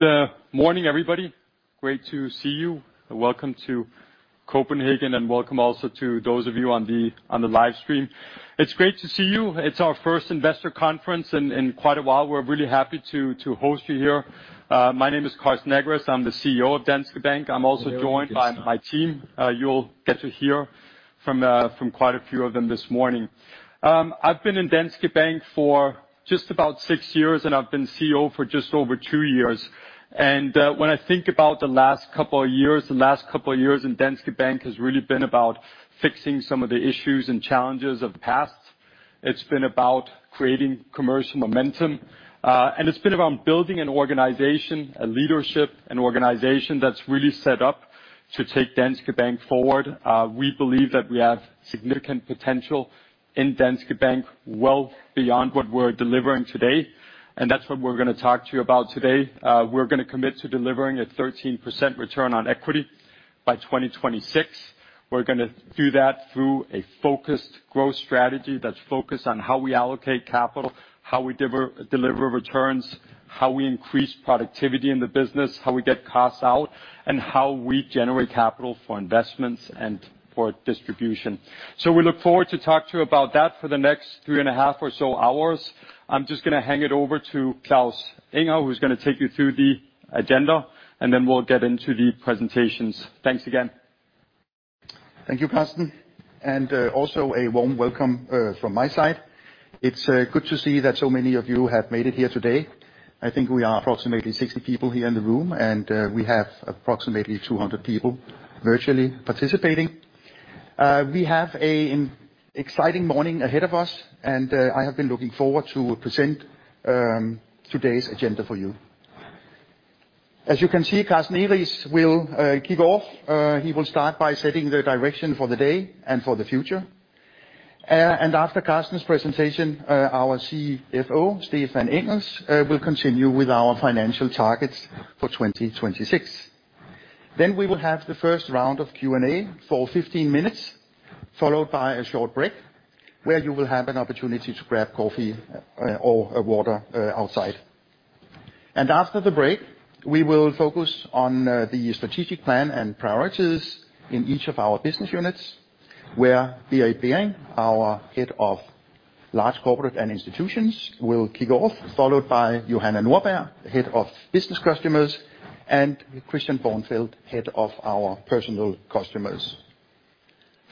Good morning, everybody. Great to see you, and welcome to Copenhagen, and welcome also to those of you on the live stream. It's great to see you. It's our first investor conference in quite a while. We're really happy to host you here. My name is Carsten Egeriis. I'm the CEO of Danske Bank. I'm also joined by my team. You'll get to hear from quite a few of them this morning. I've been in Danske Bank for just about six years, and I've been CEO for just over two years. When I think about the last couple of years, the last couple of years in Danske Bank has really been about fixing some of the issues and challenges of the past. It's been about creating commercial momentum, and it's been around building an organization, a leadership, an organization that's really set up to take Danske Bank forward. We believe that we have significant potential in Danske Bank, well beyond what we're delivering today, that's what we're gonna talk to you about today. We're gonna commit to delivering a 13% return on equity by 2026. We're gonna do that through a focused growth strategy that's focused on how we allocate capital, how we deliver returns, how we increase productivity in the business, how we get costs out, and how we generate capital for investments and for distribution. We look forward to talk to you about that for the next three and a half or so hours. I'm just gonna hand it over to Claus Ingar, who's gonna take you through the agenda, and then we'll get into the presentations. Thanks again. Thank you, Carsten. Also a warm welcome from my side. It's good to see that so many of you have made it here today. I think we are approximately 60 people here in the room. We have approximately 200 people virtually participating. We have an exciting morning ahead of us. I have been looking forward to present today's agenda for you. As you can see, Carsten Egeriis will kick off. He will start by setting the direction for the day and for the future. After Carsten's presentation, our CFO, Stephan Engels, will continue with our financial targets for 2026. We will have the first round of Q&A for 15 minutes, followed by a short break, where you will have an opportunity to grab coffee or water outside. After the break, we will focus on the strategic plan and priorities in each of our business units, where Berit Behring, our Head of Large Corporates & Institutions, will kick off, followed by Johanna Norberg, Head of Business Customers, and Christian Bornfeld, Head of our Personal Customers.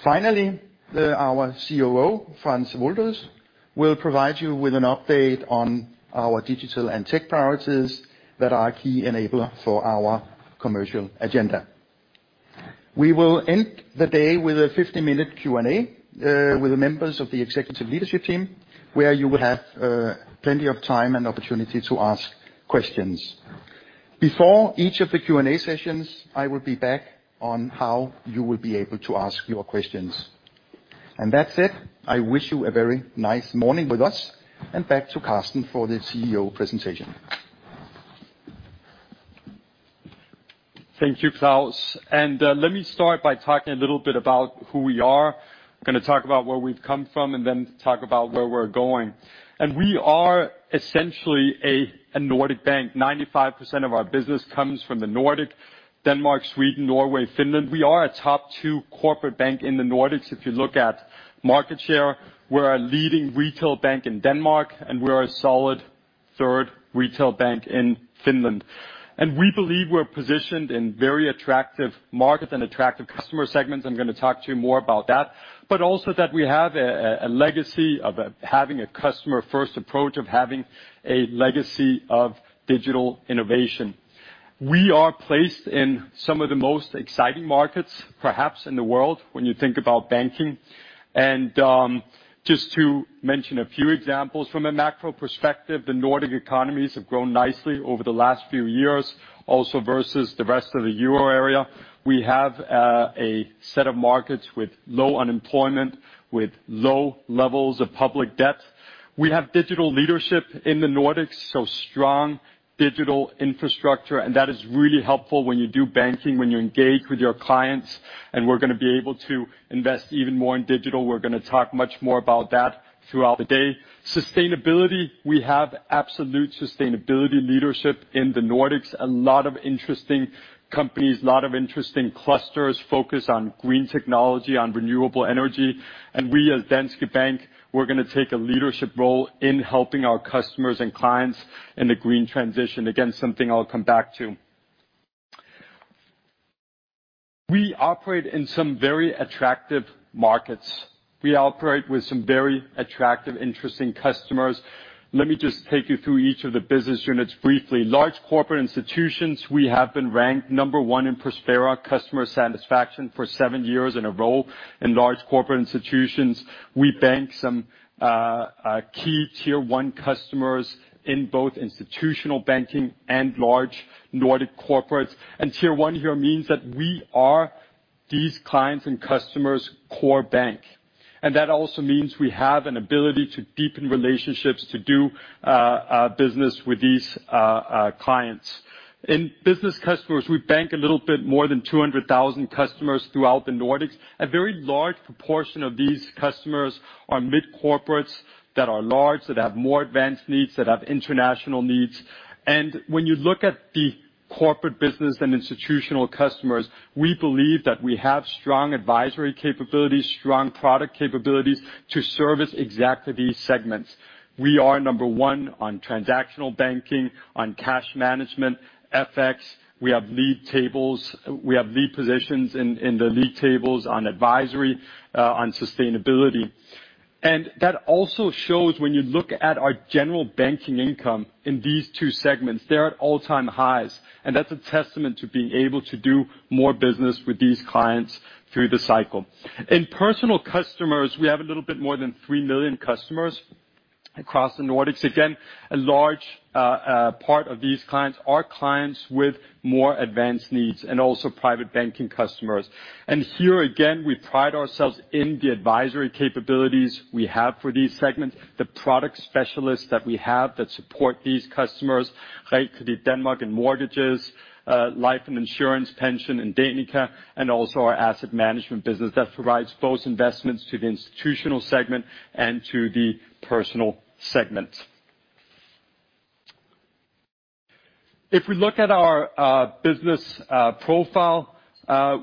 Finally, our COO, Frans Woelders, will provide you with an update on our digital and tech priorities that are a key enabler for our commercial agenda. We will end the day with a 50-minute Q&A with the members of the Executive Leadership Team, where you will have plenty of time and opportunity to ask questions. Before each of the Q&A sessions, I will be back on how you will be able to ask your questions. That's it. I wish you a very nice morning with us, and back to Carsten for the CEO presentation. Thank you, Claus. Let me start by talking a little bit about who we are. Gonna talk about where we've come from, and then talk about where we're going. We are essentially a Nordic bank. 95% of our business comes from the Nordic, Denmark, Sweden, Norway, Finland. We are a top two corporate bank in the Nordics. If you look at market share, we're a leading retail bank in Denmark, and we're a solid third retail bank in Finland. We believe we're positioned in very attractive markets and attractive customer segments. I'm gonna talk to you more about that, but also that we have a legacy of having a customer-first approach, of having a legacy of digital innovation. We are placed in some of the most exciting markets, perhaps in the world, when you think about banking. Just to mention a few examples from a macro perspective, the Nordic economies have grown nicely over the last few years, also versus the rest of the Euro area. We have a set of markets with low unemployment, with low levels of public debt. We have digital leadership in the Nordics, so strong digital infrastructure. That is really helpful when you do banking, when you engage with your clients, and we're gonna be able to invest even more in digital. We're gonna talk much more about that throughout the day. Sustainability, we have absolute sustainability leadership in the Nordics. A lot of interesting companies, lot of interesting clusters, focused on green technology, on renewable energy. We, as Danske Bank, we're gonna take a leadership role in helping our customers and clients in the green transition. Again, something I'll come back to. We operate in some very attractive markets. We operate with some very attractive, interesting customers. Let me just take you through each of the business units briefly. Large Corporates & Institutions, we have been ranked number one in Prospera customer satisfaction for seven years in a row in Large Corporates & Institutions. We bank some key Tier 1 customers in both institutional banking and large Nordic corporates. Tier 1 here means that we are these clients' and customers' core bank, that also means we have an ability to deepen relationships, to do business with these clients. In business customers, we bank a little bit more than 200,000 customers throughout the Nordics. A very large proportion of these customers are mid-corporates that are large, that have more advanced needs, that have international needs. When you look at corporate business and institutional customers, we believe that we have strong advisory capabilities, strong product capabilities to service exactly these segments. We are number one on transactional banking, on cash management, FX. We have lead positions in the lead tables on advisory, on sustainability. That also shows when you look at our general banking income in these two segments, they're at all-time highs, and that's a testament to being able to do more business with these clients through the cycle. In personal customers, we have a little bit more than 3 million customers across the Nordics. Again, a large part of these clients are clients with more advanced needs and also private banking customers. Here, again, we pride ourselves in the advisory capabilities we have for these segments, the product specialists that we have that support these customers, Realkredit Danmark in mortgages, life and insurance, pension in Danica, and also our asset management business that provides both investments to the institutional segment and to the personal segment. If we look at our business profile,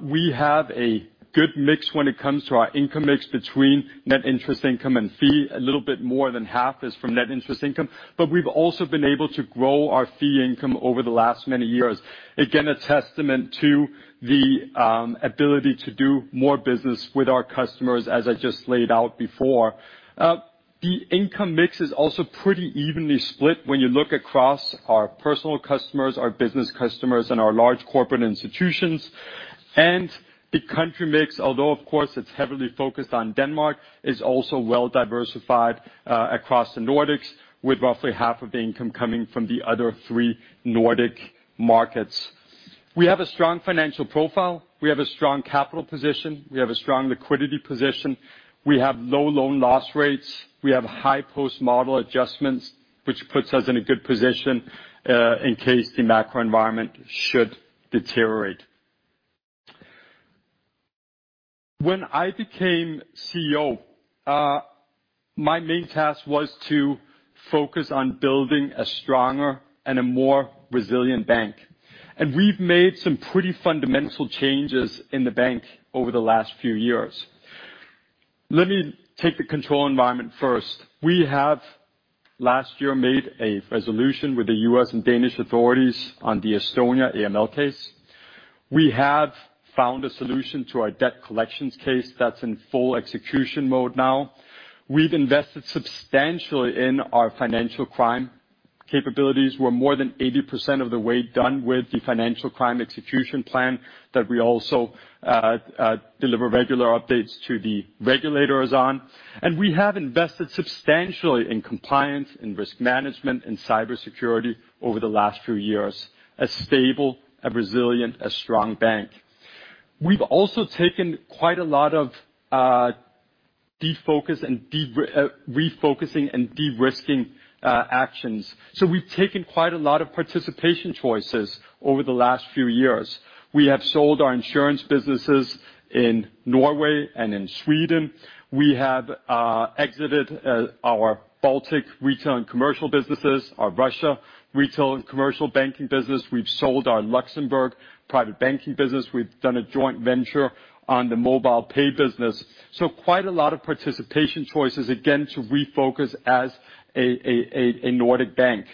we have a good mix when it comes to our income mix between net interest income and fee. A little bit more than half is from net interest income, but we've also been able to grow our fee income over the last many years. Again, a testament to the ability to do more business with our customers, as I just laid out before. The income mix is also pretty evenly split when you look across our personal customers, our business customers, and our Large Corporates & Institutions. The country mix, although, of course, it's heavily focused on Denmark, is also well diversified across the Nordics, with roughly half of the income coming from the other three Nordic markets. We have a strong financial profile. We have a strong capital position. We have a strong liquidity position. We have low loan loss rates. We have high Post-Model Adjustments, which puts us in a good position in case the macro environment should deteriorate. When I became CEO, my main task was to focus on building a stronger and a more resilient bank, and we've made some pretty fundamental changes in the bank over the last few years. Let me take the control environment first. We have, last year, made a resolution with the US and Danish authorities on the Estonia AML case. We have found a solution to our debt collections case that's in full execution mode now. We've invested substantially in our financial crime capabilities. We're more than 80% of the way done with the financial crime execution plan that we also deliver regular updates to the regulators on. We have invested substantially in compliance, in risk management, in cybersecurity over the last few years, a stable, a resilient, a strong bank. We've also taken quite a lot of defocus and refocusing and de-risking actions. We've taken quite a lot of participation choices over the last few years. We have sold our insurance businesses in Norway and in Sweden. We have exited our Baltic retail and commercial businesses, our Russia retail and commercial banking business. We've sold our Luxembourg private banking business. We've done a joint venture on the MobilePay business. Quite a lot of participation choices, again, to refocus as a Nordic bank.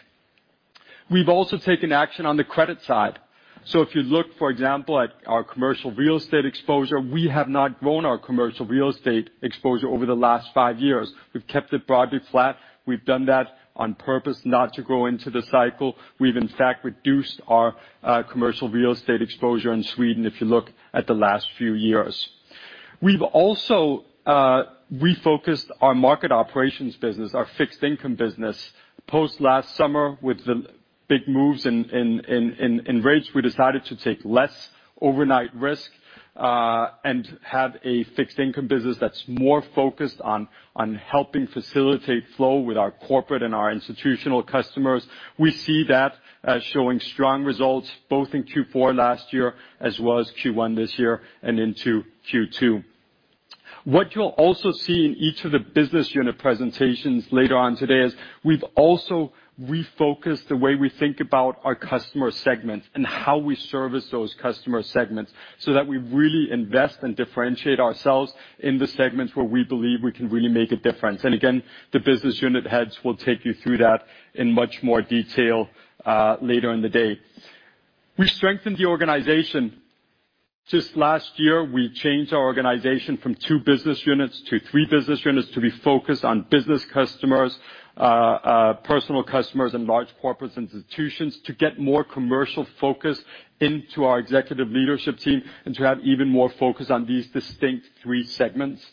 We've also taken action on the credit side. If you look, for example, at our commercial real estate exposure, we have not grown our commercial real estate exposure over the last five years. We've kept it broadly flat. We've done that on purpose not to grow into the cycle. We've, in fact, reduced our commercial real estate exposure in Sweden, if you look at the last few years. We've also refocused our market operations business, our fixed income business. Post last summer, with the big moves in rates, we decided to take less overnight risk, and have a fixed income business that's more focused on helping facilitate flow with our corporate and our institutional customers. We see that as showing strong results, both in Q4 last year as well as Q1 this year and into Q2. What you'll also see in each of the business unit presentations later on today is we've also refocused the way we think about our customer segments and how we service those customer segments, so that we really invest and differentiate ourselves in the segments where we believe we can really make a difference. Again, the business unit heads will take you through that in much more detail, later in the day. We strengthened the organization. Just last year, we changed our organization from two business units to three business units to be focused on business customers, personal customers, and Large Corporates & Institutions, to get more commercial focus into our executive leadership team and to have even more focus on these distinct three segments.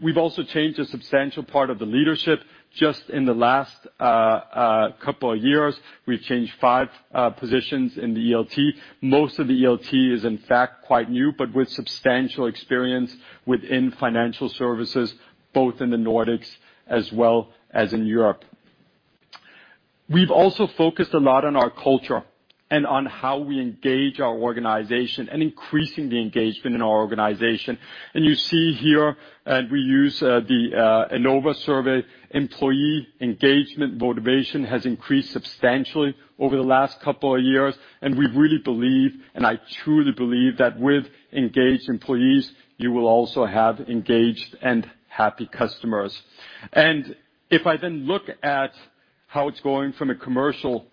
We've also changed a substantial part of the leadership. Just in the last couple of years, we've changed five positions in the ELT. Most of the ELT is, in fact, quite new, but with substantial experience within financial services, both in the Nordics as well as in Europe. We've also focused a lot on our culture and on how we engage our organization, and increasing the engagement in our organization. You see here, we use the Ennova survey, employee engagement motivation has increased substantially over the last couple of years, we really believe, I truly believe, that with engaged employees, you will also have engaged and happy customers. If I look at how it's going from a commercial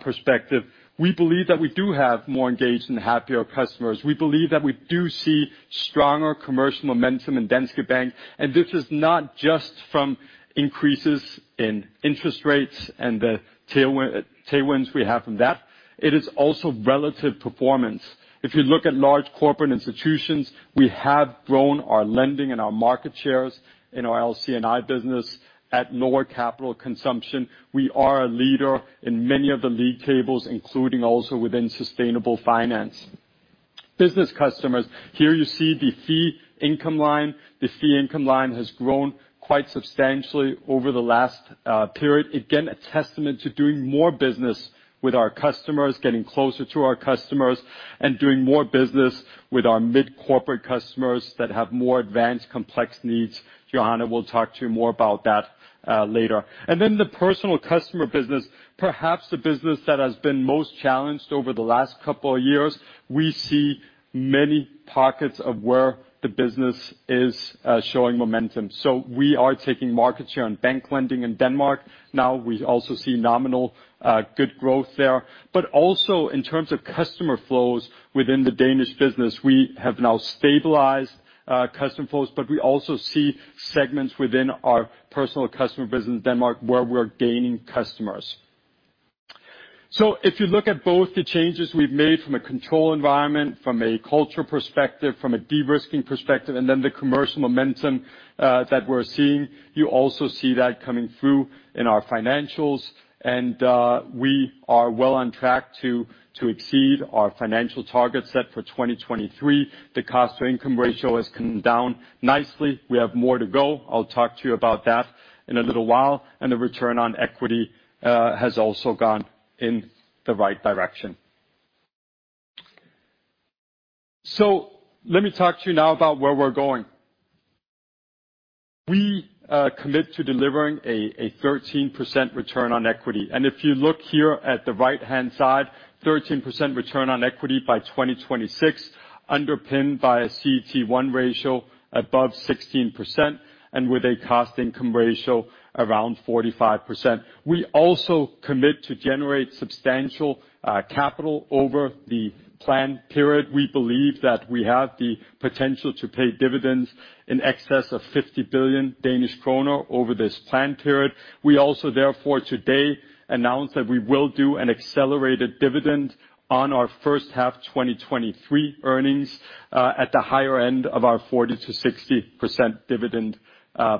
perspective, we believe that we do have more engaged and happier customers. We believe that we do see stronger commercial momentum in Danske Bank, this is not just from increases in interest rates and the tailwinds we have from that. It is also relative performance. If you look at Large Corporates & Institutions, we have grown our lending and our market shares in our LC&I business at lower capital consumption. We are a leader in many of the league tables, including also within sustainable finance. Business customers, here you see the fee income line. The fee income line has grown quite substantially over the last period. Again, a testament to doing more business with our customers, getting closer to our customers, and doing more business with our mid-corporate customers that have more advanced, complex needs. Johanna will talk to you more about that later. The personal customer business, perhaps the business that has been most challenged over the last couple of years. We see many pockets of where the business is showing momentum. We are taking market share on bank lending in Denmark. Now, we also see nominal good growth there. In terms of customer flows within the Danish business, we have now stabilized customer flows, but we also see segments within our personal customer business in Denmark, where we're gaining customers. If you look at both the changes we've made from a control environment, from a culture perspective, from a de-risking perspective, and then the commercial momentum that we're seeing, you also see that coming through in our financials, and we are well on track to exceed our financial targets set for 2023. The cost-to-income ratio has come down nicely. We have more to go. I'll talk to you about that in a little while, and the return on equity has also gone in the right direction. Let me talk to you now about where we're going. We commit to delivering 13% return on equity. If you look here at the right-hand side, 13% return on equity by 2026, underpinned by a CET1 ratio above 16%, and with a cost-to-income ratio around 45%. We also commit to generate substantial capital over the plan period. We believe that we have the potential to pay dividends in excess of 50 billion Danish kroner over this plan period. We also, therefore, today announce that we will do an accelerated dividend on our first half 2023 earnings at the higher end of our 40%-60% dividend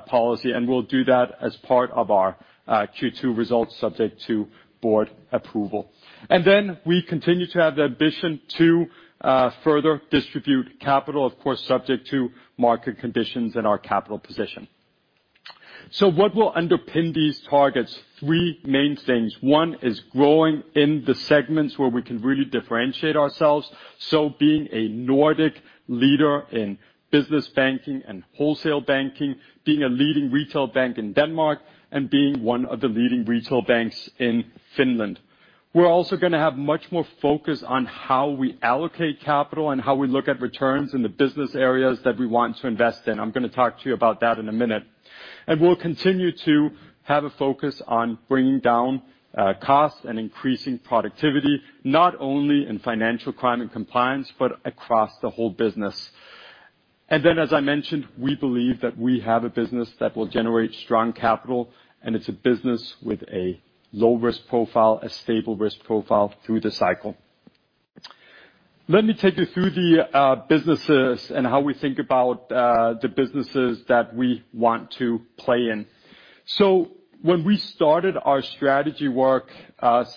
policy. We'll do that as part of our Q2 results, subject to board approval. We continue to have the ambition to further distribute capital, of course, subject to market conditions and our capital position. What will underpin these targets? Three main things. One is growing in the segments where we can really differentiate ourselves. Being a Nordic leader in business banking and wholesale banking, being a leading retail bank in Denmark, and being one of the leading retail banks in Finland. We're also gonna have much more focus on how we allocate capital and how we look at returns in the business areas that we want to invest in. I'm gonna talk to you about that in a minute. We'll continue to have a focus on bringing down costs and increasing productivity, not only in financial crime and compliance, but across the whole business. As I mentioned, we believe that we have a business that will generate strong capital, and it's a business with a low-risk profile, a stable risk profile through the cycle. Let me take you through the businesses and how we think about the businesses that we want to play in. When we started our strategy work,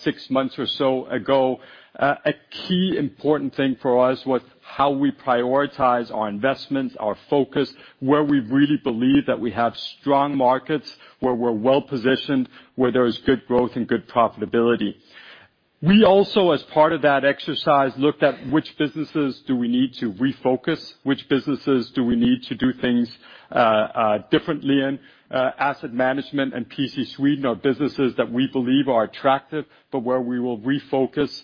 six months or so ago, a key important thing for us was how we prioritize our investments, our focus, where we really believe that we have strong markets, where we're well-positioned, where there is good growth and good profitability. We also, as part of that exercise, looked at which businesses do we need to refocus, which businesses do we need to do things differently in. Asset management and PC Sweden are businesses that we believe are attractive, but where we will refocus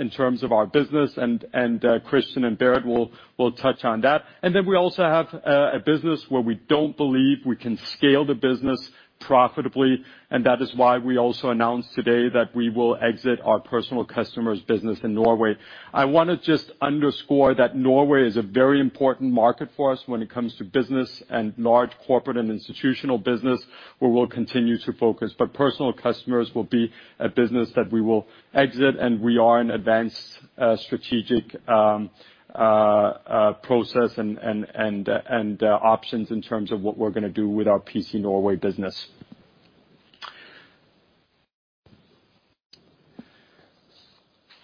in terms of our business, and Christian and Berit will touch on that. We also have a business where we don't believe we can scale the business profitably, and that is why we also announced today that we will exit our personal customers business in Norway. I wanna just underscore that Norway is a very important market for us when it comes to business and Large Corporate and Institutional business, where we'll continue to focus. Personal Customers will be a business that we will exit, and we are in advanced strategic process and options in terms of what we're gonna do with our PC Norway business.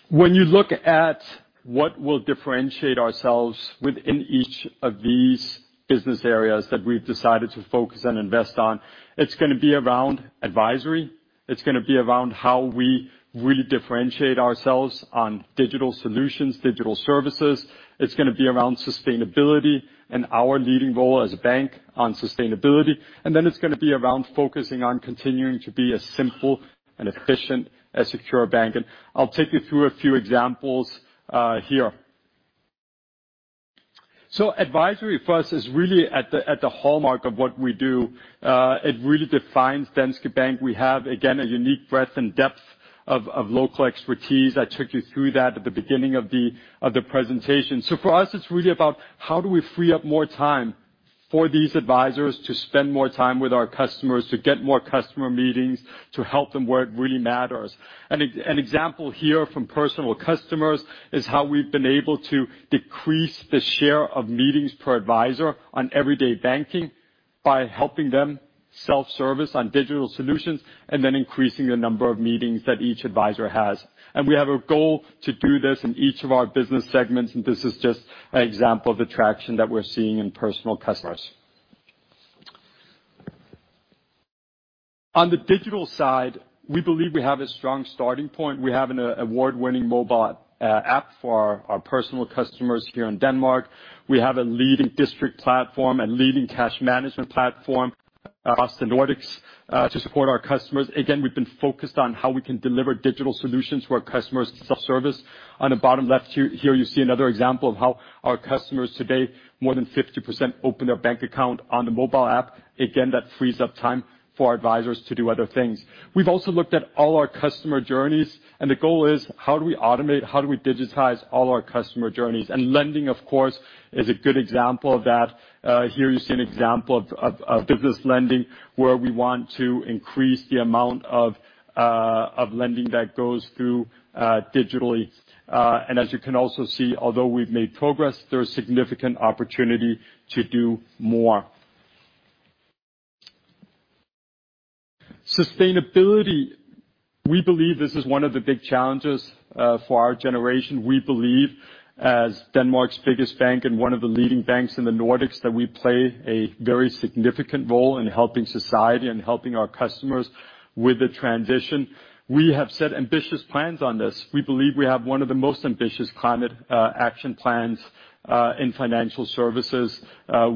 When you look at what will differentiate ourselves within each of these business areas that we've decided to focus and invest on, it's gonna be around advisory, it's gonna be around how we really differentiate ourselves on digital solutions, digital services. It's gonna be around sustainability and our leading role as a bank on sustainability, and then it's gonna be around focusing on continuing to be as simple and efficient, as secure a bank. I'll take you through a few examples here. Advisory for us is really at the hallmark of what we do. It really defines Danske Bank. We have, again, a unique breadth and depth of local expertise. I took you through that at the beginning of the presentation. For us, it's really about how do we free up more time for these advisors to spend more time with our customers, to get more customer meetings, to help them where it really matters? An example here from personal customers, is how we've been able to decrease the share of meetings per advisor on everyday banking by helping them self-service on digital solutions, and then increasing the number of meetings that each advisor has. We have a goal to do this in each of our business segments, and this is just an example of the traction that we're seeing in personal customers. The digital side, we believe we have an award-winning mobile app for our personal customers here in Denmark. We have a leading District platform and leading cash management platform across the Nordics to support our customers. We've been focused on how we can deliver digital solutions to our customers' self-service. The bottom left here, you see another example of how our customers today, more than 50% open their bank account on the mobile app. That frees up time for our advisors to do other things. We've also looked at all our customer journeys, and the goal is, how do we automate? How do we digitize all our customer journeys? Lending, of course, is a good example of that. Here you see an example of business lending, where we want to increase the amount of lending that goes through digitally. As you can also see, although we've made progress, there is significant opportunity to do more. Sustainability. We believe this is one of the big challenges for our generation. We believe, as Denmark's biggest bank and one of the leading banks in the Nordics, that we play a very significant role in helping society and helping our customers with the transition. We have set ambitious plans on this. We believe we have one of the most ambitious Climate Action Plans in financial services.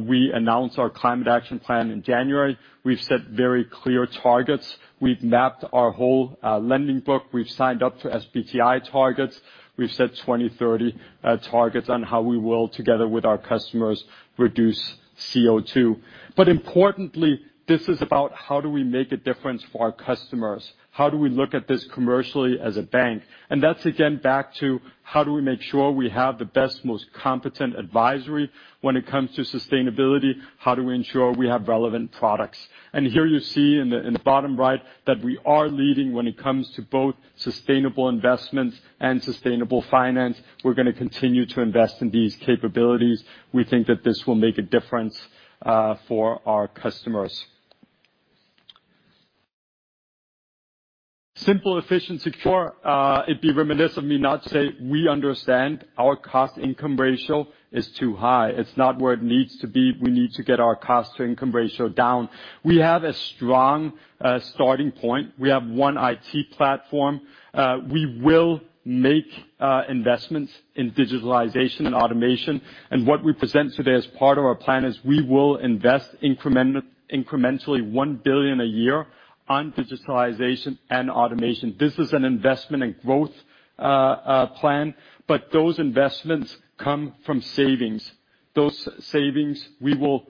We announced our Climate Action Plan in January. We've set very clear targets. We've mapped our whole lending book. We've signed up for SBTI targets. We've set 2030 targets on how we will, together with our customers, reduce CO2. Importantly, this is about how do we make a difference for our customers? How do we look at this commercially as a bank? That's again, back to how do we make sure we have the best, most competent advisory when it comes to sustainability? How do we ensure we have relevant products? Here you see in the bottom right, that we are leading when it comes to both sustainable investments and sustainable finance. We're gonna continue to invest in these capabilities. We think that this will make a difference for our customers. Simple, efficient, secure. It'd be reminiscent of me not to say, we understand our cost-to-income ratio is too high. It's not where it needs to be. We need to get our cost-to-income ratio down. We have a strong starting point. We have one IT platform. We will make investments in digitalization and automation, and what we present today as part of our plan, is we will invest incrementally, 1 billion a year on digitalization and automation. This is an investment and growth plan, but those investments come from savings. Those savings, we will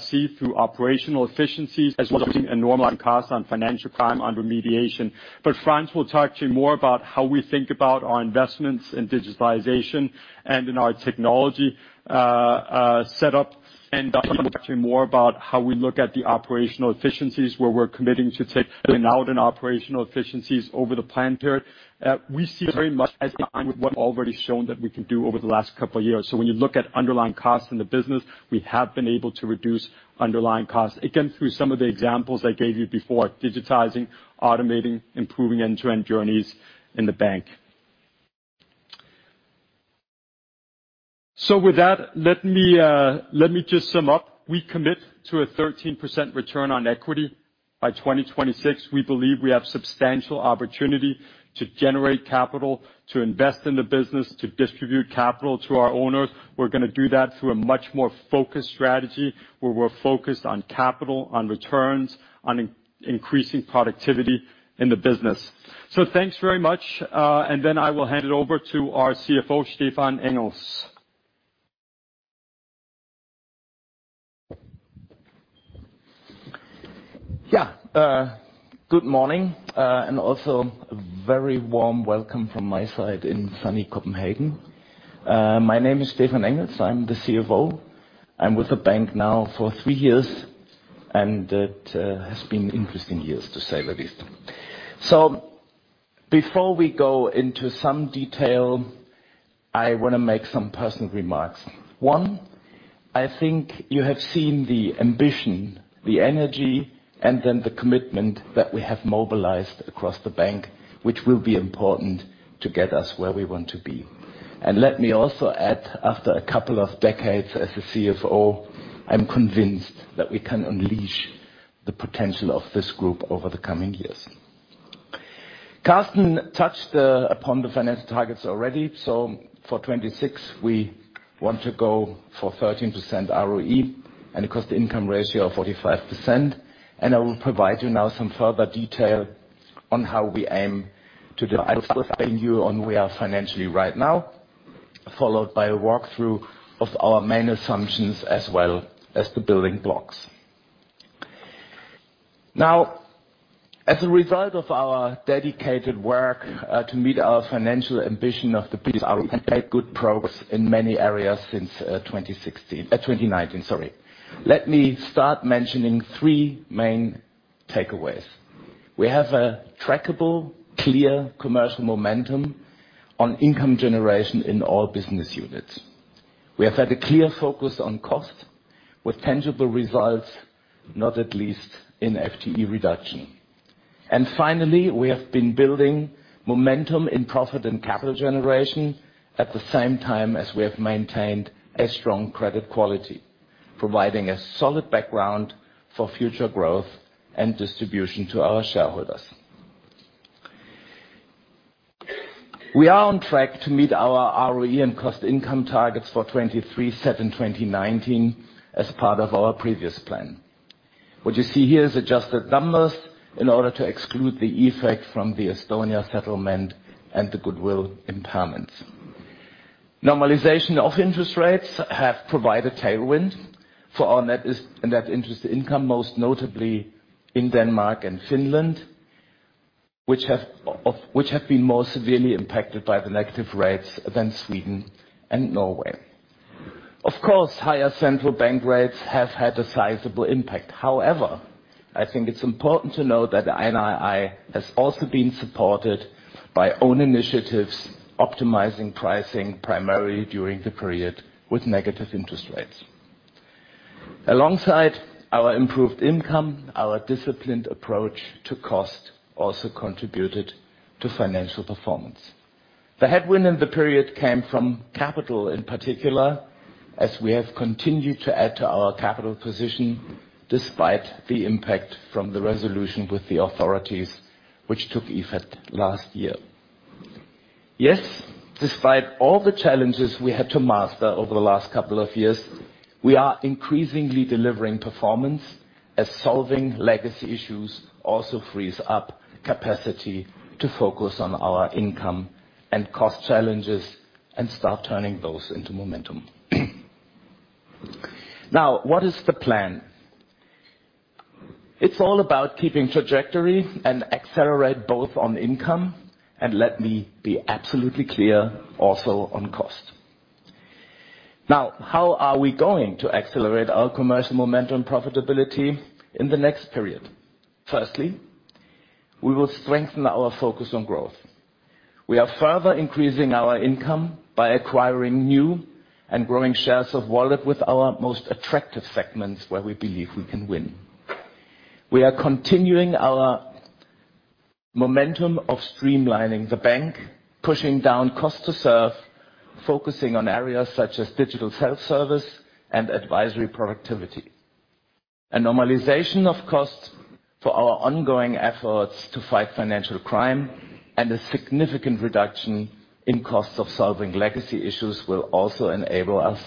see through operational efficiencies as well as seeing a normalized cost on financial crime on remediation. Frans will talk to you more about how we think about our investments in digitalization, and in our technology setup, and talk to you more about how we look at the operational efficiencies, where we're committing to take out in operational efficiencies over the plan period. We see very much as what we've already shown that we can do over the last couple of years. When you look at underlying costs in the business, we have been able to reduce underlying costs. Again, through some of the examples I gave you before, digitizing, automating, improving end-to-end journeys in the bank. With that, let me just sum up. We commit to a 13% return on equity by 2026. We believe we have substantial opportunity to generate capital, to invest in the business, to distribute capital to our owners. We're gonna do that through a much more focused strategy, where we're focused on capital, on returns, on increasing productivity in the business. Thanks very much, and then I will hand it over to our CFO, Stephan Engels. Good morning, a very warm welcome from my side in sunny Copenhagen. My name is Stephan Engels. I'm the CFO. I'm with the bank now for three years, it has been interesting years, to say the least. Before we go into some detail, I want to make some personal remarks. One, I think you have seen the ambition, the energy, the commitment that we have mobilized across the bank, which will be important to get us where we want to be. Let me also add, after a couple of decades as a CFO, I'm convinced that we can unleash the potential of this group over the coming years. Carsten touched upon the financial targets already. For 2026, we want to go for 13% ROE and a cost-to-income ratio of 45%. I will provide you now some further detail on how we aim to divide you on where we are financially right now, followed by a walkthrough of our main assumptions, as well as the building blocks. As a result of our dedicated work, to meet our financial ambition of the ROE, we made good progress in many areas since 2019, sorry. Let me start mentioning three main takeaways. We have a trackable, clear commercial momentum on income generation in all business units. We have had a clear focus on cost, with tangible results, not at least in FTE reduction. Finally, we have been building momentum in profit and capital generation, at the same time as we have maintained a strong credit quality, providing a solid background for future growth and distribution to our shareholders. We are on track to meet our ROE and cost income targets for 2023, set in 2019 as part of our previous plan. What you see here is adjusted numbers in order to exclude the effect from the Estonia settlement and the goodwill impairments. Normalization of interest rates have provided tailwind for our net interest income, most notably in Denmark and Finland, which have been more severely impacted by the negative rates than Sweden and Norway. Of course, higher central bank rates have had a sizable impact. I think it's important to note that NII has also been supported by own initiatives, optimizing pricing primarily during the period with negative interest rates. Alongside our improved income, our disciplined approach to cost also contributed to financial performance. The headwind in the period came from capital, in particular, as we have continued to add to our capital position, despite the impact from the resolution with the authorities, which took effect last year. Despite all the challenges we had to master over the last couple of years, we are increasingly delivering performance, as solving legacy issues also frees up capacity to focus on our income and cost challenges, and start turning those into momentum. What is the plan? It's all about keeping trajectory and accelerate both on income, let me be absolutely clear, also on cost. Now, how are we going to accelerate our commercial momentum and profitability in the next period? Firstly, we will strengthen our focus on growth. We are further increasing our income by acquiring new and growing shares of wallet with our most attractive segments, where we believe we can win. We are continuing our momentum of streamlining the bank, pushing down cost to serve, focusing on areas such as digital self-service and advisory productivity. A normalization of cost for our ongoing efforts to fight financial crime, and a significant reduction in costs of solving legacy issues, will also enable us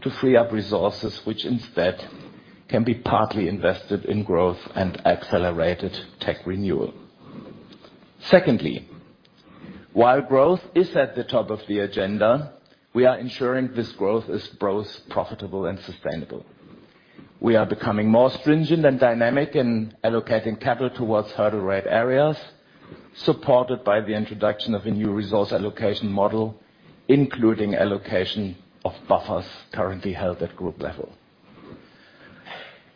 to free up resources, which instead can be partly invested in growth and accelerated tech renewal. Secondly, while growth is at the top of the agenda, we are ensuring this growth is both profitable and sustainable. We are becoming more stringent and dynamic in allocating capital towards hurdle rate areas, supported by the introduction of a new resource allocation model, including allocation of buffers currently held at group level.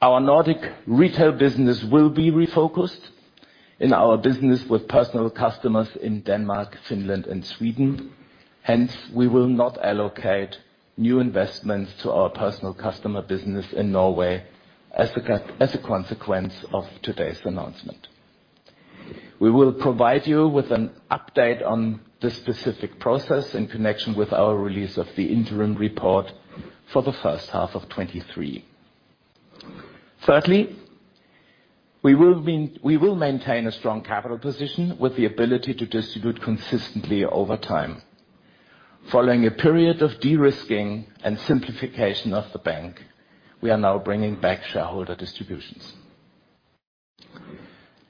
Our Nordic retail business will be refocused in our business with personal customers in Denmark, Finland, and Sweden. We will not allocate new investments to our personal customer business in Norway as a consequence of today's announcement. We will provide you with an update on this specific process in connection with our release of the interim report for the first half of 2023. Thirdly, we will maintain a strong capital position, with the ability to distribute consistently over time. Following a period of de-risking and simplification of the bank, we are now bringing back shareholder distributions.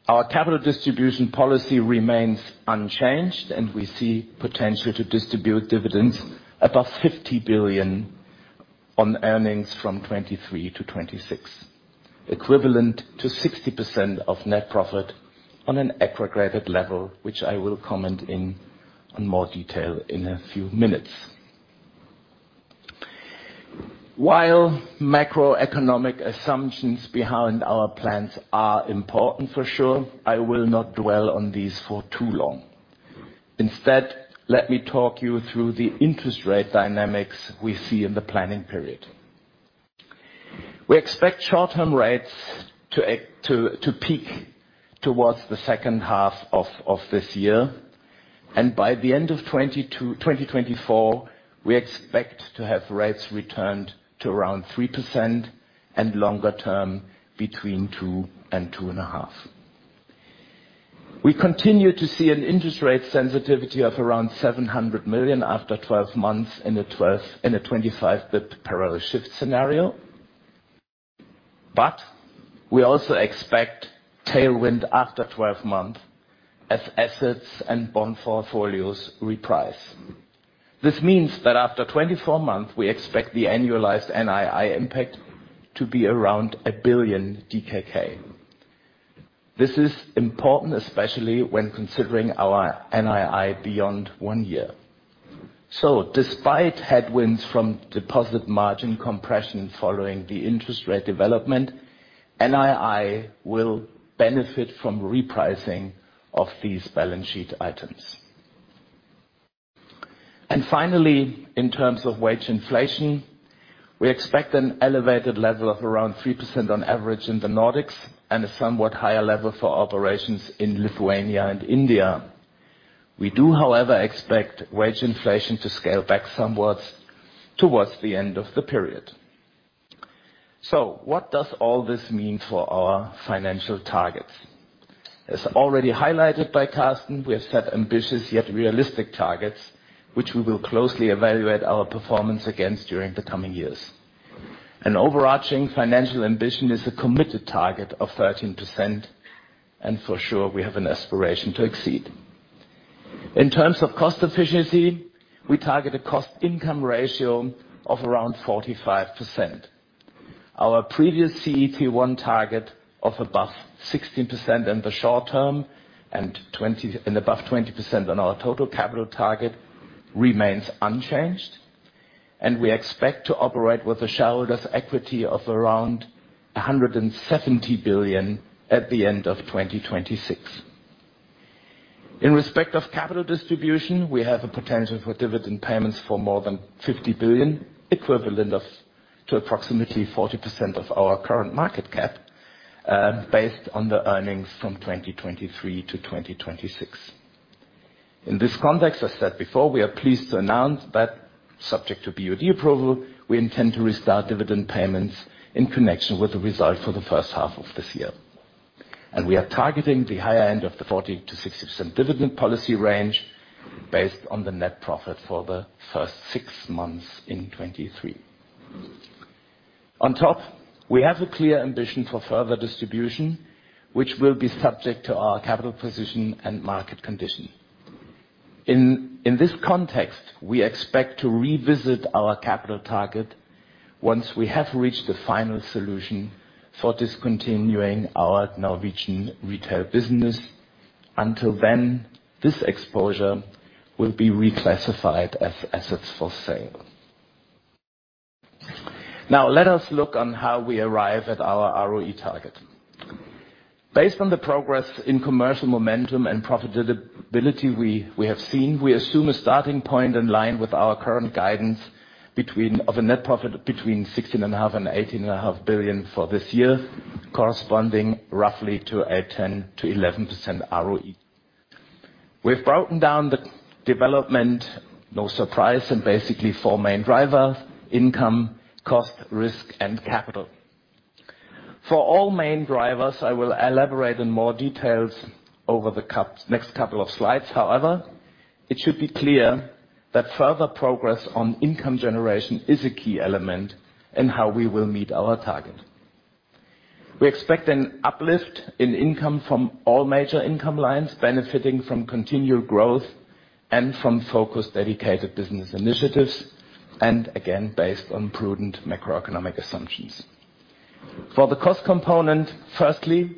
Our capital distribution policy remains unchanged. We see potential to distribute dividends above 50 billion on earnings from 2023 to 2026, equivalent to 60% of net profit on an aggregate level, which I will comment on more detail in a few minutes. While macroeconomic assumptions behind our plans are important for sure, I will not dwell on these for too long. Instead, let me talk you through the interest rate dynamics we see in the planning period. We expect short-term rates to peak towards the second half of this year, and by the end of 2024, we expect to have rates returned to around 3%, and longer term, between 2% and 2.5%. We continue to see an interest rate sensitivity of around 700 million after 12 months in a 25 parallel shift scenario. We also expect tailwind after 12 months as assets and bond portfolios reprice. This means that after 24 months, we expect the annualized NII impact to be around 1 billion DKK. This is important, especially when considering our NII beyond one year. Despite headwinds from deposit margin compression following the interest rate development, NII will benefit from repricing of these balance sheet items. Finally, in terms of wage inflation, we expect an elevated level of around 3% on average in the Nordics, and a somewhat higher level for operations in Lithuania and India. We do, however, expect wage inflation to scale back somewhat towards the end of the period. What does all this mean for our financial targets? As already highlighted by Carsten, we have set ambitious, yet realistic targets, which we will closely evaluate our performance against during the coming years. For sure, we have an aspiration to exceed. In terms of cost efficiency, we target a cost-to-income ratio of around 45%. Our previous CET1 target of above 16% in the short term and above 20% on our total capital target remains unchanged. We expect to operate with a shareholders' equity of around 170 billion at the end of 2026. In respect of capital distribution, we have a potential for dividend payments for more than 50 billion, equivalent to approximately 40% of our current market cap, based on the earnings from 2023 to 2026. In this context, as said before, we are pleased to announce that subject to BOD approval, we intend to restart dividend payments in connection with the result for the first half of this year. We are targeting the higher end of the 40%-60% dividend policy range based on the net profit for the first six months in 2023. On top, we have a clear ambition for further distribution, which will be subject to our capital position and market condition. In this context, we expect to revisit our capital target once we have reached the final solution for discontinuing our Norwegian retail business. Until then, this exposure will be reclassified as assets for sale. Let us look on how we arrive at our ROE target. Based on the progress in commercial momentum and profitability we have seen, we assume a starting point in line with our current guidance of a net profit between 16.5 billion and 18.5 billion for this year, corresponding roughly to a 10%-11% ROE. We've broken down the development, no surprise, and basically four main drivers: income, cost, risk, and capital. For all main drivers, I will elaborate in more details over the next couple of slides. However, it should be clear that further progress on income generation is a key element in how we will meet our target. We expect an uplift in income from all major income lines, benefiting from continued growth and from focused, dedicated business initiatives, and again, based on prudent macroeconomic assumptions. For the cost component, firstly,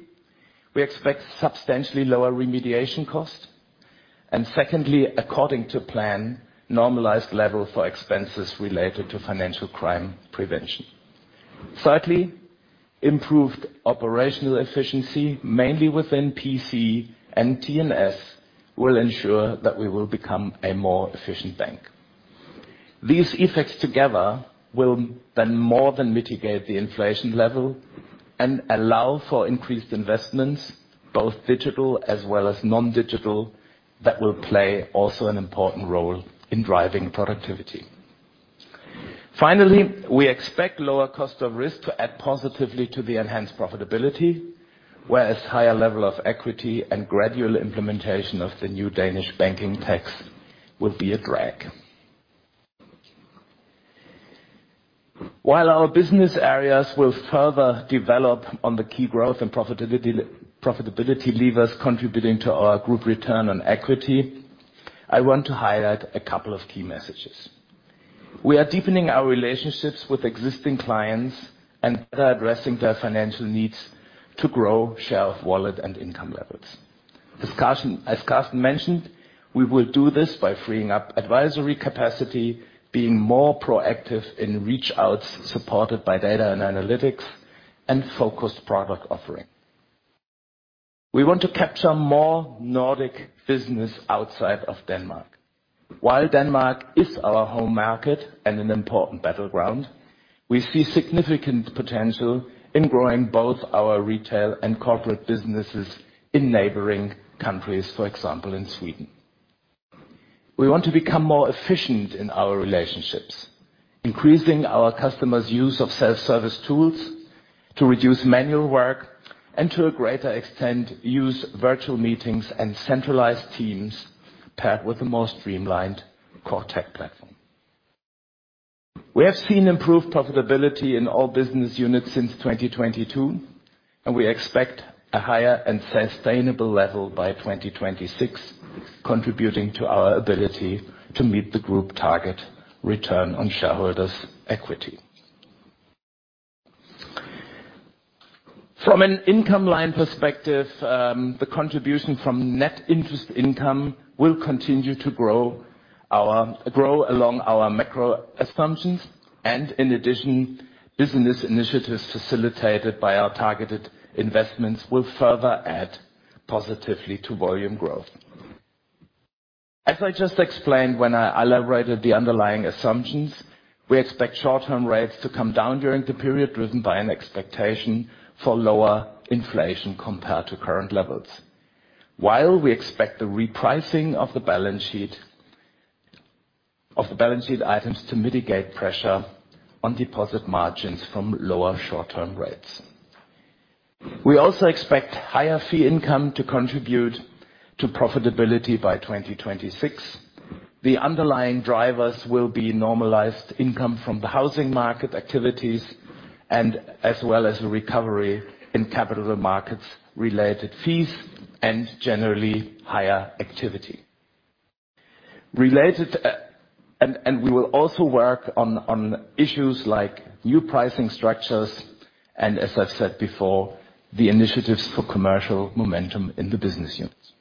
we expect substantially lower remediation costs, and secondly, according to plan, normalized level for expenses related to financial crime prevention. Thirdly, improved operational efficiency, mainly within PC and TNS, will ensure that we will become a more efficient bank. These effects together will then more than mitigate the inflation level and allow for increased investments, both digital as well as non-digital, that will play also an important role in driving productivity. Finally, we expect lower cost of risk to add positively to the enhanced profitability, whereas higher level of equity and gradual implementation of the new Danish banking tax will be a drag. While our business areas will further develop on the key growth and profitability levers contributing to our group return on equity, I want to highlight a couple of key messages. We are deepening our relationships with existing clients and better addressing their financial needs to grow share of wallet and income levels. Discussion, as Carsten mentioned, we will do this by freeing up advisory capacity, being more proactive in reach outs, supported by data and analytics, and focused product offering. We want to capture more Nordic business outside of Denmark. While Denmark is our home market and an important battleground, we see significant potential in growing both our retail and corporate businesses in neighboring countries, for example, in Sweden. We want to become more efficient in our relationships, increasing our customers' use of self-service tools to reduce manual work, and to a greater extent, use virtual meetings and centralized teams paired with the most streamlined core tech platform. We have seen improved profitability in all business units since 2022, and we expect a higher and sustainable level by 2026, contributing to our ability to meet the group target return on shareholders' equity. From an income line perspective, the contribution from net interest income will continue to grow along our macro assumptions, and in addition, business initiatives facilitated by our targeted investments will further add positively to volume growth. As I just explained, when I elaborated the underlying assumptions, we expect short-term rates to come down during the period, driven by an expectation for lower inflation compared to current levels. While we expect the repricing of the balance sheet items to mitigate pressure on deposit margins from lower short-term rates. We also expect higher fee income to contribute to profitability by 2026. The underlying drivers will be normalized income from the housing market activities, and as well as a recovery in capital markets related fees and generally higher activity. Related, we will also work on issues like new pricing structures, and as I've said before, the initiatives for commercial momentum in the business units.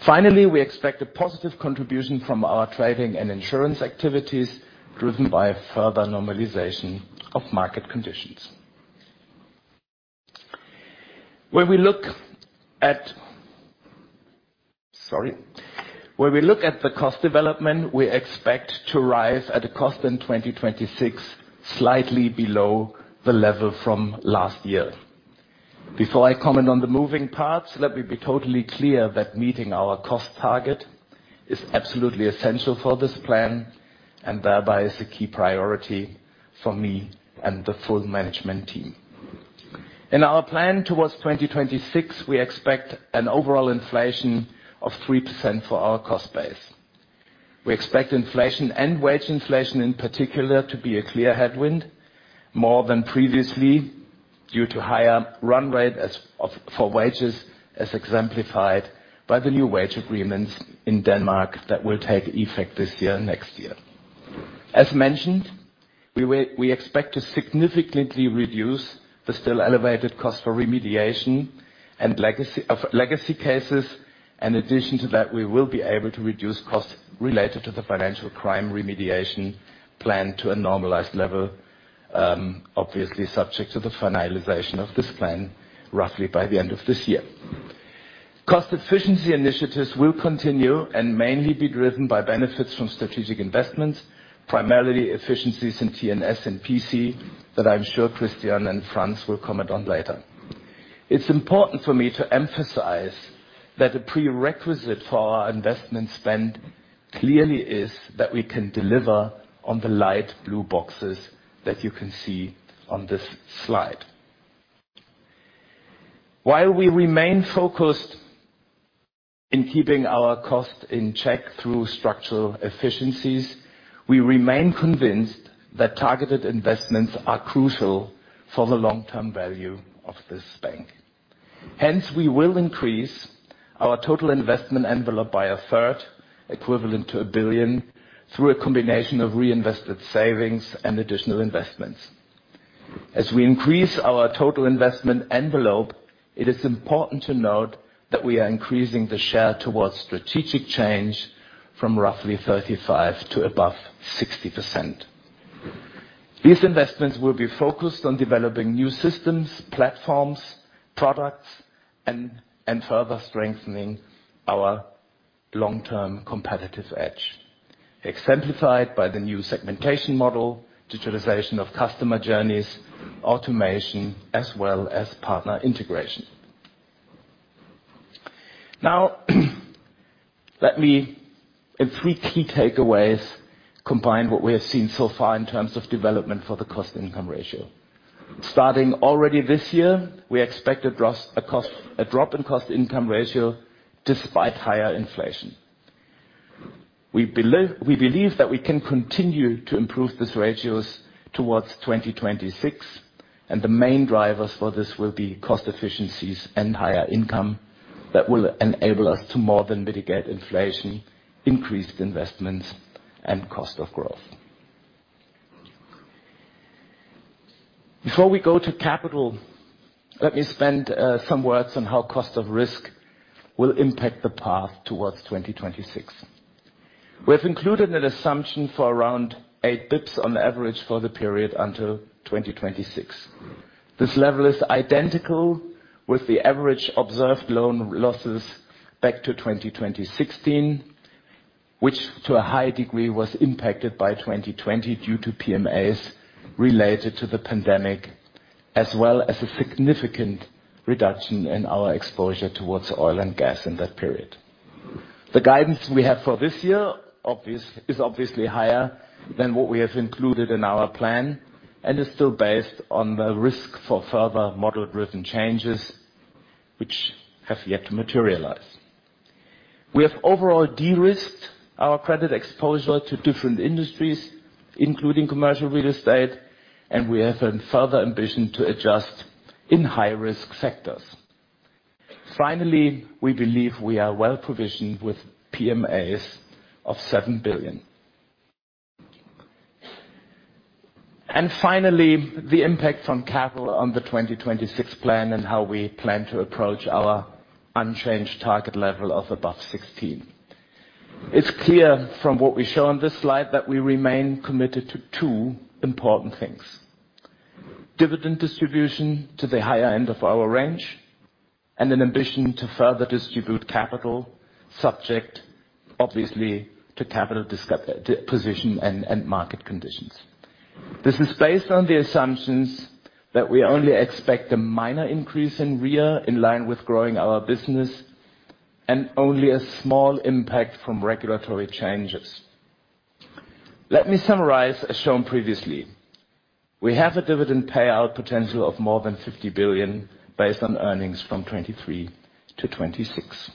Finally, we expect a positive contribution from our trading and insurance activities, driven by further normalization of market conditions. When we look at the cost development, we expect to arrive at a cost in 2026, slightly below the level from last year. Before I comment on the moving parts, let me be totally clear that meeting our cost target is absolutely essential for this plan, and thereby is a key priority for me and the full management team. In our plan towards 2026, we expect an overall inflation of 3% for our cost base. We expect inflation and wage inflation in particular, to be a clear headwind, more than previously, due to higher run rate for wages, as exemplified by the new wage agreements in Denmark that will take effect this year and next year. As mentioned, we expect to significantly reduce the still elevated cost for remediation and legacy, of legacy cases, and in addition to that, we will be able to reduce costs related to the financial crime remediation plan to a normalized level, obviously, subject to the finalization of this plan, roughly by the end of this year. Cost efficiency initiatives will continue and mainly be driven by benefits from strategic investments, primarily efficiencies in TNS and PC, that I'm sure Christian and Frans will comment on later. It's important for me to emphasize that a prerequisite for our investment spend clearly is that we can deliver on the light blue boxes that you can see on this slide. While we remain focused in keeping our costs in check through structural efficiencies, we remain convinced that targeted investments are crucial for the long-term value of this bank. We will increase our total investment envelope by a third, equivalent to 1 billion, through a combination of reinvested savings and additional investments. As we increase our total investment envelope, it is important to note that we are increasing the share towards strategic change from roughly 35 to above 60%. These investments will be focused on developing new systems, platforms, products, and further strengthening our long-term competitive edge, exemplified by the new segmentation model, digitalization of customer journeys, automation, as well as partner integration. Now, let me, in three key takeaways, combine what we have seen so far in terms of development for the cost-income ratio. Starting already this year, we expect a drop in cost-income ratio despite higher inflation. We believe that we can continue to improve these ratios towards 2026, and the main drivers for this will be cost efficiencies and higher income that will enable us to more than mitigate inflation, increased investments, and cost of growth. Before we go to capital, let me spend some words on how cost of risk will impact the path towards 2026. We have included an assumption for around 8 basis points on average for the period until 2026. This level is identical with the average observed loan losses back to 2016, which to a high degree, was impacted by 2020 due to PMAs related to the pandemic, as well as a significant reduction in our exposure towards oil and gas in that period. The guidance we have for this year, is obviously higher than what we have included in our plan, and is still based on the risk for further model-driven changes which have yet to materialize. We have overall de-risked our credit exposure to different industries, including commercial real estate, and we have a further ambition to adjust in high-risk sectors. Finally, we believe we are well-provisioned with PMAs of DKK 7 billion. Finally, the impact on capital on the 2026 plan and how we plan to approach our unchanged target level of above 16%. It's clear from what we show on this slide that we remain committed to two important things: dividend distribution to the higher end of our range, and an ambition to further distribute capital, subject obviously to capital position and market conditions. This is based on the assumptions that we only expect a minor increase in RWA, in line with growing our business, and only a small impact from regulatory changes. Let me summarize. As shown previously, we have a dividend payout potential of more than 50 billion, based on earnings from 2023 to 2026.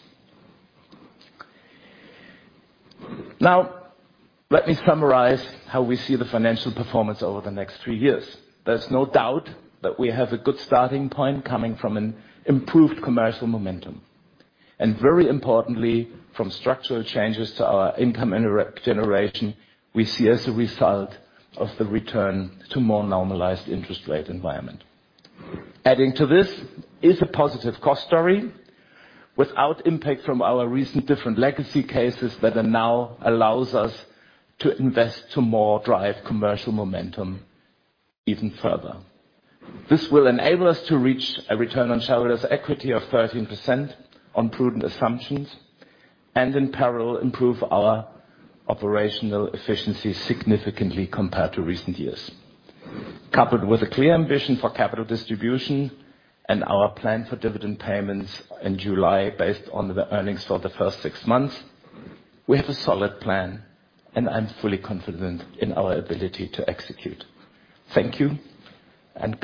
Let me summarize how we see the financial performance over the next three years. There's no doubt that we have a good starting point coming from an improved commercial momentum, and very importantly, from structural changes to our income and generation, we see as a result of the return to more normalized interest rate environment. Adding to this is a positive cost story, without impact from our recent different legacy cases that are now allows us to invest to more drive commercial momentum even further. This will enable us to reach a return on shareholders' equity of 13% on prudent assumptions, and in parallel, improve our operational efficiency significantly compared to recent years. Coupled with a clear ambition for capital distribution and our plan for dividend payments in July, based on the earnings for the first six months, we have a solid plan, and I'm fully confident in our ability to execute. Thank you.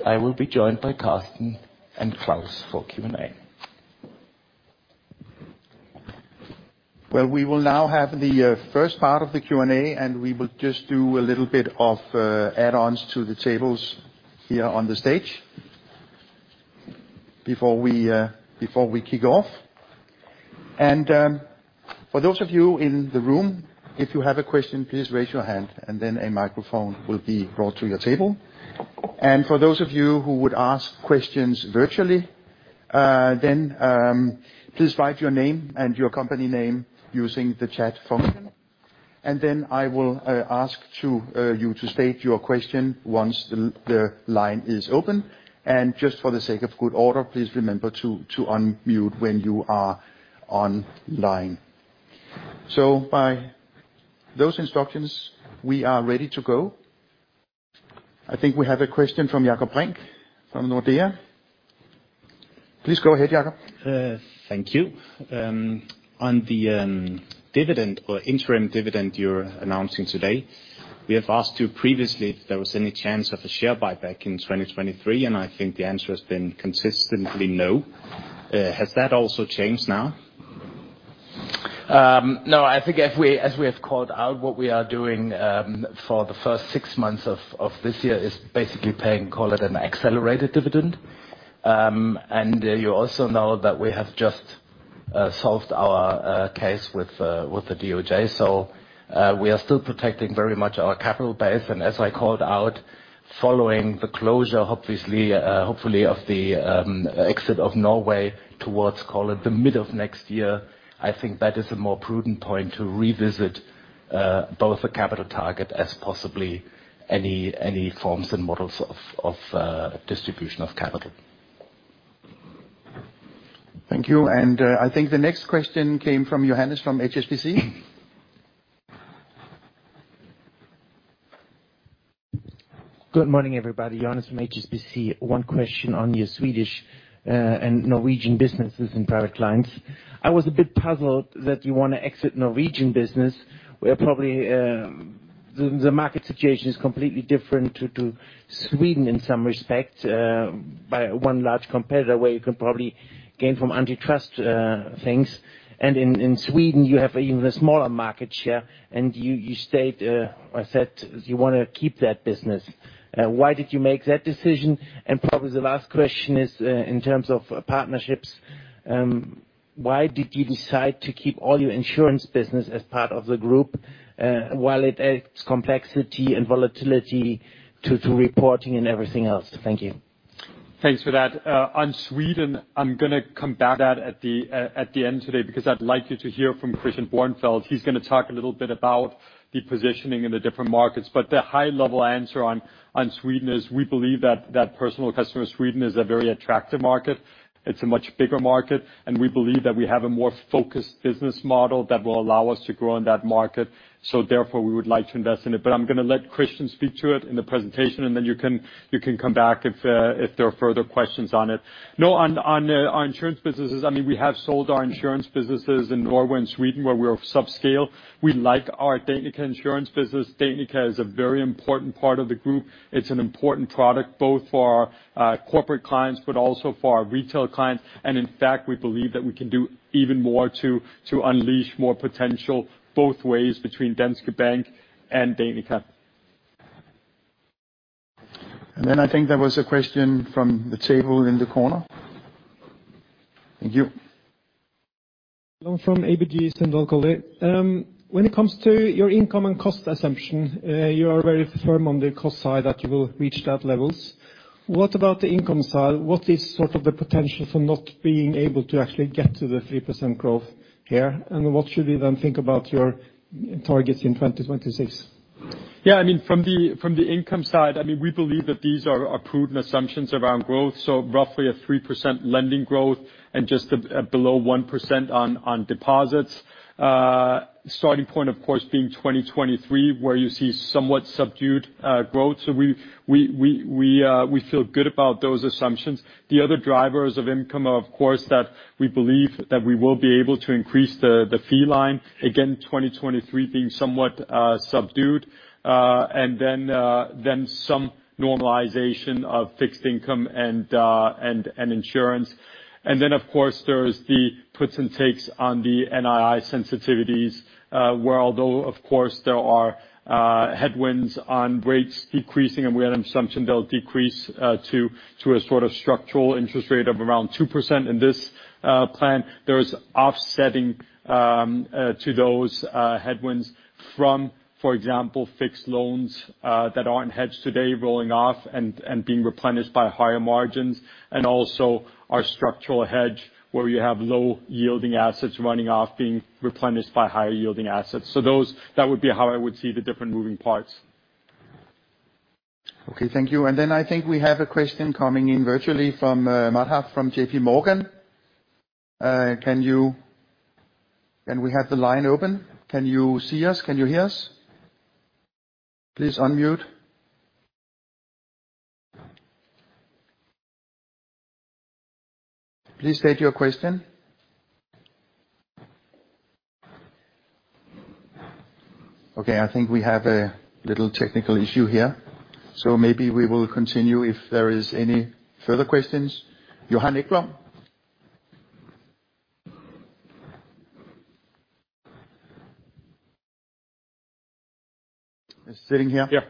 I will be joined by Carsten and Claus for Q&A. Well, we will now have the first part of the Q&A, and we will just do a little bit of add-ons to the tables here on the stage before we before we kick off. For those of you in the room, if you have a question, please raise your hand, and then a microphone will be brought to your table. For those of you who would ask questions virtually, then please write your name and your company name using the chat function, and then I will ask to you to state your question once the line is open. Just for the sake of good order, please remember to unmute when you are online. By those instructions, we are ready to go. I think we have a question from Jakob Brink from Nordea. Please go ahead, Jakob. Thank you. On the dividend or interim dividend you're announcing today, we have asked you previously if there was any chance of a share buyback in 2023, I think the answer has been consistently no. Has that also changed now? No, I think as we have called out, what we are doing for the first six months of this year is basically paying, call it, an accelerated dividend. You also know that we have just solved our case with the DOJ. We are still protecting very much our capital base, and as I called out, following the closure, obviously, hopefully, of the exit of Norway towards, call it, the mid of next year, I think that is a more prudent point to revisit both the capital target as possibly any forms and models of distribution of capital. Thank you. I think the next question came from Johannes, from HSBC. Good morning, everybody. Johannes from HSBC. One question on your Swedish and Norwegian businesses and private clients. I was a bit puzzled that you want to exit Norwegian business, where probably the market situation is completely different to Sweden in some respects, by one large competitor, where you can probably gain from antitrust things. In Sweden, you have an even smaller market share, and you state or said, you wanna keep that business. Why did you make that decision? Probably the last question is in terms of partnerships... Why did you decide to keep all your insurance business as part of the group, while it adds complexity and volatility to reporting and everything else? Thank you. Thanks for that. On Sweden, I'm gonna come back at the end today, I'd like you to hear from Christian Bornfeld. He's gonna talk a little bit about the positioning in the different markets. The high level answer on Sweden is we believe that personal customer Sweden is a very attractive market. It's a much bigger market, we believe that we have a more focused business model that will allow us to grow in that market. Therefore, we would like to invest in it. I'm gonna let Christian speak to it in the presentation, you can come back if there are further questions on it. On our insurance businesses, I mean, we have sold our insurance businesses in Norway and Sweden, where we are subscale. We like our Danica Pension business. Danica is a very important part of the group. It's an important product, both for our corporate clients, but also for our retail clients. In fact, we believe that we can do even more to unleash more potential both ways between Danske Bank and Danica. I think there was a question from the table in the corner. Thank you. Hello, from ABG Sundal Collier. When it comes to your income and cost assumption, you are very firm on the cost side that you will reach that levels. What about the income side? What is sort of the potential for not being able to actually get to the 3% growth here? What should we then think about your targets in 2026? I mean, from the income side, I mean, we believe that these are prudent assumptions around growth, so roughly a 3% lending growth and just below 1% on deposits. Starting point, of course, being 2023, where you see somewhat subdued growth. We feel good about those assumptions. The other drivers of income, are of course, that we believe that we will be able to increase the fee line. Again, 2023 being somewhat subdued, then some normalization of fixed income and insurance. Of course, there's the puts and takes on the NII sensitivities, where although, of course, there are headwinds on rates decreasing, and we had an assumption they'll decrease to a sort of structural interest rate of around 2% in this plan. There is offsetting to those headwinds from, for example, fixed loans that aren't hedged today, rolling off and being replenished by higher margins, and also our structural hedge, where you have low-yielding assets running off, being replenished by higher-yielding assets. That would be how I would see the different moving parts. Okay, thank you. Then I think we have a question coming in virtually from Madhav from JPMorgan. Can we have the line open? Can you see us? Can you hear us? Please unmute. Please state your question. Okay, I think we have a little technical issue here. Maybe we will continue if there is any further questions. Johan Ekblom? He's sitting here. Yeah.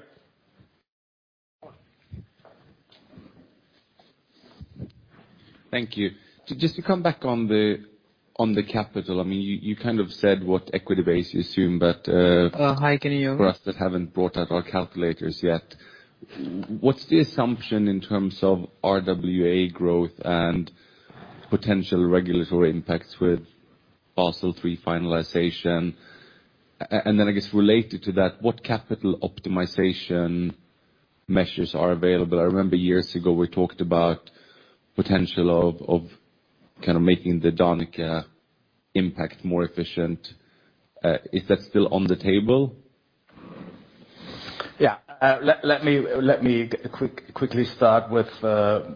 Thank you. Just to come back on the, on the capital, I mean, you kind of said what equity base you assume, but. Oh, hi, can you hear me? For us, that haven't brought out our calculators yet, what's the assumption in terms of RWA growth and potential regulatory impacts with Basel III finalization? Then I guess, related to that, what capital optimization measures are available? I remember years ago, we talked about potential of kind of making the Danica impact more efficient. Is that still on the table? Let me quickly start with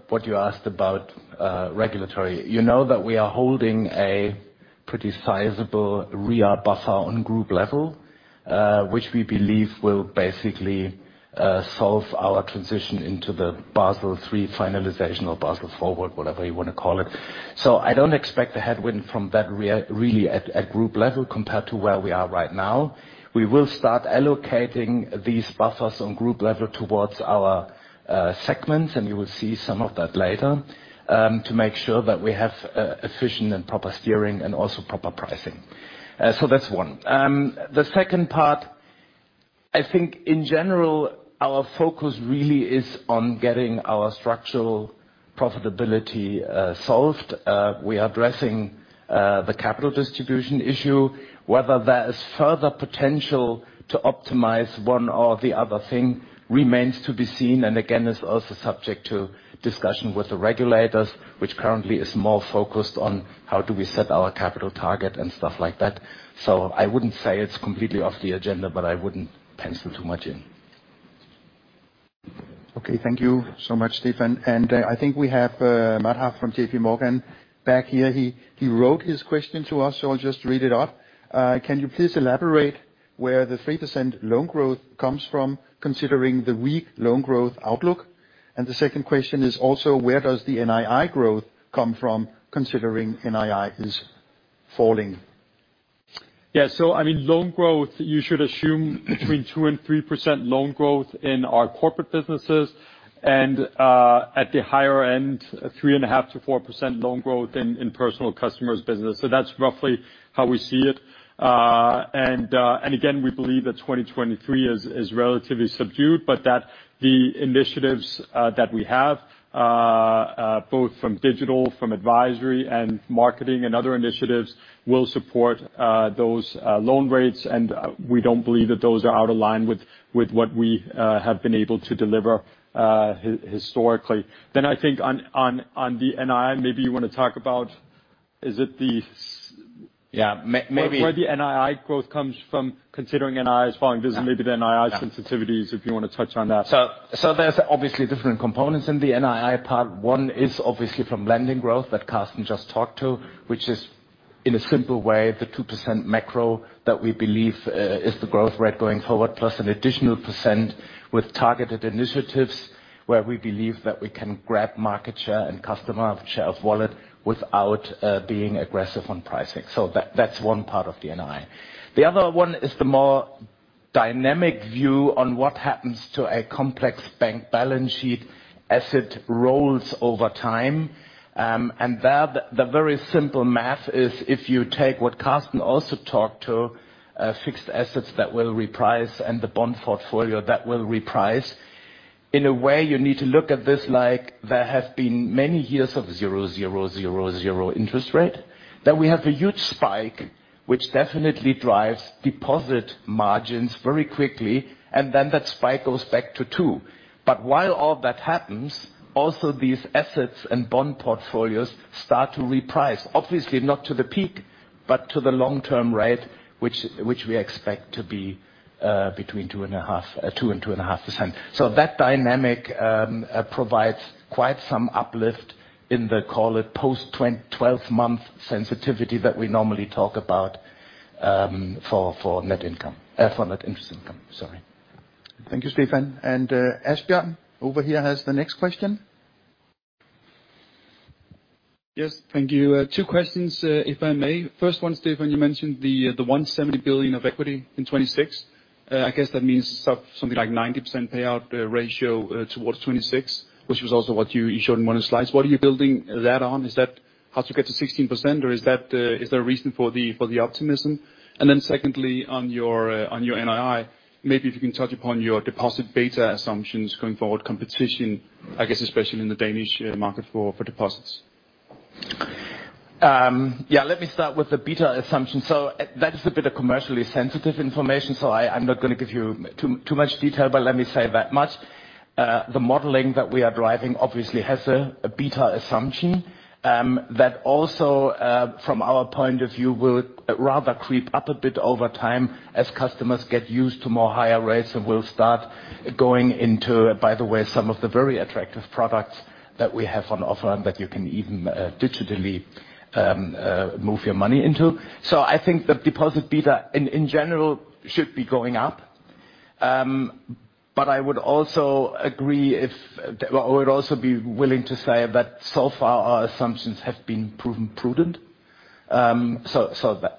what you asked about regulatory. You know that we are holding a pretty sizable RWA buffer on group level, which we believe will basically solve our transition into the Basel III finalization or Basel IV, whatever you want to call it. I don't expect a headwind from that really at group level compared to where we are right now. We will start allocating these buffers on group level towards our segments, and you will see some of that later, to make sure that we have efficient and proper steering, and also proper pricing. That's one. The second part, I think in general, our focus really is on getting our structural profitability solved. We are addressing the capital distribution issue. Whether there is further potential to optimize one or the other thing remains to be seen, and again, is also subject to discussion with the regulators, which currently is more focused on how do we set our capital target and stuff like that. I wouldn't say it's completely off the agenda, but I wouldn't pencil too much in. Okay, thank you so much, Stephan. I think we have Madhav from JPMorgan back here. He wrote his question to us. I'll just read it out. Can you please elaborate where the 3% loan growth comes from, considering the weak loan growth outlook? The second question is also, where does the NII growth come from, considering NII is falling? Loan growth, you should assume between 2%-3% loan growth in our corporate businesses, at the higher end, 3.5%-4% loan growth in personal customers business. That's roughly how we see it. Again, we believe that 2023 is relatively subdued, but that the initiatives that we have, both from digital, from advisory, and marketing, and other initiatives, will support those loan rates, and we don't believe that those are out of line with what we have been able to deliver historically. I think on the NII, maybe you wanna talk about. Yeah, maybe. Where the NII growth comes from, considering NII is falling, this is maybe the NII sensitivities, if you want to touch on that. There's obviously different components in the NII part. One is obviously from lending growth that Carsten just talked to, which is, in a simple way, the 2% macro that we believe is the growth rate going forward, plus an additional % with targeted initiatives where we believe that we can grab market share and customer share of wallet without being aggressive on pricing. That's one part of the NII. The other one is the more dynamic view on what happens to a complex bank balance sheet as it rolls over time. There, the very simple math is, if you take what Carsten also talked to, fixed assets that will reprice and the bond portfolio, that will reprice. In a way, you need to look at this like there have been many years of zero, zero interest rate. We have a huge spike, which definitely drives deposit margins very quickly, and then that spike goes back to two. While all that happens, also these assets and bond portfolios start to reprice. Obviously, not to the peak, but to the long-term rate, which we expect to be between 2% and 2.5%. That dynamic provides quite some uplift in the, call it, post 12-month sensitivity that we normally talk about, for net income, for net interest income, sorry. Thank you, Stephan. Asbjørn over here has the next question. Yes, thank you. Two questions, if I may. First one, Stephan, you mentioned the 170 billion of equity in 2026. I guess that means something like 90% payout ratio towards 2026, which was also what you showed in one of the slides. What are you building that on? Is that how to get to 16%, or is there a reason for the optimism? Secondly, on your NII, maybe if you can touch upon your deposit beta assumptions going forward, competition, I guess, especially in the Danish market for deposits. Yeah, let me start with the beta assumption. That is a bit of commercially sensitive information, so I'm not gonna give you too much detail, but let me say that much. The modeling that we are driving obviously has a beta assumption that also from our point of view, will rather creep up a bit over time as customers get used to more higher rates and will start going into, by the way, some of the very attractive products that we have on offer and that you can even digitally move your money into. I think the deposit beta, in general, should be going up. I would also agree I would also be willing to say that so far, our assumptions have been proven prudent. So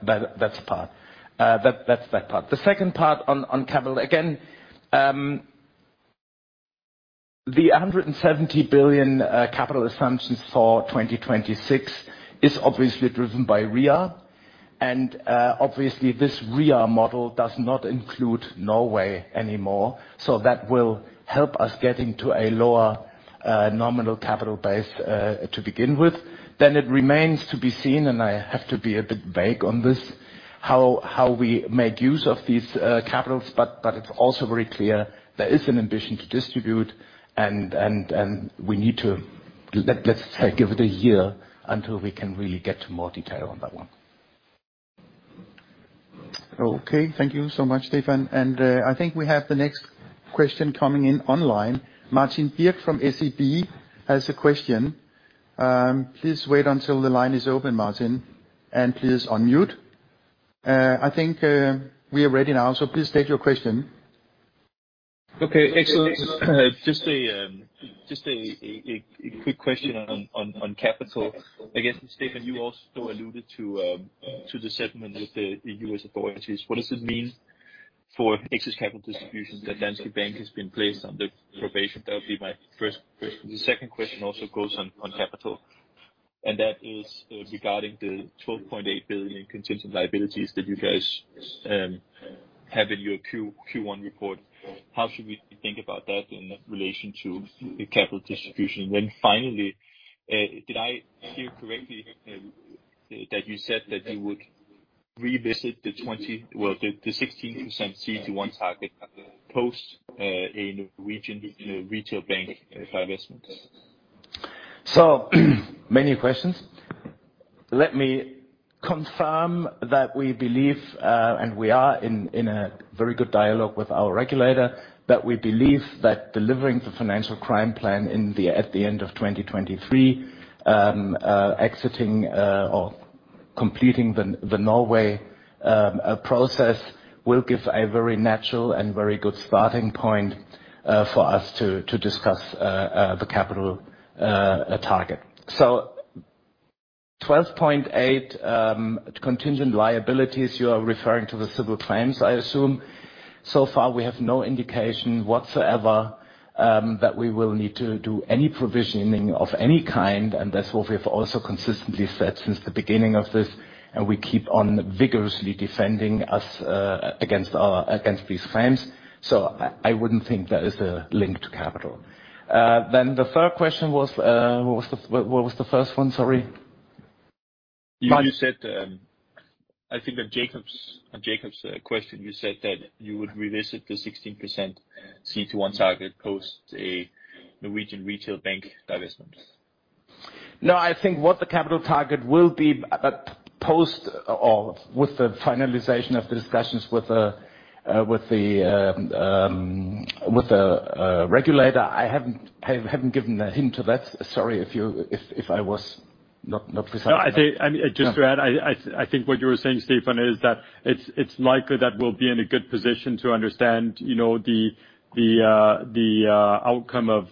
that's the part. The second part on capital, again, the 170 billion capital assumptions for 2026 is obviously driven by RWA, and obviously, this RWA model does not include Norway anymore, so that will help us getting to a lower nominal capital base to begin with. Then it remains to be seen, and I have to be a bit vague on this, how we make use of these capitals, but it's also very clear there is an ambition to distribute, and we need to. Let's give it a year until we can really get to more detail on that one. Okay, thank you so much, Stephan. I think we have the next question coming in online. Martin Birk from SEB has a question. Please wait until the line is open, Martin, and please unmute. I think, we are ready now, so please state your question. Okay, excellent. Just a quick question on capital. I guess, Stephan, you also alluded to the settlement with the US authorities. What does it mean for excess capital distributions that Danske Bank has been placed under probation? That would be my first question. The second question also goes on capital, that is regarding the 12.8 billion contingent liabilities that you guys have in your Q1 report. How should we think about that in relation to the capital distribution? Finally, did I hear correctly that you said that you would revisit the 16% CET1 target post in region retail bank investments? So many questions. Let me confirm that we believe, and we are in a very good dialogue with our regulator, that we believe that delivering the financial crime plan at the end of 2023, exiting or completing the Norway process, will give a very natural and very good starting point for us to discuss the capital target. 12.8, contingent liabilities, you are referring to the civil claims, I assume. So far, we have no indication whatsoever that we will need to do any provisioning of any kind, and that's what we've also consistently said since the beginning of this, and we keep on vigorously defending us against these claims. I wouldn't think that is a link to capital. The third question was, what was the first one? Sorry. You said, I think that Jakob's question, you said that you would revisit the 16% CET1 target post a Norwegian retail bank divestments. I think what the capital target will be, post or with the finalization of the discussions with the regulator. I haven't given a hint to that. Sorry if I was not precise. No, I think, I mean, just to add, I think what you were saying, Stephan, is that it's likely that we'll be in a good position to understand, you know, the outcome of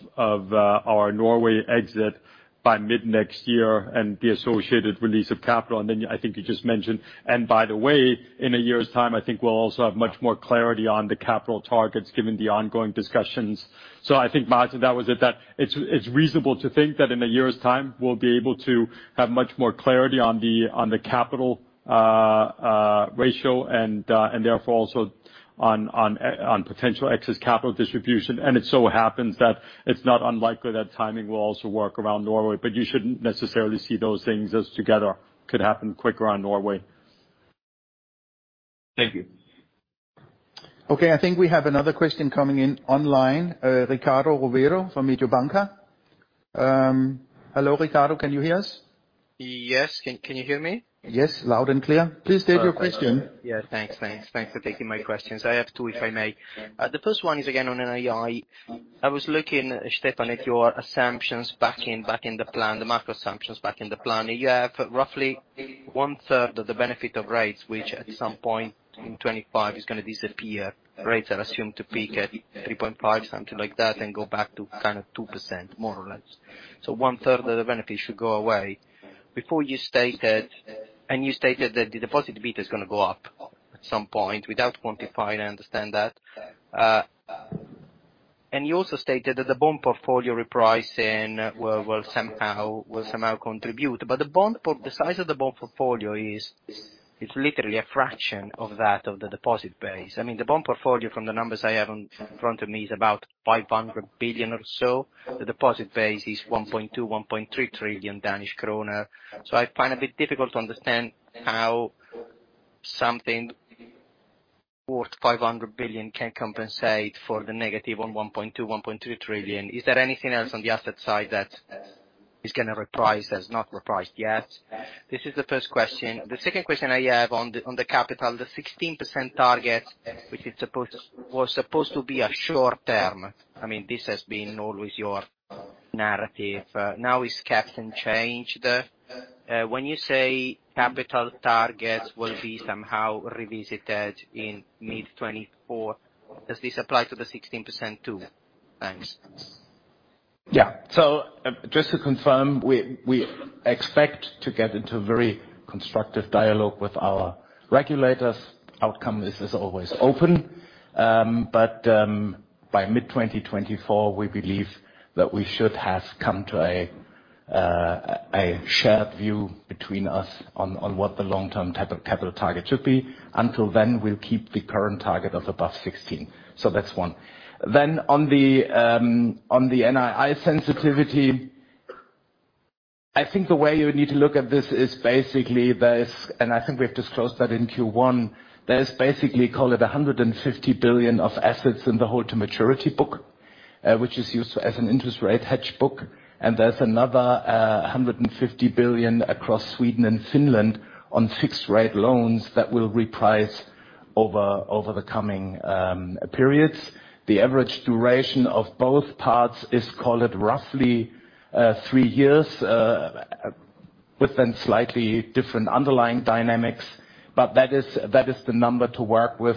our Norway exit by mid-next year and the associated release of capital. Then I think you just mentioned... By the way, in a year's time, I think we'll also have much more clarity on the capital targets, given the ongoing discussions. I think, Martin, that was it, that it's reasonable to think that in a year's time, we'll be able to have much more clarity on the capital ratio, and therefore, also on potential excess capital distribution. It so happens that it's not unlikely that timing will also work around Norway, but you shouldn't necessarily see those things as together. Could happen quicker on Norway. Thank you. I think we have another question coming in online. Riccardo Rovere from Mediobanca. Hello, Riccardo, can you hear us? Yes. Can you hear me? Yes, loud and clear. Please state your question. Thanks, thanks. Thanks for taking my questions. I have two, if I may. The first one is, again, on NII. I was looking, Stephan, at your assumptions back in the plan, the macro assumptions back in the plan. You have roughly one third of the benefit of rates, which at some point in 25 is gonna disappear. Rates are assumed to peak at 3.5, something like that, and go back to kind of 2%, more or less. One third of the benefit should go away. Before you stated, and you stated that the deposit beta is gonna go up at some point, without quantifying, I understand that. You also stated that the bond portfolio repricing will somehow, will somehow contribute. The size of the bond portfolio, it's literally a fraction of that, of the deposit base. I mean, the bond portfolio, from the numbers I have in front of me, is about 500 billion or so. The deposit base is 1.2 trillion-1.3 trillion Danish kroner. I find it a bit difficult to understand how something worth 500 billion can compensate for the negative on 1.2 trillion-1.3 trillion. Is there anything else on the asset side that is gonna reprice, that's not repriced yet? This is the first question. The second question I have on the capital, the 16% target, which was supposed to be a short term. I mean, this has been always your narrative. Now it's captain changed. When you say capital targets will be somehow revisited in mid-2024, does this apply to the 16%, too? Thanks. Yeah. Just to confirm, we expect to get into a very constructive dialogue with our regulators. Outcome is always open. By mid-2024, we believe that we should have come to a shared view between us on what the long-term type of capital target should be. Until then, we'll keep the current target of above 16. That's one. On the NII sensitivity, I think the way you would need to look at this is basically there's, call it, 150 billion of assets in the held-to-maturity book, which is used as an interest rate hedge book. There's another 150 billion across Sweden and Finland on fixed rate loans that will reprice over the coming periods. The average duration of both parts is, call it, roughly, three years, within slightly different underlying dynamics, but that is, that is the number to work with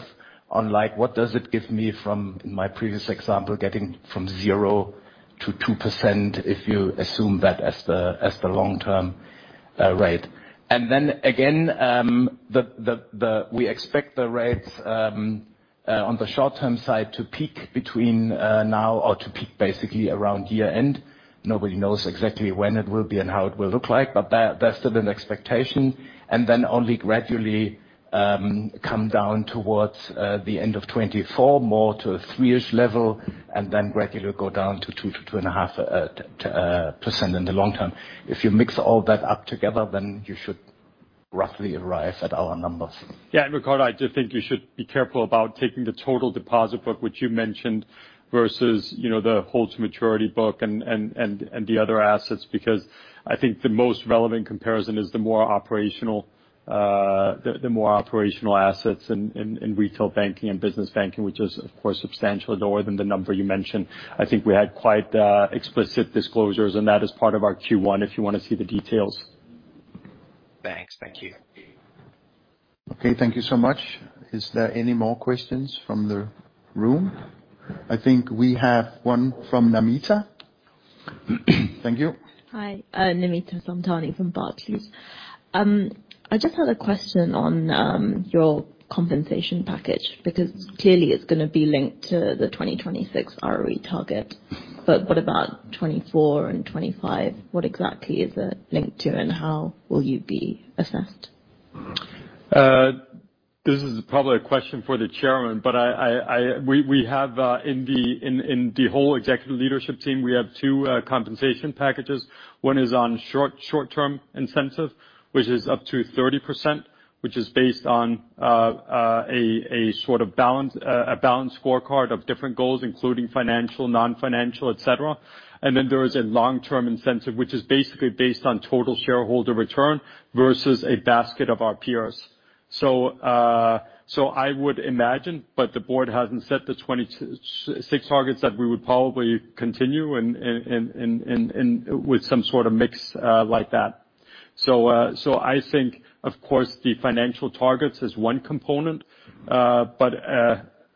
on, like, what does it give me from my previous example, getting from 0% to 2%, if you assume that as the, as the long-term, rate. Then again, we expect the rates on the short-term side to peak between now or to peak basically around year-end. Nobody knows exactly when it will be and how it will look like, but that's still an expectation. Then only gradually, come down towards the end of 2024, more to a three-ish level, then gradually go down to 2% to 2.5% in the long term. If you mix all that up together, then you should roughly arrive at our numbers. Yeah, Riccardo, I do think you should be careful about taking the total deposit book, which you mentioned, versus, you know, the held-to-maturity book and the other assets, because I think the most relevant comparison is the more operational, the more operational assets in retail banking and business banking, which is, of course, substantially lower than the number you mentioned. I think we had quite explicit disclosures, and that is part of our Q1, if you want to see the details. Thanks. Thank you. Thank you so much. Is there any more questions from the room? I think we have one from Namita. Thank you. Hi, Namita Samtani from Barclays. I just had a question on your compensation package, because clearly it's gonna be linked to the 2026 ROE target, but what about 24 and 25? What exactly is it linked to, and how will you be assessed? This is probably a question for the chairman, but we have in the whole executive leadership team, we have two compensation packages. One is on short-term incentive, which is up to 30%, which is based on a sort of balance, a balanced scorecard of different goals, including financial, non-financial, et cetera. There is a long-term incentive, which is basically based on total shareholder return versus a basket of our peers. I would imagine, but the board hasn't set the 2026 targets, that we would probably continue and with some sort of mix like that. I think, of course, the financial targets is one component, but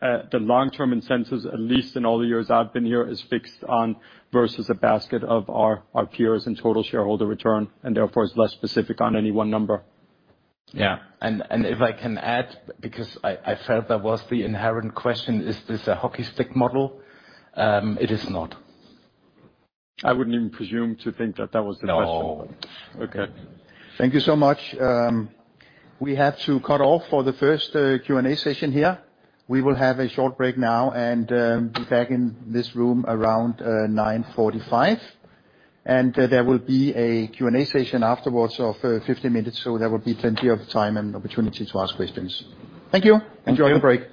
the long-term incentives, at least in all the years I've been here, is fixed on versus a basket of our peers and total shareholder return, and therefore, is less specific on any one number. Yeah. If I can add, because I felt that was the inherent question: Is this a hockey stick model? It is not. I wouldn't even presume to think that that was the question. No. Okay. Thank you so much. We have to cut off for the first Q&A session here. We will have a short break now, and be back in this room around 9:45 A.M. There will be a Q&A session afterwards of 50 minutes, so there will be plenty of time and opportunity to ask questions. Thank you. Enjoy your break.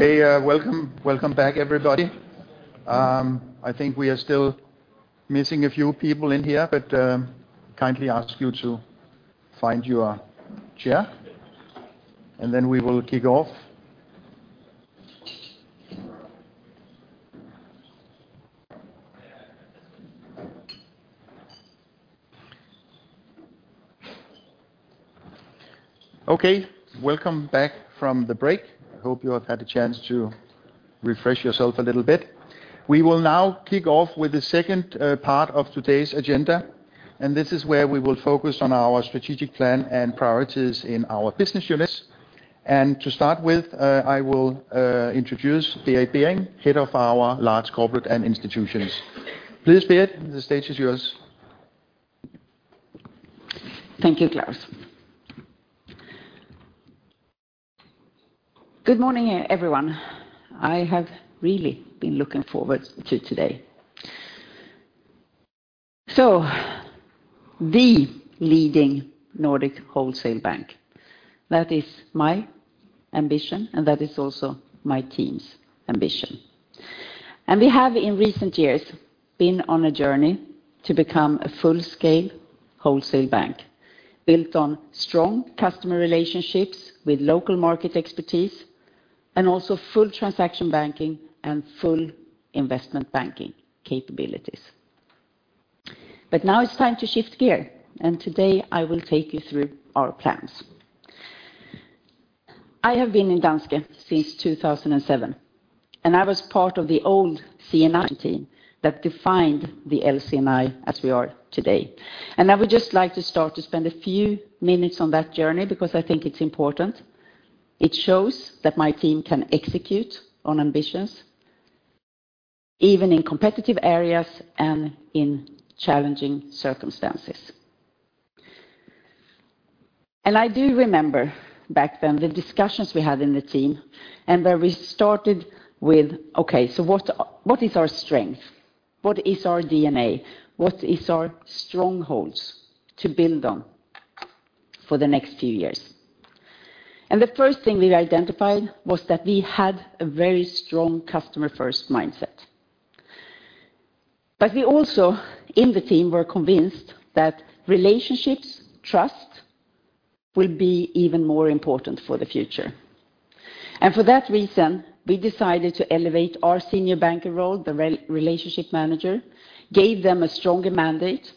Okay, welcome. Welcome back, everybody. I think we are still missing a few people in here, but kindly ask you to find your chair. Then we will kick off. Okay, welcome back from the break. I hope you have had a chance to refresh yourself a little bit. We will now kick off with the second part of today's agenda. This is where we will focus on our strategic plan and priorities in our business units. To start with, I will introduce Berit Behring, Head of our Large Corporates & Institutions. Please, Berit, the stage is yours. Thank you, Claus. Good morning, everyone. I have really been looking forward to today. The leading Nordic wholesale bank, that is my ambition, and that is also my team's ambition. We have, in recent years, been on a journey to become a full-scale wholesale bank, built on strong customer relationships with local market expertise, and also full transaction banking and full investment banking capabilities. Now it's time to shift gear, and today I will take you through our plans. I have been in Danske since 2007, and I was part of the old CNI team that defined the LC&I as we are today. I would just like to start to spend a few minutes on that journey because I think it's important. It shows that my team can execute on ambitions, even in competitive areas and in challenging circumstances. I do remember back then, the discussions we had in the team, where we started with, "Okay, so what is our strength? What is our DNA? What is our strongholds to build on for the next few years?" The first thing we identified was that we had a very strong customer-first mindset. We also, in the team, were convinced that relationships, trust, will be even more important for the future. For that reason, we decided to elevate our senior banker role, the relationship manager, gave them a stronger mandate.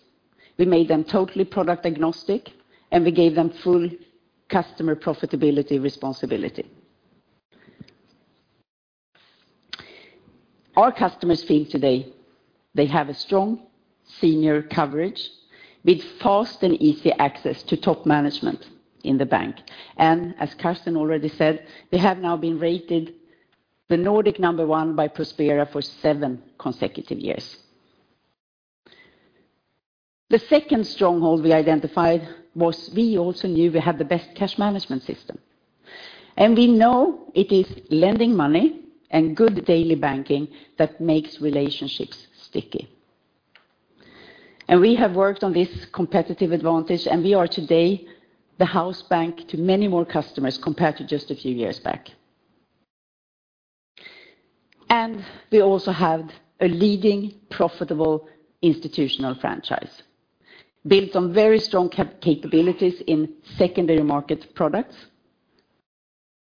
We made them totally product agnostic, and we gave them full customer profitability responsibility. Our customers feel today they have a strong senior coverage with fast and easy access to top management in the bank. As Carsten already said, we have now been rated the Nordic number one by Prospera for seven consecutive years. The second stronghold we identified was we also knew we had the best cash management system, and we know it is lending money and good daily banking that makes relationships sticky. We have worked on this competitive advantage, and we are today the house bank to many more customers compared to just a few years back. We also have a leading profitable institutional franchise, built on very strong capabilities in secondary market products.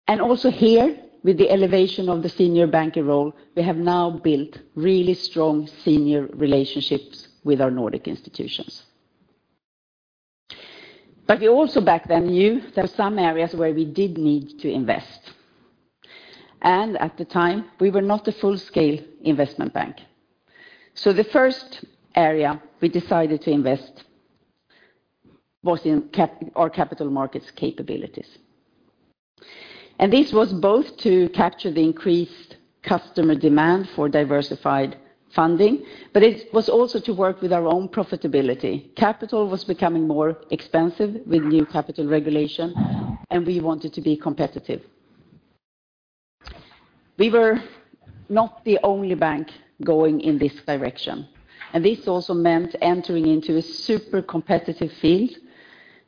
Also here, with the elevation of the senior banker role, we have now built really strong senior relationships with our Nordic institutions. We also, back then, knew there were some areas where we did need to invest, and at the time, we were not a full-scale investment bank. The first area we decided to invest was in our capital markets capabilities. This was both to capture the increased customer demand for diversified funding, but it was also to work with our own profitability. Capital was becoming more expensive with new capital regulation, and we wanted to be competitive. We were not the only bank going in this direction, and this also meant entering into a super competitive field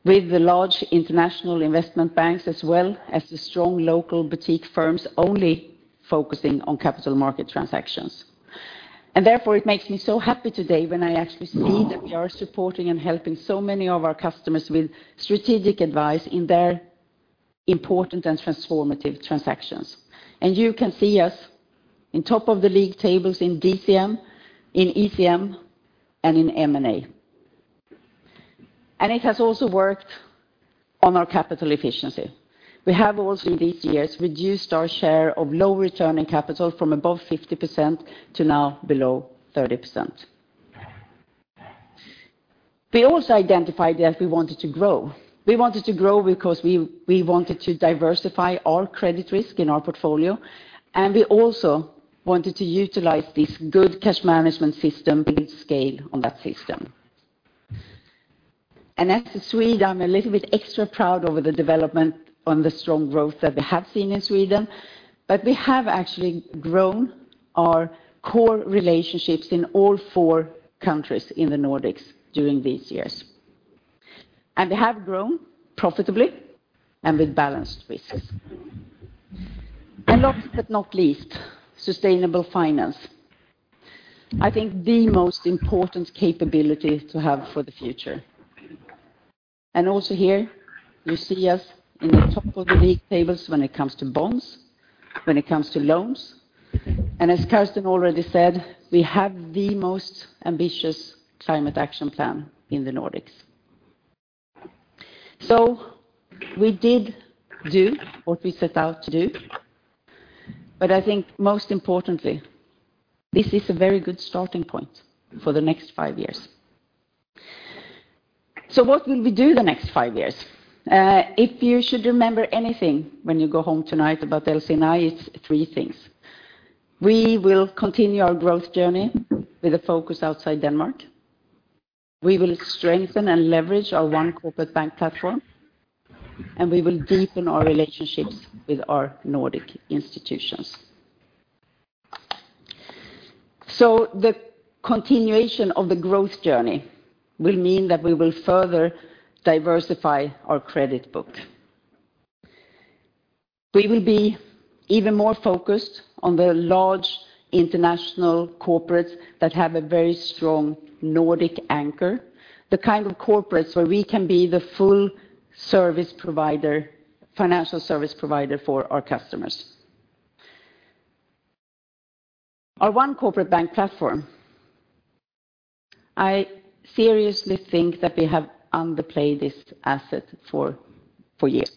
with the large international investment banks, as well as the strong local boutique firms only focusing on capital market transactions. Therefore, it makes me so happy today when I actually see that we are supporting and helping so many of our customers with strategic advice in their important and transformative transactions. You can see us in top of the league tables in DCM, in ECM, and in M&A. It has also worked on our capital efficiency. We have also, in these years, reduced our share of low returning capital from above 50% to now below 30%. We also identified that we wanted to grow. We wanted to grow because we wanted to diversify our credit risk in our portfolio, and we also wanted to utilize this good cash management system, build scale on that system. As a Swede, I'm a little bit extra proud over the development on the strong growth that we have seen in Sweden, but we have actually grown our core relationships in all four countries in the Nordics during these years. They have grown profitably and with balanced risks. Last but not least, sustainable finance. I think the most important capability to have for the future. Also here, you see us in the top of the league tables when it comes to bonds, when it comes to loans, and as Carsten already said, we have the most ambitious Climate Action Plan in the Nordics. We did do what we set out to do, but I think most importantly, this is a very good starting point for the next five years. What will we do the next five years? If you should remember anything when you go home tonight about DSNI, it's three things. We will continue our growth journey with a focus outside Denmark. We will strengthen and leverage our One Corporate Bank platform, and we will deepen our relationships with our Nordic institutions. The continuation of the growth journey will mean that we will further diversify our credit book. We will be even more focused on the large international corporates that have a very strong Nordic anchor, the kind of corporates where we can be the full service provider, financial service provider for our customers. Our One Corporate Bank platform, I seriously think that we have underplayed this asset for years.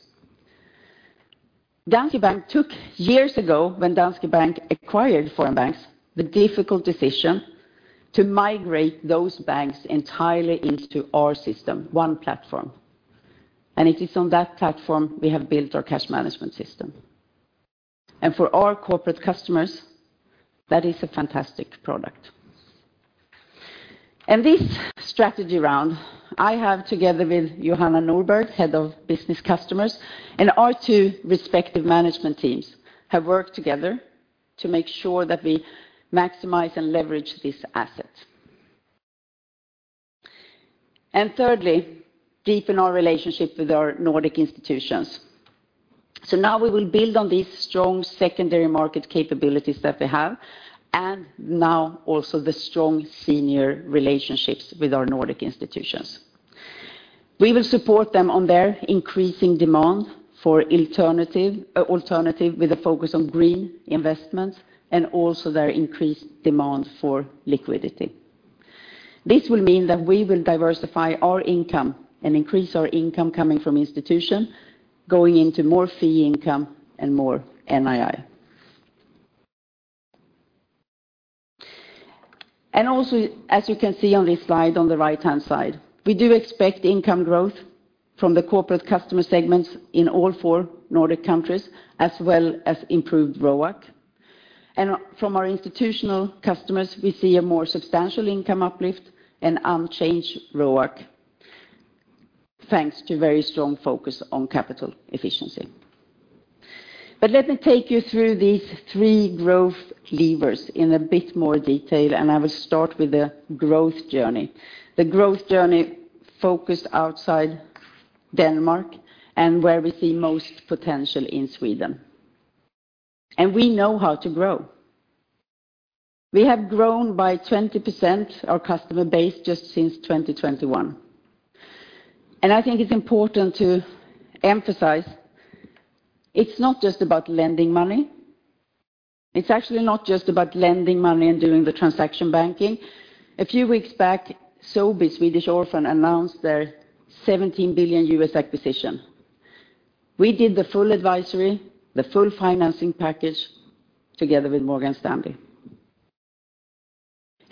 Danske Bank took years ago, when Danske Bank acquired foreign banks, the difficult decision to migrate those banks entirely into our system, one platform, and it is on that platform we have built our cash management system. For our corporate customers, that is a fantastic product. This strategy round, I have together with Johanna Norberg, Head of Business Customers, and our two respective management teams, have worked together to make sure that we maximize and leverage this asset. Thirdly, deepen our relationship with our Nordic institutions. Now we will build on these strong secondary market capabilities that we have, and now also the strong senior relationships with our Nordic institutions. We will support them on their increasing demand for alternative with a focus on green investments and also their increased demand for liquidity. This will mean that we will diversify our income and increase our income coming from institution, going into more fee income and more NII. Also, as you can see on this slide, on the right-hand side, we do expect income growth from the corporate customer segments in all four Nordic countries, as well as improved ROAC. From our institutional customers, we see a more substantial income uplift and unchanged ROAC, thanks to very strong focus on capital efficiency. Let me take you through these three growth levers in a bit more detail, and I will start with the growth journey. The growth journey focused outside Denmark, and where we see most potential in Sweden. We know how to grow. We have grown by 20% our customer base just since 2021. I think it's important to emphasize, it's not just about lending money. It's actually not just about lending money and doing the transaction banking. A few weeks back, Sobi, Swedish Orphan, announced their $17 billion acquisition. We did the full advisory, the full financing package together with Morgan Stanley.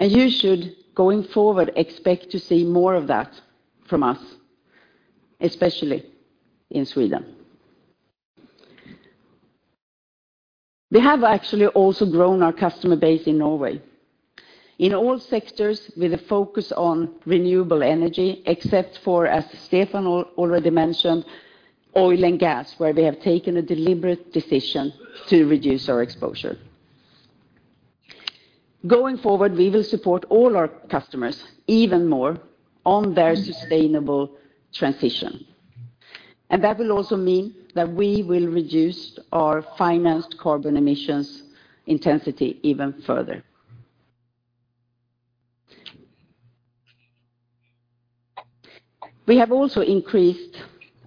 You should, going forward, expect to see more of that from us, especially in Sweden. We have actually also grown our customer base in Norway. In all sectors, with a focus on renewable energy, except for, as Stephan already mentioned, oil and gas, where we have taken a deliberate decision to reduce our exposure. Going forward, we will support all our customers even more on their sustainable transition. That will also mean that we will reduce our financed carbon emissions intensity even further. We have also increased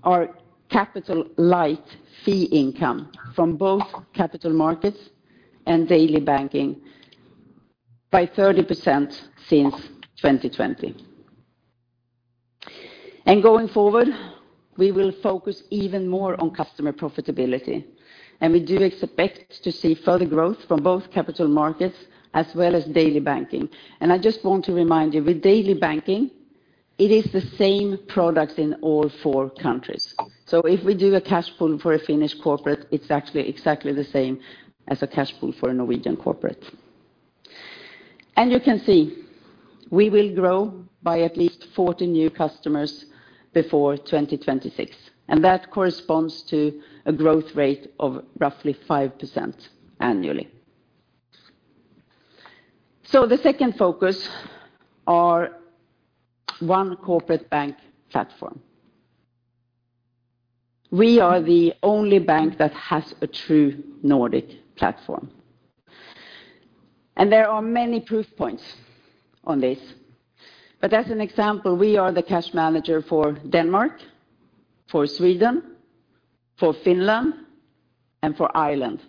our capital light fee income from both capital markets and daily banking by 30% since 2020. Going forward, we will focus even more on customer profitability, and we do expect to see further growth from both capital markets as well as daily banking. I just want to remind you, with daily banking, it is the same product in all four countries. If we do a cash pool for a Finnish corporate, it's actually exactly the same as a cash pool for a Norwegian corporate. You can see, we will grow by at least 40 new customers before 2026, and that corresponds to a growth rate of roughly 5% annually. The second focus are One Corporate Bank platform. We are the only bank that has a true Nordic platform, there are many proof points on this. As an example, we are the cash manager for Denmark, for Sweden, for Finland, and for Ireland.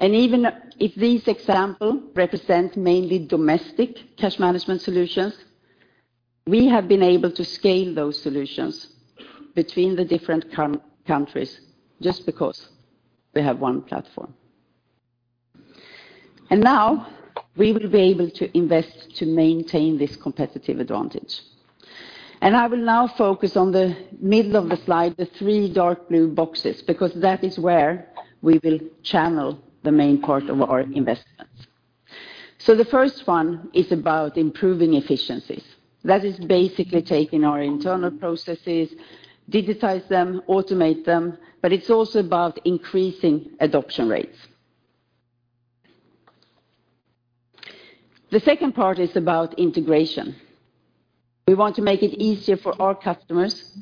Even if these example represent mainly domestic cash management solutions, we have been able to scale those solutions between the different countries just because we have one platform. Now we will be able to invest to maintain this competitive advantage. I will now focus on the middle of the slide, the three dark blue boxes, because that is where we will channel the main part of our investments. The first one is about improving efficiencies. That is basically taking our internal processes, digitize them, automate them, but it's also about increasing adoption rates. The second part is about integration. We want to make it easier for our customers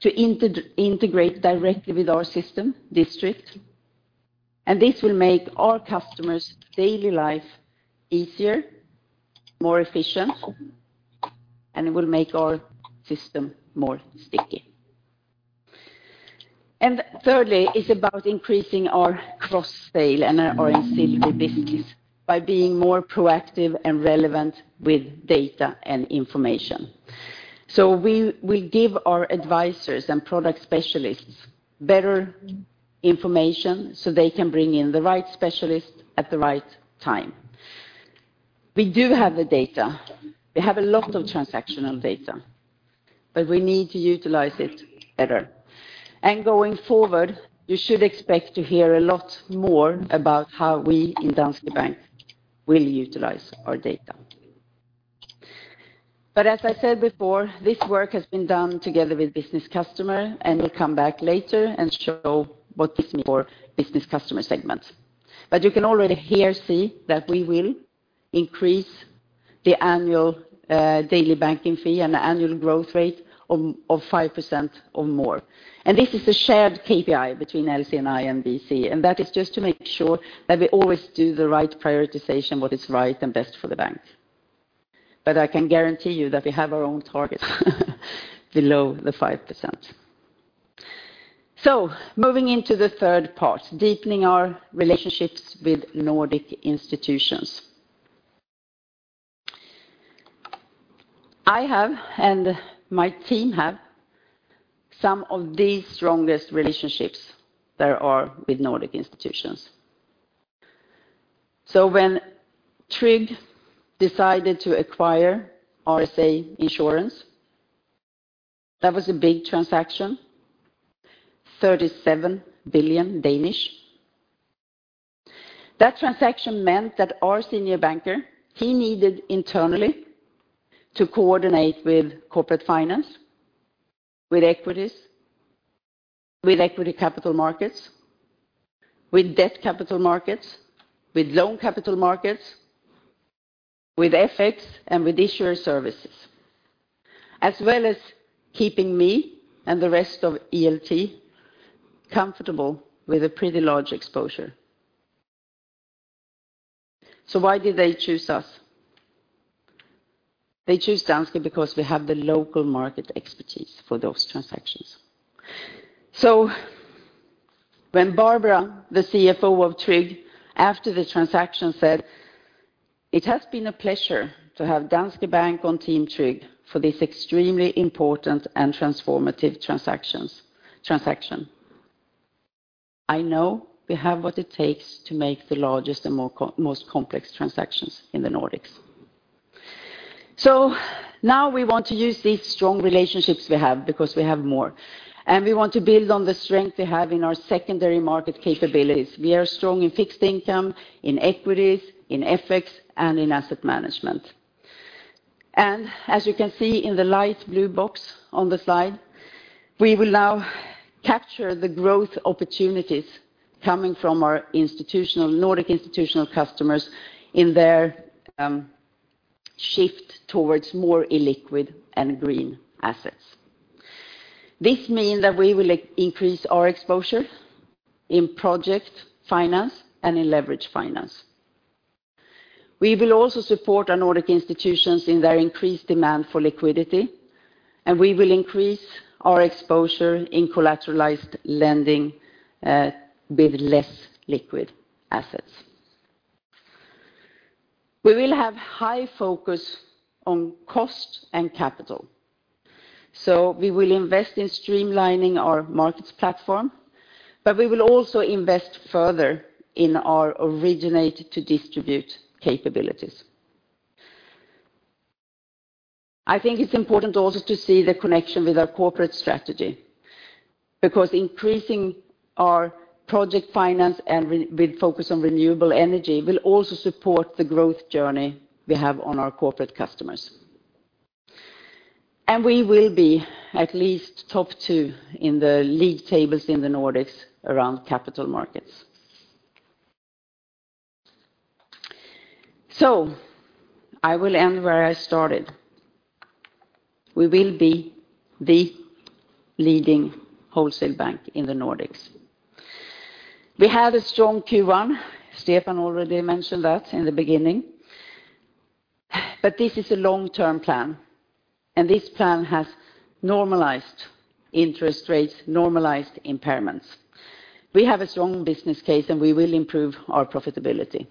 to inter-integrate directly with our system, District, and this will make our customers' daily life easier, more efficient, and it will make our system more sticky. Thirdly, is about increasing our cross-sale and our ancillary business by being more proactive and relevant with data and information. We give our advisors and product specialists better information so they can bring in the right specialist at the right time. We do have the data. We have a lot of transactional data, but we need to utilize it better. Going forward, you should expect to hear a lot more about how we in Danske Bank will utilize our data. As I said before, this work has been done together with business customer, and we'll come back later and show what this means for business customer segment. You can already here see that we will increase the annual daily banking fee and annual growth rate of 5% or more. This is a shared KPI between LC&I and BC, and that is just to make sure that we always do the right prioritization, what is right and best for the bank. I can guarantee you that we have our own target, below the 5%. Moving into the third part, deepening our relationships with Nordic institutions. I have, and my team have, some of the strongest relationships there are with Nordic institutions. When Tryg decided to acquire RSA Insurance, that was a big transaction, 37 billion. That transaction meant that our senior banker, he needed internally to coordinate with corporate finance, with equities, with equity capital markets, with debt capital markets, with loan capital markets, with FX, and with issuer services, as well as keeping me and the rest of ELT comfortable with a pretty large exposure. Why did they choose us? They choose Danske because we have the local market expertise for those transactions. When Barbara, the CFO of Tryg, after the transaction, said, "It has been a pleasure to have Danske Bank on team Tryg for this extremely important and transformative transaction." I know we have what it takes to make the largest and most complex transactions in the Nordics. Now we want to use these strong relationships we have, because we have more, and we want to build on the strength we have in our secondary market capabilities. We are strong in fixed income, in equities, in FX, and in asset management. As you can see in the light blue box on the slide, we will now capture the growth opportunities coming from our institutional, Nordic institutional customers in their shift towards more illiquid and green assets. This mean that we will increase our exposure in project finance and in leverage finance. We will also support our Nordic institutions in their increased demand for liquidity, and we will increase our exposure in collateralized lending, with less liquid assets. We will have high focus on cost and capital, so we will invest in streamlining our markets platform, but we will also invest further in our originate-to-distribute capabilities. I think it's important also to see the connection with our corporate strategy, because increasing our project finance with focus on renewable energy will also support the growth journey we have on our corporate customers. We will be at least top two in the league tables in the Nordics around capital markets. I will end where I started. We will be the leading wholesale bank in the Nordics. We had a strong Q1, Stephan already mentioned that in the beginning, but this is a long-term plan, and this plan has normalized interest rates, normalized impairments. We have a strong business case, and we will improve our profitability.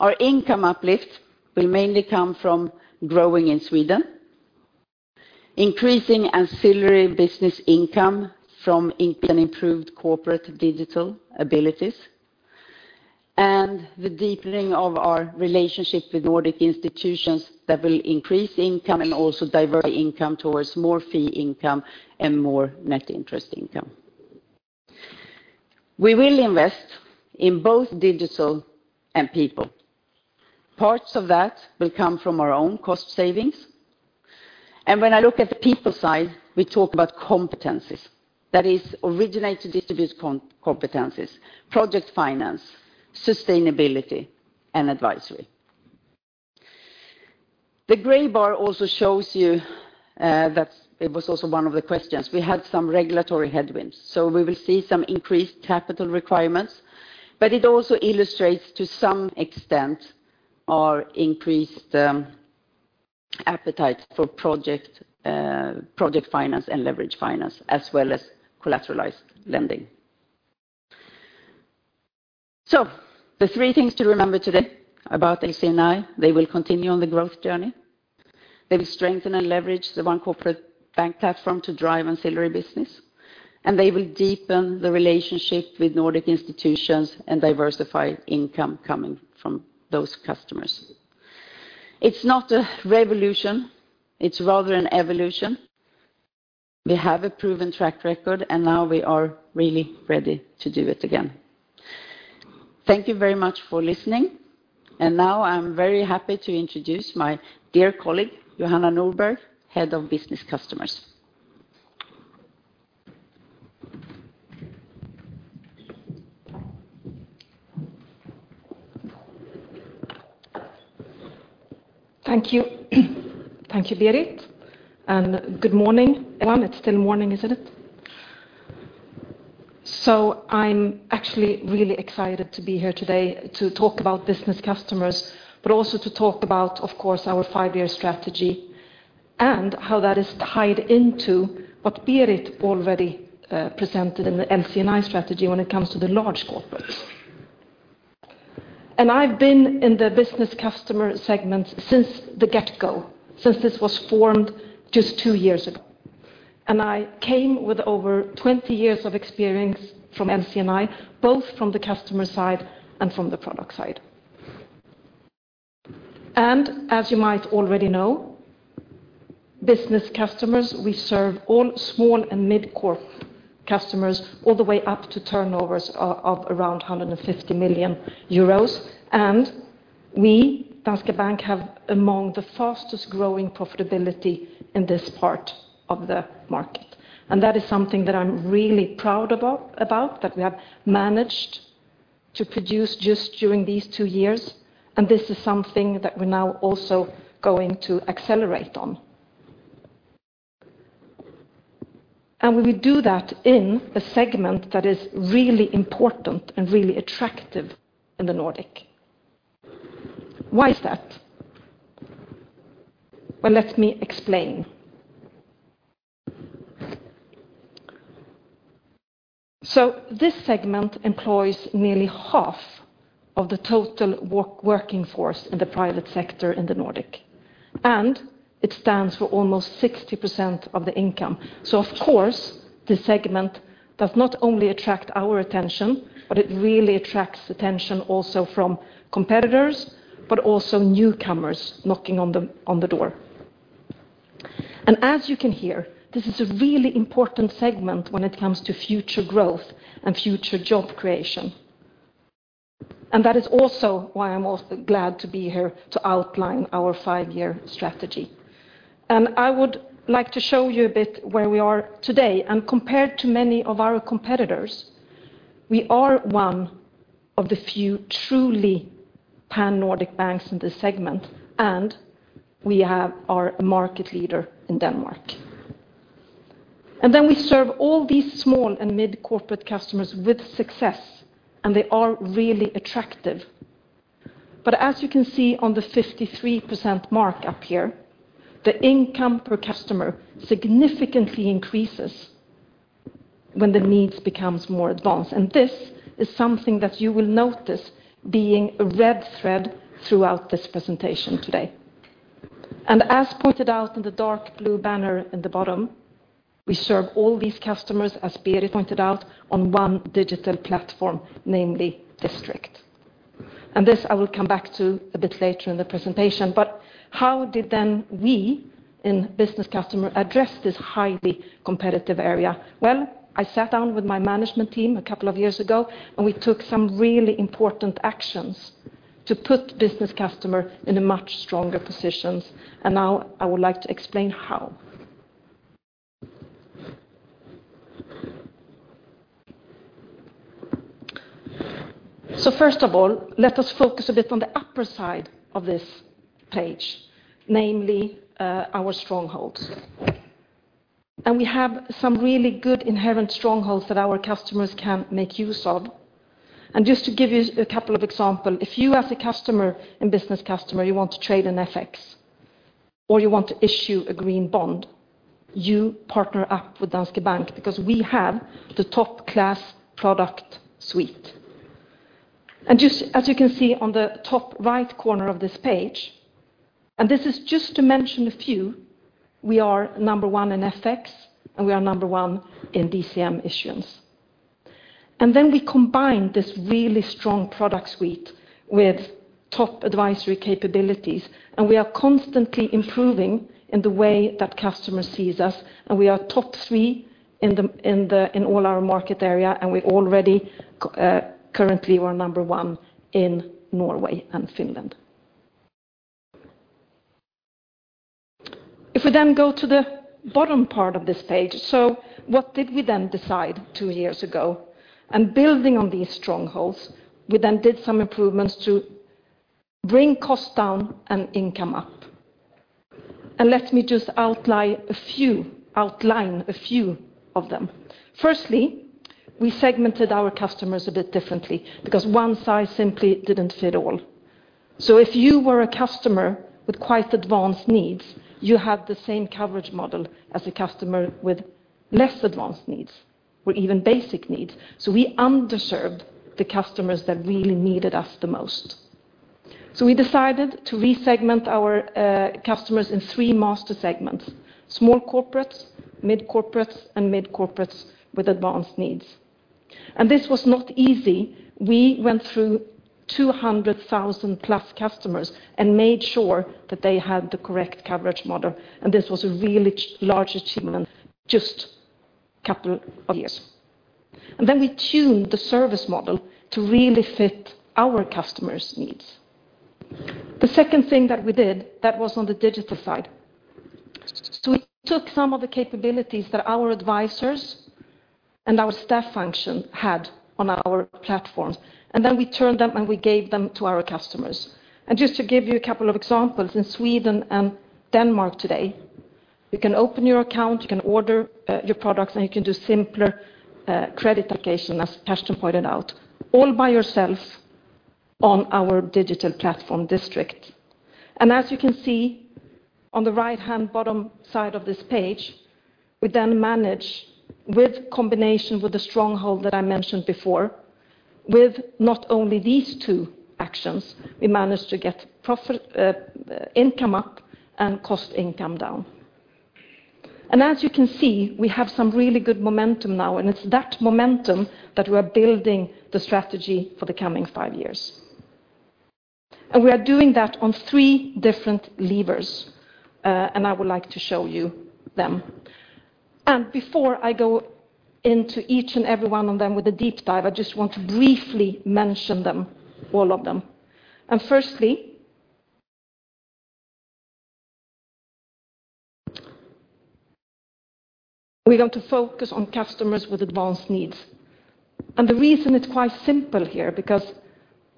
Our income uplift will mainly come from growing in Sweden, increasing ancillary business income from and improved corporate digital abilities, and the deepening of our relationship with Nordic institutions that will increase income and also divert income towards more fee income and more net interest income. We will invest in both digital and people. Parts of that will come from our own cost savings. When I look at the people side, we talk about competencies. That is originate-to-distribute competencies, project finance, sustainability, and advisory. The gray bar also shows you that it was also one of the questions. We had some regulatory headwinds, we will see some increased capital requirements, it also illustrates, to some extent, our increased appetite for project finance and leverage finance, as well as collateralized lending. The three things to remember today about NCNI, they will continue on the growth journey. They will strengthen and leverage the One Corporate Bank platform to drive ancillary business, they will deepen the relationship with Nordic institutions and diversify income coming from those customers. It's not a revolution, it's rather an evolution. We have a proven track record, now we are really ready to do it again. Thank you very much for listening, now I'm very happy to introduce my dear colleague, Johanna Norberg, Head of Business Customers. Thank you. Thank you, Berit, good morning, everyone. It's still morning, isn't it? I'm actually really excited to be here today to talk about business customers, but also to talk about, of course, our five-year strategy and how that is tied into what Berit already presented in the LC&I strategy when it comes to the large corporates. I've been in the business customer segment since the get-go, since this was formed just two years ago, and I came with over 20 years of experience from LC&I, both from the customer side and from the product side. As you might already know, business customers, we serve all small and mid-corp customers, all the way up to turnovers of around 150 million euros. We, Danske Bank, have among the fastest growing profitability in this part of the market. That is something that I'm really proud about that we have managed to produce just during these two years, and this is something that we're now also going to accelerate on. We will do that in a segment that is really important and really attractive in the Nordic. Why is that? Well, let me explain. This segment employs nearly half of the total working force in the private sector in the Nordic, and it stands for almost 60% of the income. Of course, this segment does not only attract our attention, but it really attracts attention also from competitors, but also newcomers knocking on the door. As you can hear, this is a really important segment when it comes to future growth and future job creation. That is also why I'm also glad to be here to outline our five-year strategy. I would like to show you a bit where we are today. Compared to many of our competitors, we are one of the few truly Pan-Nordic banks in this segment, and we are a market leader in Denmark. We serve all these small and mid-corporate customers with success, and they are really attractive. As you can see on the 53% mark up here, the income per customer significantly increases when the needs becomes more advanced. This is something that you will notice being a red thread throughout this presentation today. As pointed out in the dark blue banner at the bottom, we serve all these customers, as Birthe pointed out, on one digital platform, namely District. This, I will come back to a bit later in the presentation. How did then we, in Business Customer, address this highly competitive area? Well, I sat down with my management team a couple of years ago, we took some really important actions to put Business Customer in a much stronger positions. Now I would like to explain how. First of all, let us focus a bit on the upper side of this page, namely, our strongholds. We have some really good inherent strongholds that our customers can make use of. Just to give you a couple of example, if you, as a customer, in Business Customer, you want to trade in FX, or you want to issue a green bond, you partner up with Danske Bank because we have the top-class product suite. Just as you can see on the top right corner of this page. This is just to mention a few. We are number one in FX. We are number one in DCM issuance. We combine this really strong product suite with top advisory capabilities. We are constantly improving in the way that customer sees us. We are top three in the in all our market area. We already currently, we're number one in Norway and Finland. If we then go to the bottom part of this page. What did we then decide two years ago? Building on these strongholds, we then did some improvements to bring costs down and income up. Let me just outline a few of them. We segmented our customers a bit differently because one size simply didn't fit all. If you were a customer with quite advanced needs, you have the same coverage model as a customer with less advanced needs or even basic needs. We underserved the customers that really needed us the most. We decided to resegment our customers in three master segments: small corporates, mid corporates, and mid corporates with advanced needs. This was not easy. We went through 200,000 plus customers and made sure that they had the correct coverage model, and this was a really large achievement in just a couple of years. We tuned the service model to really fit our customers' needs. The second thing that we did, that was on the digital side. We took some of the capabilities that our advisors and our staff function had on our platforms, then we turned them, and we gave them to our customers. Just to give you a couple of examples, in Sweden and Denmark today, you can open your account, you can order your products, and you can do simpler credit application, as Carsten pointed out, all by yourself on our digital platform, District. As you can see on the right-hand bottom side of this page, we then manage, with combination with the stronghold that I mentioned before, with not only these two actions, we managed to get profit income up and cost income down. As you can see, we have some really good momentum now, and it's that momentum that we're building the strategy for the coming five years. We are doing that on three different levers, and I would like to show you them. Before I go into each and every one of them with a deep dive, I just want to briefly mention them, all of them. Firstly, we're going to focus on customers with advanced needs. The reason it's quite simple here, because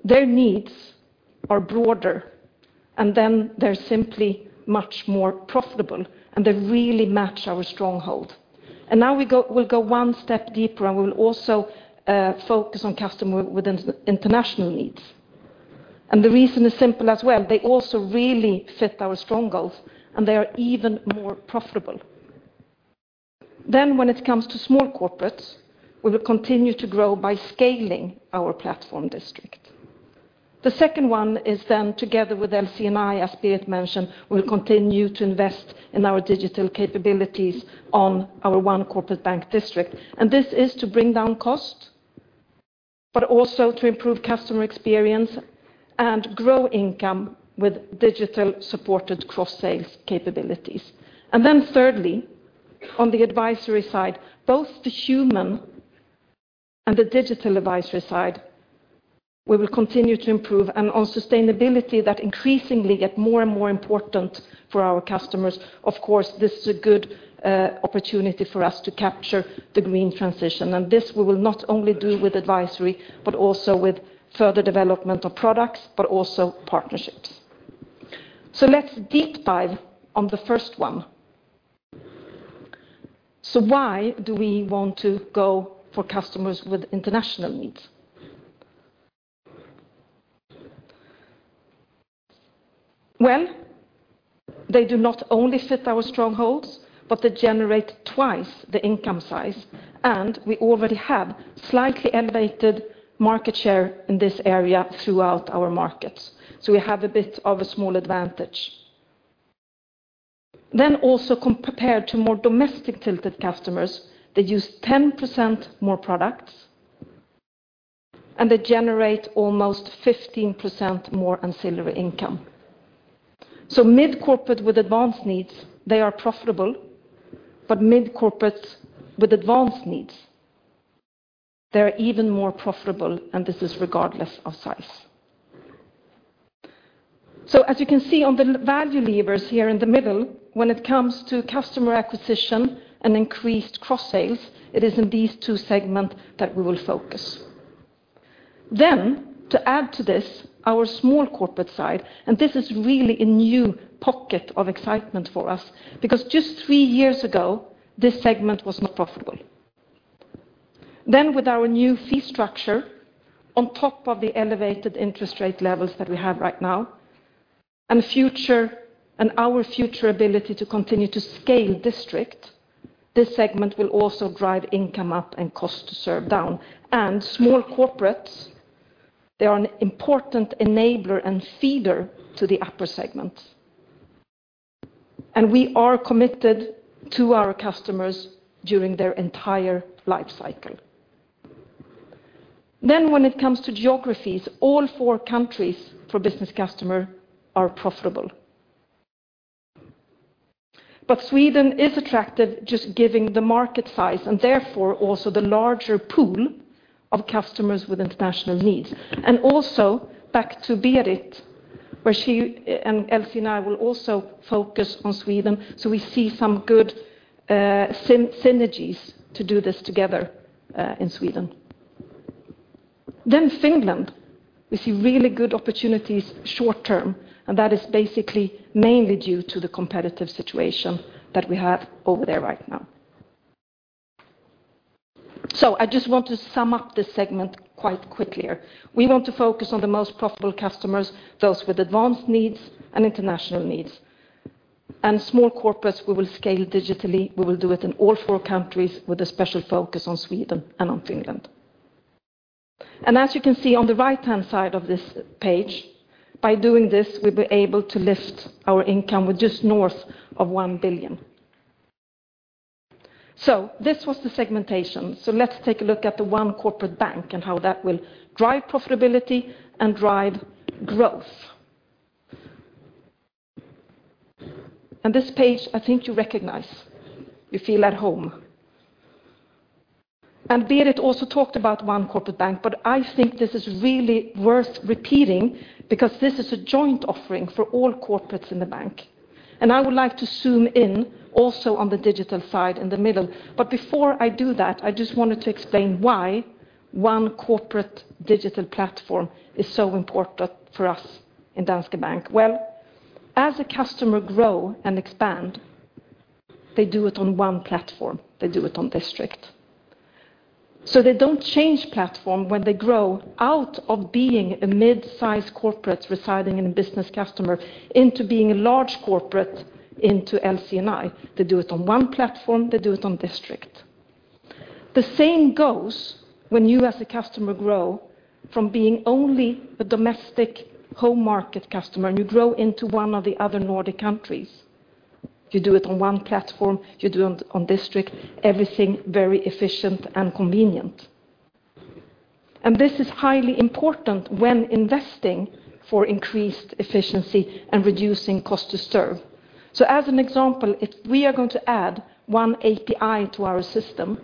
their needs are broader, and then they're simply much more profitable, and they really match our stronghold. Now we'll go one step deeper, and we'll also focus on customer with international needs. The reason is simple as well. They also really fit our strongholds, and they are even more profitable. When it comes to small corporates, we will continue to grow by scaling our platform District. The second one is then, together with LC&I, as Birthe mentioned, we'll continue to invest in our digital capabilities on our One Corporate Bank District. This is to bring down cost, but also to improve customer experience and grow income with digital-supported cross-sales capabilities. Thirdly, on the advisory side, both the human and the digital advisory side, we will continue to improve. On sustainability, that increasingly get more and more important for our customers, of course, this is a good opportunity for us to capture the green transition. This we will not only do with advisory, but also with further development of products, but also partnerships. Let's deep dive on the first one. Why do we want to go for customers with international needs? Well, they do not only fit our strongholds, but they generate twice the income size, and we already have slightly elevated market share in this area throughout our markets. We have a bit of a small advantage. Also compared to more domestic-tilted customers, they use 10% more products, and they generate almost 15% more ancillary income. Mid-corporate with advanced needs, they are profitable, but mid-corporates with advanced needs, they are even more profitable, and this is regardless of size. As you can see on the value levers here in the middle, when it comes to customer acquisition and increased cross sales, it is in these two segment that we will focus. To add to this, our small corporate side, and this is really a new pocket of excitement for us, because just three years ago, this segment was not profitable. With our new fee structure, on top of the elevated interest rate levels that we have right now, and our future ability to continue to scale District, this segment will also drive income up and cost to serve down. Small corporates, they are an important enabler and feeder to the upper segments. We are committed to our customers during their entire life cycle. When it comes to geographies, all four countries for business customer are profitable. Sweden is attractive just giving the market size, and therefore, also the larger pool of customers with international needs. Also back to Berit, where she and Elsie and I will also focus on Sweden, we see some good synergies to do this together in Sweden. Finland, we see really good opportunities short term, and that is basically mainly due to the competitive situation that we have over there right now. I just want to sum up this segment quite quickly here. We want to focus on the most profitable customers, those with advanced needs and international needs. Small corporates, we will scale digitally. We will do it in all four countries with a special focus on Sweden and on Finland. As you can see on the right-hand side of this page, by doing this, we'll be able to lift our income with just north of 1 billion. This was the segmentation. Let's take a look at the One Corporate Bank and how that will drive profitability and drive growth. This page, I think you recognize. You feel at home. Berit also talked about One Corporate Bank, but I think this is really worth repeating because this is a joint offering for all corporates in the bank. I would like to zoom in also on the digital side in the middle. Before I do that, I just wanted to explain why One Corporate digital platform is so important for us in Danske Bank. Well, as a customer grow and expand, they do it on one platform, they do it on District. They don't change platform when they grow out of being a mid-sized corporate residing in a business customer into being a large corporate into LC&I. They do it on one platform, they do it on District. The same goes when you, as a customer, grow from being only a domestic home market customer, and you grow into one of the other Nordic countries. You do it on one platform, you do it on District, everything very efficient and convenient. This is highly important when investing for increased efficiency and reducing cost to serve. As an example, if we are going to add one API to our system,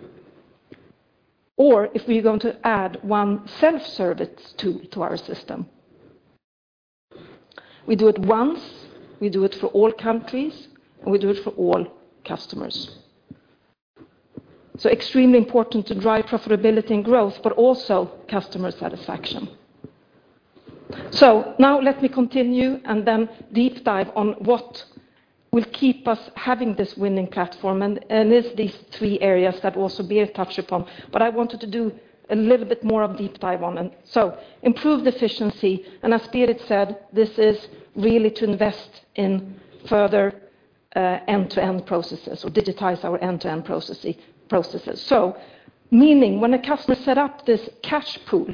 or if we are going to add one self-service to our system, we do it once, we do it for all countries, and we do it for all customers. Extremely important to drive profitability and growth, but also customer satisfaction. Now let me continue and then deep dive on what will keep us having this winning platform, and it's these three areas that also Berit touched upon. I wanted to do a little bit more of deep dive on them. Improved efficiency, and as Berit said, this is really to invest in further end-to-end processes or digitize our end-to-end processes. Meaning, when a customer set up this cash pool,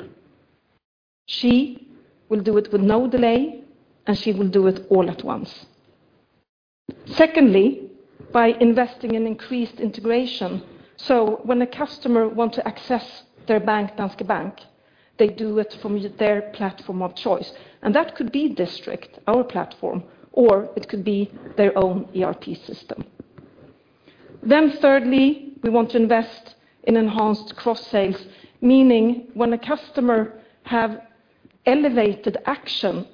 she will do it with no delay, and she will do it all at once. Secondly, by investing in increased integration, when a customer want to access their bank, Danske Bank, they do it from their platform of choice, and that could be District, our platform, or it could be their own ERP system. Thirdly, we want to invest in enhanced cross-sales, meaning when a customer have elevated action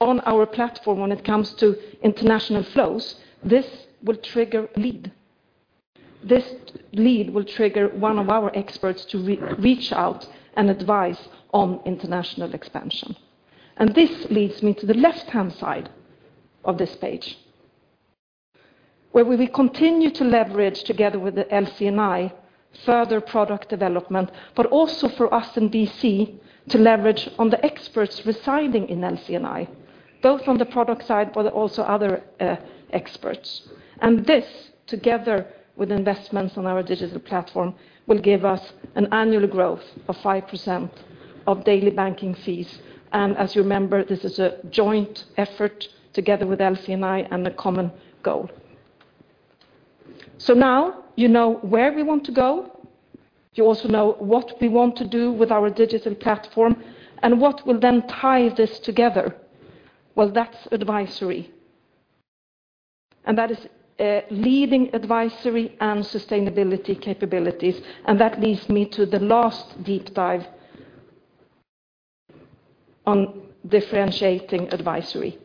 on our platform when it comes to international flows, this will trigger a lead. This lead will trigger one of our experts to reach out and advise on international expansion. This leads me to the left-hand side of this page, where we will continue to leverage together with the LC&I, further product development, but also for us in BC, to leverage on the experts residing in LC&I, both on the product side, but also other experts. This, together with investments on our digital platform, will give us an annual growth of 5% of daily banking fees. As you remember, this is a joint effort together with LC&I and a common goal. Now you know where we want to go, you also know what we want to do with our digital platform, what will then tie this together? Well, that's advisory. That is leading advisory and sustainability capabilities, that leads me to the last deep dive on differentiating advisory.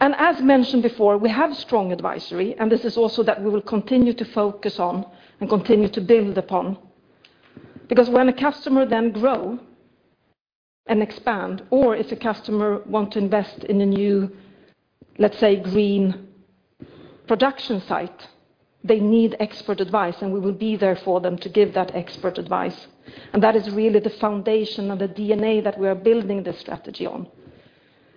As mentioned before, we have strong advisory, and this is also that we will continue to focus on and continue to build upon. When a customer then grow and expand, or if a customer want to invest in a new, let's say, green production site, they need expert advice, and we will be there for them to give that expert advice. That is really the foundation of the DNA that we are building this strategy on.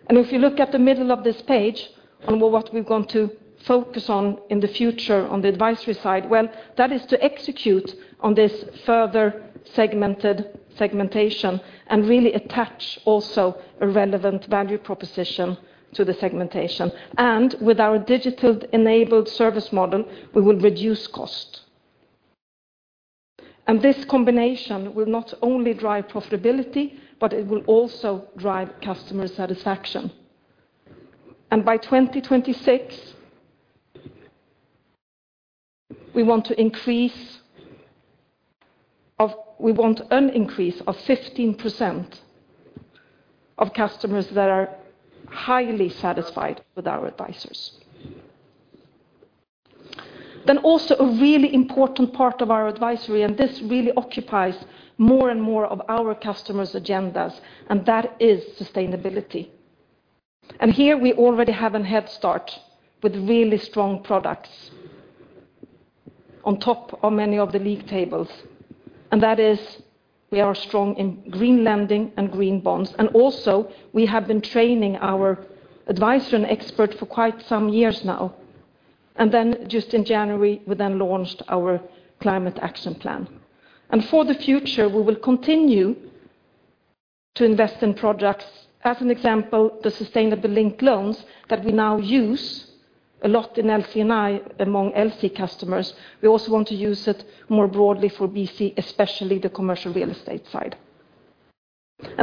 If you look at the middle of this page on what we're going to focus on in the future on the advisory side, well, that is to execute on this further segmented segmentation and really attach also a relevant value proposition to the segmentation. With our digital-enabled service model, we will reduce cost. This combination will not only drive profitability, but it will also drive customer satisfaction. By 2026, we want an increase of 15% of customers that are highly satisfied with our advisors. Also a really important part of our advisory, this really occupies more and more of our customers' agendas, that is sustainability. Here we already have a head start with really strong products on top of many of the league tables, that is we are strong in green lending and green bonds. Also, we have been training our advisor and expert for quite some years now. Just in January, we launched our Climate Action Plan. For the future, we will continue to invest in products. As an example, the sustainability-linked loans that we now use a lot in LC&I among LC customers, we also want to use it more broadly for BC, especially the commercial real estate side.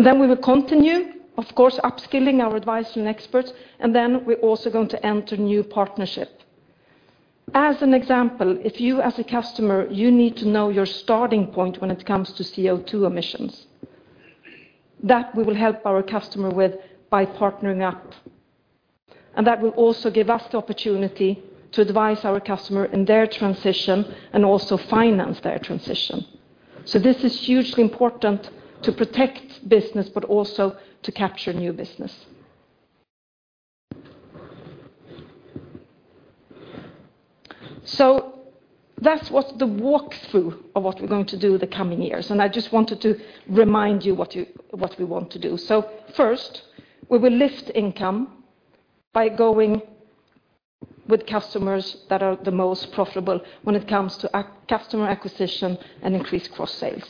Then we will continue, of course, upskilling our advisory and experts, and then we're also going to enter new partnership. As an example, if you, as a customer, you need to know your starting point when it comes to CO2 emissions, that we will help our customer with by partnering up. That will also give us the opportunity to advise our customer in their transition and also finance their transition. This is hugely important to protect business, but also to capture new business. That's what the walk through of what we're going to do the coming years, and I just wanted to remind you what we want to do. First, we will lift income by going with customers that are the most profitable when it comes to customer acquisition and increased cross sales.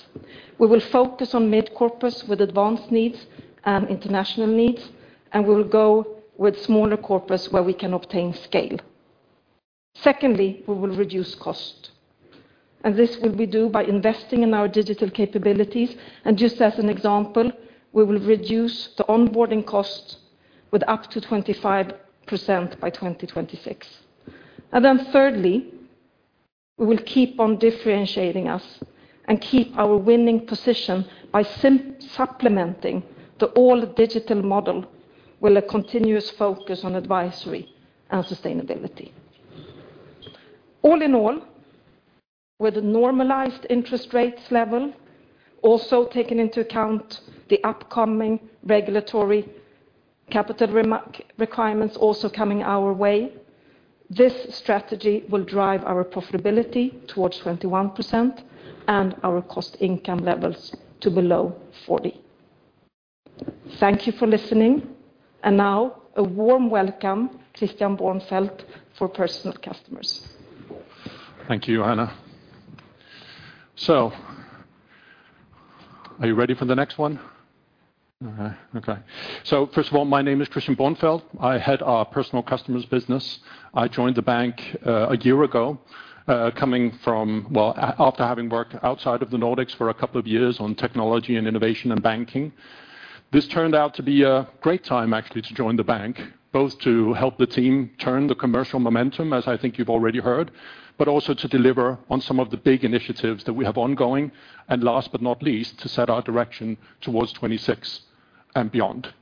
We will focus on mid corporates with advanced needs and international needs, and we will go with smaller corporates where we can obtain scale. Secondly, we will reduce cost, this will be done by investing in our digital capabilities. Just as an example, we will reduce the onboarding cost with up to 25% by 2026. Thirdly, we will keep on differentiating us and keep our winning position by supplementing the all digital model with a continuous focus on advisory and sustainability. All in all, with the normalized interest rates level, also taking into account the upcoming regulatory capital requirements also coming our way, this strategy will drive our profitability towards 21% and our cost income levels to below 40. Thank you for listening. Now, a warm welcome, Christian Bornfeld, for personal customers. Thank you, Johanna. Are you ready for the next one? Okay. First of all, my name is Christian Bornfeld. I head our Personal Customers business. I joined the bank a year ago, coming from... Well, after having worked outside of the Nordics for a couple of years on technology and innovation and banking. This turned out to be a great time, actually, to join the bank, both to help the team turn the commercial momentum, as I think you've already heard, but also to deliver on some of the big initiatives that we have ongoing, and last but not least, to set our direction towards 2026 and beyond.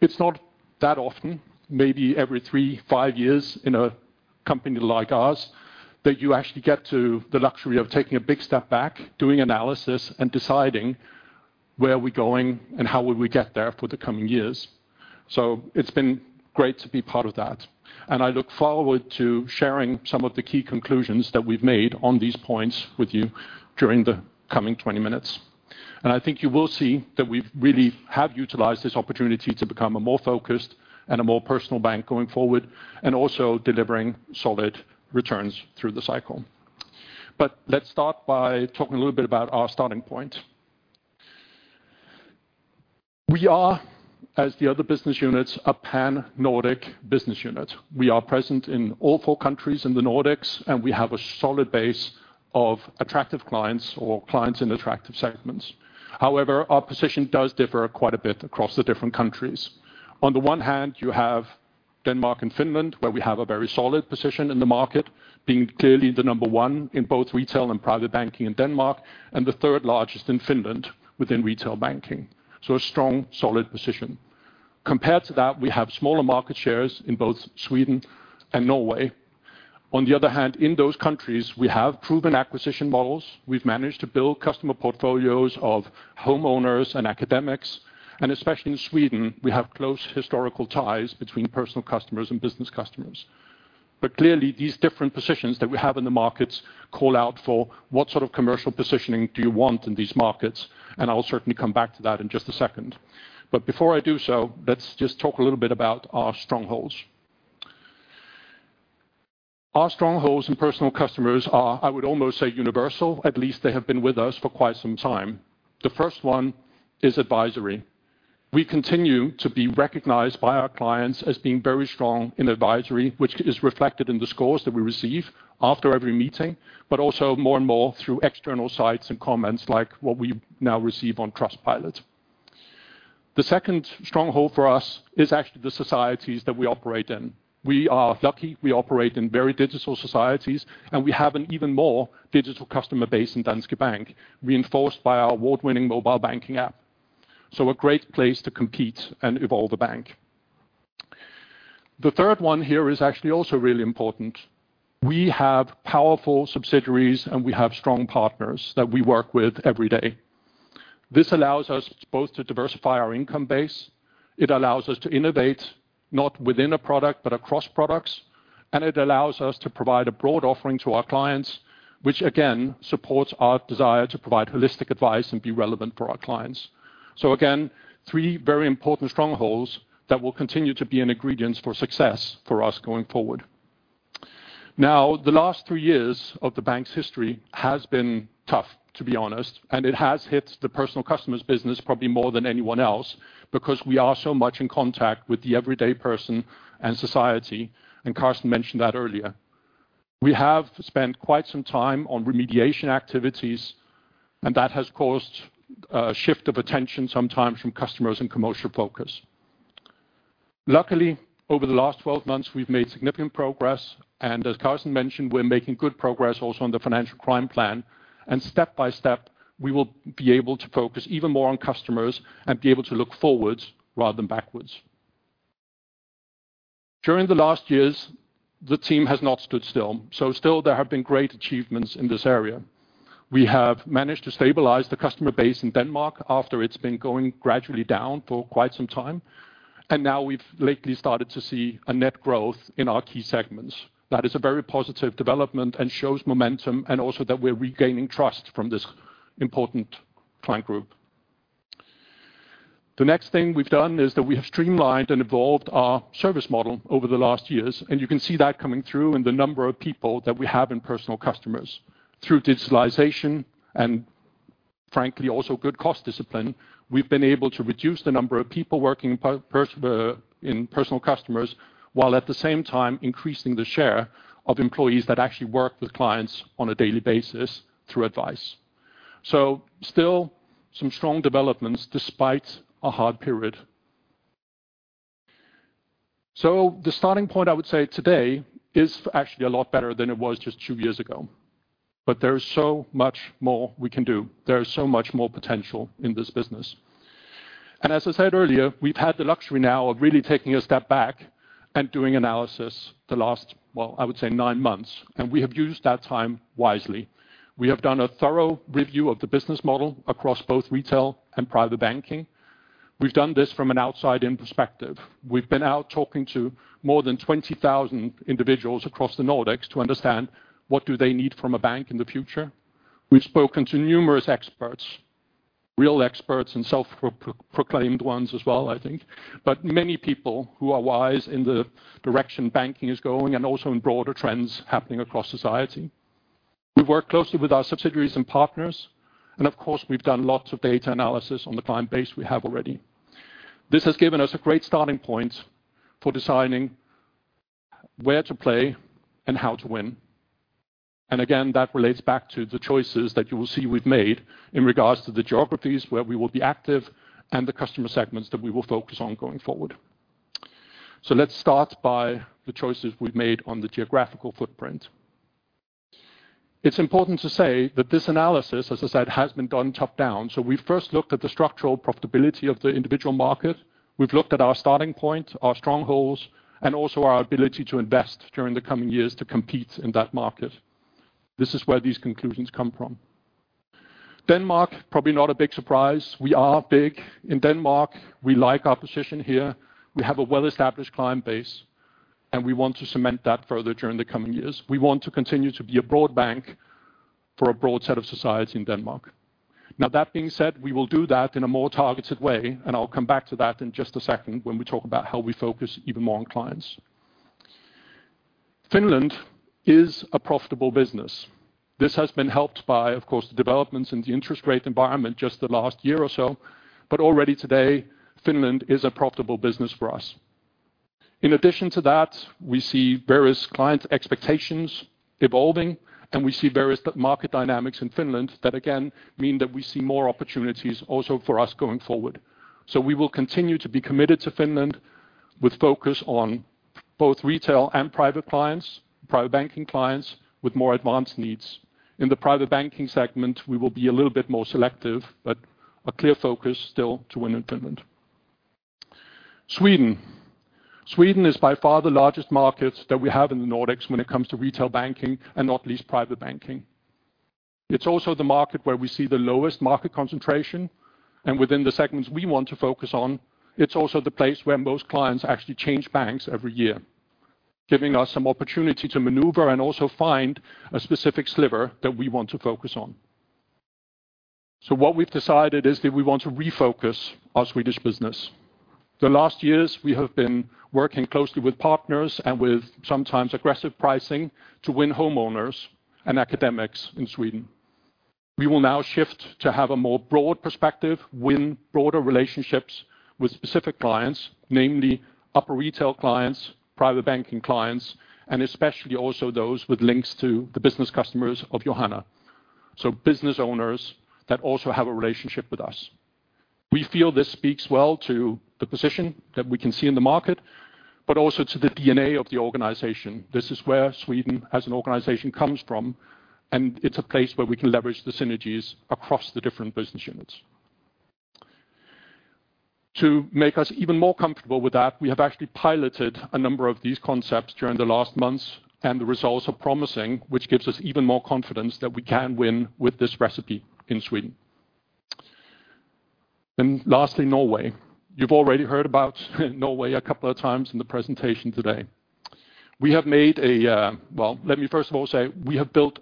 It's not that often, maybe every three, five years in a company like ours, that you actually get to the luxury of taking a big step back, doing analysis, and deciding where are we going and how will we get there for the coming years. It's been great to be part of that, and I look forward to sharing some of the key conclusions that we've made on these points with you during the coming 20 minutes. I think you will see that we really have utilized this opportunity to become a more focused and a more personal bank going forward, and also delivering solid returns through the cycle. Let's start by talking a little bit about our starting point. We are, as the other business units, a Pan-Nordic business unit. We are present in all four countries in the Nordics. We have a solid base of attractive clients or clients in attractive segments. However, our position does differ quite a bit across the different countries. On the one hand, you have Denmark and Finland, where we have a very solid position in the market, being clearly the number one in both retail and private banking in Denmark, and the third largest in Finland within retail banking. A strong, solid position. Compared to that, we have smaller market shares in both Sweden and Norway. On the other hand, in those countries, we have proven acquisition models. We've managed to build customer portfolios of homeowners and academics, and especially in Sweden, we have close historical ties between personal customers and business customers. Clearly, these different positions that we have in the markets call out for what sort of commercial positioning do you want in these markets, and I'll certainly come back to that in just a second. Before I do so, let's just talk a little bit about our strongholds. Our strongholds and personal customers are, I would almost say, universal. At least they have been with us for quite some time. The first one is advisory. We continue to be recognized by our clients as being very strong in advisory, which is reflected in the scores that we receive after every meeting, but also more and more through external sites and comments like what we now receive on Trustpilot. The second stronghold for us is actually the societies that we operate in. We are lucky, we operate in very digital societies, and we have an even more digital customer base in Danske Bank, reinforced by our award-winning mobile banking app. A great place to compete and evolve the bank. The third one here is actually also really important. We have powerful subsidiaries, we have strong partners that we work with every day. This allows us both to diversify our income base, it allows us to innovate, not within a product, but across products, and it allows us to provide a broad offering to our clients, which again, supports our desire to provide holistic advice and be relevant for our clients. Again, three very important strongholds that will continue to be an ingredient for success for us going forward. The last three years of the bank's history has been tough, to be honest, it has hit the personal customers business probably more than anyone else, because we are so much in contact with the everyday person and society, Carsten mentioned that earlier. We have spent quite some time on remediation activities, that has caused a shift of attention, sometimes from customers and commercial focus. Luckily, over the last 12 months, we've made significant progress, as Carsten mentioned, we're making good progress also on the financial crime plan, step by step, we will be able to focus even more on customers and be able to look forwards rather than backwards. During the last years, the team has not stood still there have been great achievements in this area. We have managed to stabilize the customer base in Denmark after it's been going gradually down for quite some time, and now we've lately started to see a net growth in our key segments. That is a very positive development and shows momentum, and also that we're regaining trust from this important client group. The next thing we've done is that we have streamlined and evolved our service model over the last years, and you can see that coming through in the number of people that we have in Personal Customers. Through digitalization, and frankly, also good cost discipline, we've been able to reduce the number of people working in Personal Customers, while at the same time increasing the share of employees that actually work with clients on a daily basis through advice. Still some strong developments despite a hard period. The starting point, I would say today, is actually a lot better than it was just two years ago. There is so much more we can do. There is so much more potential in this business. As I said earlier, we've had the luxury now of really taking a step back and doing analysis the last, well, I would say nine months, and we have used that time wisely. We have done a thorough review of the business model across both retail and private banking. We've done this from an outside-in perspective. We've been out talking to more than 20,000 individuals across the Nordics to understand what do they need from a bank in the future. We've spoken to numerous experts, real experts, and self-proclaimed ones as well, I think. Many people who are wise in the direction banking is going and also in broader trends happening across society. We've worked closely with our subsidiaries and partners, of course, we've done lots of data analysis on the client base we have already. This has given us a great starting point for designing where to play and how to win. Again, that relates back to the choices that you will see we've made in regards to the geographies where we will be active, and the customer segments that we will focus on going forward. Let's start by the choices we've made on the geographical footprint. It's important to say that this analysis, as I said, has been done top-down. We first looked at the structural profitability of the individual market. We've looked at our starting point, our strongholds, and also our ability to invest during the coming years to compete in that market. This is where these conclusions come from. Denmark, probably not a big surprise. We are big in Denmark. We like our position here. We have a well-established client base, and we want to cement that further during the coming years. We want to continue to be a broad bank for a broad set of society in Denmark. Now, that being said, we will do that in a more targeted way, and I'll come back to that in just a second when we talk about how we focus even more on clients. Finland is a profitable business. This has been helped by, of course, the developments in the interest rate environment just the last year or so, but already today, Finland is a profitable business for us. In addition to that, we see various client expectations evolving, and we see various market dynamics in Finland that again, mean that we see more opportunities also for us going forward. We will continue to be committed to Finland with focus on both retail and private clients, private banking clients with more advanced needs. In the private banking segment, we will be a little bit more selective, but a clear focus still to win in Finland. Sweden. Sweden is by far the largest market that we have in the Nordics when it comes to retail banking, and not least private banking. It's also the market where we see the lowest market concentration. Within the segments we want to focus on, it's also the place where most clients actually change banks every year, giving us some opportunity to maneuver and also find a specific sliver that we want to focus on. What we've decided is that we want to refocus our Swedish business. The last years, we have been working closely with partners and with sometimes aggressive pricing to win homeowners and academics in Sweden. We will now shift to have a more broad perspective, win broader relationships with specific clients, namely upper retail clients, private banking clients, and especially also those with links to the business customers of Johanna. Business owners that also have a relationship with us. We feel this speaks well to the position that we can see in the market, but also to the DNA of the organization. This is where Sweden as an organization comes from, and it's a place where we can leverage the synergies across the different business units. To make us even more comfortable with that, we have actually piloted a number of these concepts during the last months, and the results are promising, which gives us even more confidence that we can win with this recipe in Sweden. Lastly, Norway. You've already heard about Norway a couple of times in the presentation today. Well, let me first of all say, we have built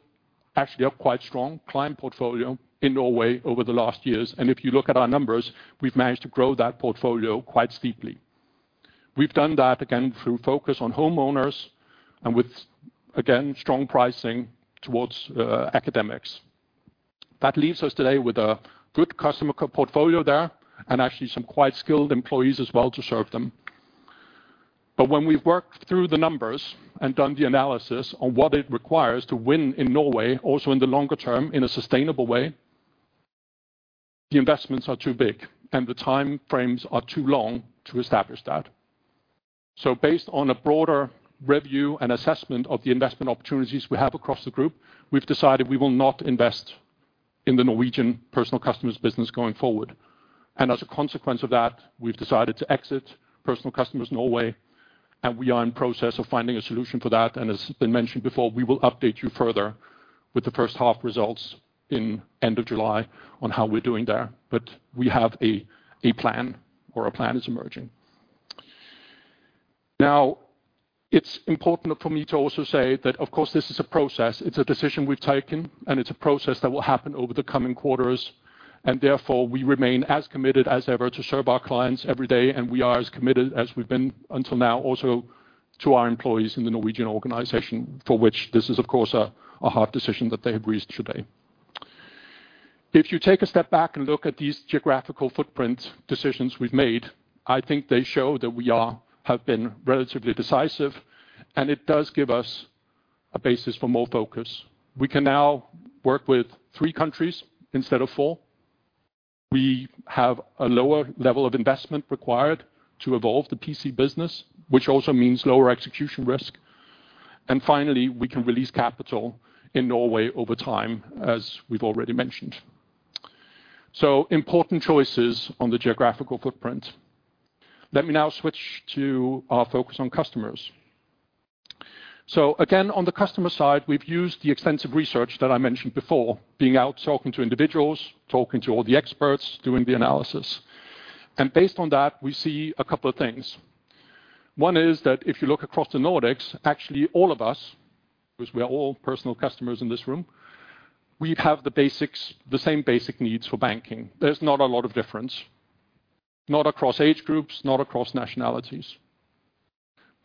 actually a quite strong client portfolio in Norway over the last years, and if you look at our numbers, we've managed to grow that portfolio quite steeply. We've done that again, through focus on homeowners and with, again, strong pricing towards academics. That leaves us today with a good customer portfolio there and actually some quite skilled employees as well to serve them. When we've worked through the numbers and done the analysis on what it requires to win in Norway, also in the longer term, in a sustainable way, the investments are too big and the time frames are too long to establish that. Based on a broader review and assessment of the investment opportunities we have across the group, we've decided we will not invest in the Norwegian personal customers business going forward. As a consequence of that, we've decided to exit Personal Customers Norway, and we are in process of finding a solution for that, and as has been mentioned before, we will update you further with the first half results in end of July on how we're doing there. We have a plan or a plan is emerging. Now, it's important for me to also say that, of course, this is a process. It's a decision we've taken, and it's a process that will happen over the coming quarters, and therefore, we remain as committed as ever to serve our clients every day, and we are as committed as we've been until now, also to our employees in the Norwegian organization, for which this is, of course, a hard decision that they have reached today. If you take a step back and look at these geographical footprint decisions we've made, I think they show that we have been relatively decisive. It does give us a basis for more focus. We can now work with three countries instead of four. We have a lower level of investment required to evolve the PC business, which also means lower execution risk. Finally, we can release capital in Norway over time, as we've already mentioned. Important choices on the geographical footprint. Let me now switch to our focus on customers. Again, on the customer side, we've used the extensive research that I mentioned before, being out, talking to individuals, talking to all the experts, doing the analysis. Based on that, we see a couple of things. One is that if you look across the Nordics, actually, all of us, because we are all personal customers in this room, we have the same basic needs for banking. There's not a lot of difference, not across age groups, not across nationalities.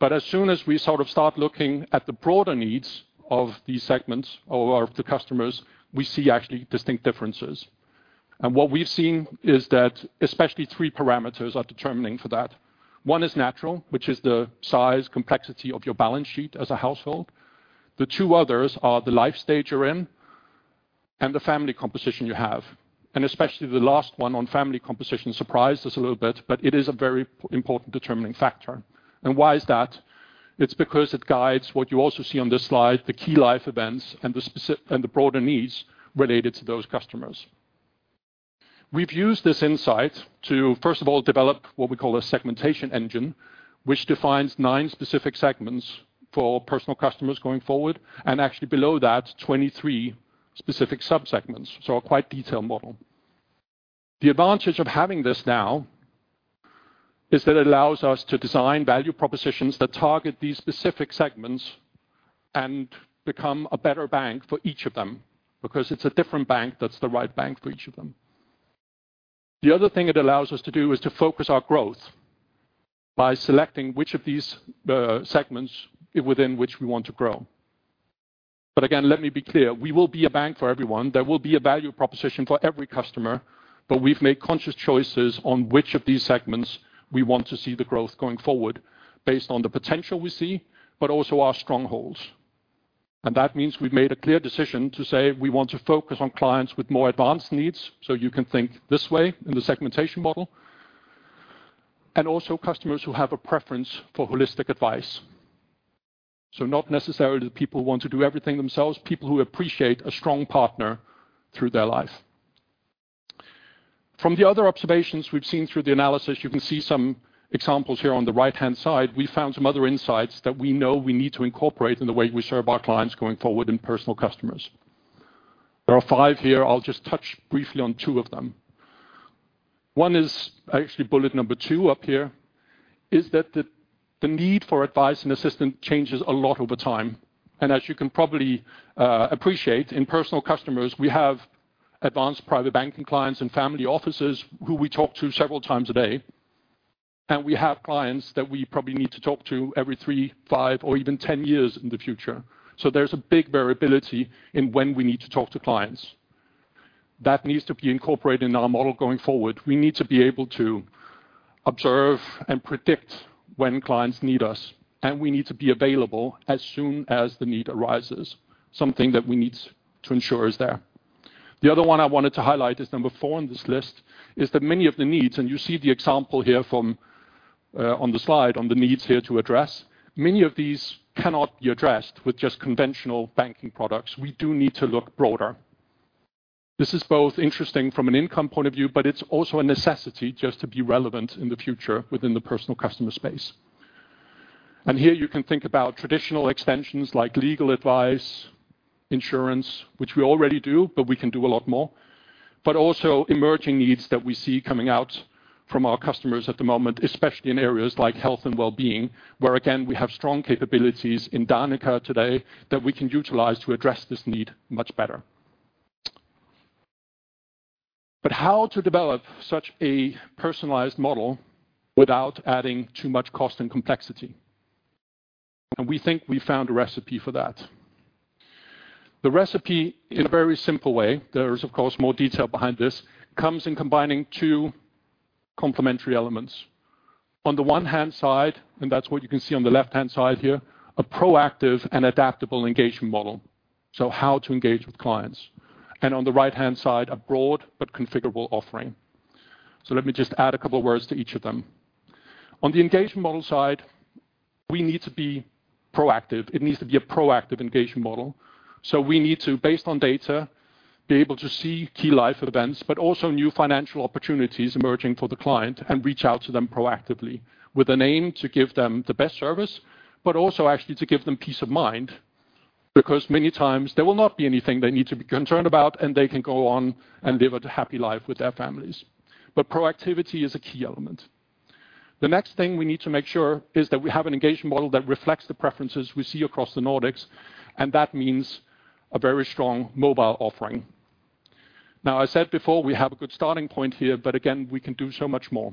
As soon as we sort of start looking at the broader needs of these segments or of the customers, we see actually distinct differences. What we've seen is that especially three parameters are determining for that. One is natural, which is the size, complexity of your balance sheet as a household. The two others are the life stage you're in and the family composition you have, and especially the last one on family composition surprised us a little bit, but it is a very important determining factor. Why is that? It's because it guides what you also see on this slide, the key life events and the broader needs related to those customers. We've used this insight to, first of all, develop what we call a segmentation engine, which defines nine specific segments for personal customers going forward, and actually below that, 23 specific subsegments, so a quite detailed model. The advantage of having this now is that it allows us to design value propositions that target these specific segments and become a better bank for each of them, because it's a different bank that's the right bank for each of them. The other thing it allows us to do is to focus our growth by selecting which of these segments within which we want to grow. Again, let me be clear, we will be a bank for everyone. There will be a value proposition for every customer, but we've made conscious choices on which of these segments we want to see the growth going forward, based on the potential we see, but also our strongholds. That means we've made a clear decision to say we want to focus on clients with more advanced needs, so you can think this way in the segmentation model, and also customers who have a preference for holistic advice. Not necessarily the people who want to do everything themselves, people who appreciate a strong partner through their life. From the other observations we've seen through the analysis, you can see some examples here on the right-hand side. We found some other insights that we know we need to incorporate in the way we serve our clients going forward in personal customers. There are five here. I'll just touch briefly on two of them. One is actually bullet number two up here, is that the need for advice and assistance changes a lot over time. As you can probably appreciate, in Personal Customers, we have advanced private banking clients and family offices who we talk to several times a day, and we have clients that we probably need to talk to every three, five, or even 10 years in the future. There's a big variability in when we need to talk to clients. That needs to be incorporated in our model going forward. We need to be able to observe and predict when clients need us, and we need to be available as soon as the need arises, something that we need to ensure is there. The other one I wanted to highlight is number four on this list, is that many of the needs, and you see the example here from on the slide on the needs here to address. Many of these cannot be addressed with just conventional banking products. We do need to look broader. This is both interesting from an income point of view, but it's also a necessity just to be relevant in the future within the personal customer space. Here you can think about traditional extensions like legal advice, insurance, which we already do, but we can do a lot more, but also emerging needs that we see coming out from our customers at the moment, especially in areas like health and well-being, where again, we have strong capabilities in Danica today that we can utilize to address this need much better. How to develop such a personalized model without adding too much cost and complexity? We think we found a recipe for that. The recipe, in a very simple way, there is, of course, more detail behind this, comes in combining two complementary elements. On the one hand side, that's what you can see on the left hand side here, a proactive and adaptable engagement model. How to engage with clients. On the right hand side, a broad but configurable offering. Let me just add a couple words to each of them. On the engagement model side, we need to be proactive. It needs to be a proactive engagement model. We need to, based on data, be able to see key life events, but also new financial opportunities emerging for the client and reach out to them proactively with an aim to give them the best service, but also actually to give them peace of mind, because many times there will not be anything they need to be concerned about, and they can go on and live a happy life with their families. Proactivity is a key element. The next thing we need to make sure is that we have an engagement model that reflects the preferences we see across the Nordics, and that means a very strong mobile offering. I said before, we have a good starting point here, but again, we can do so much more.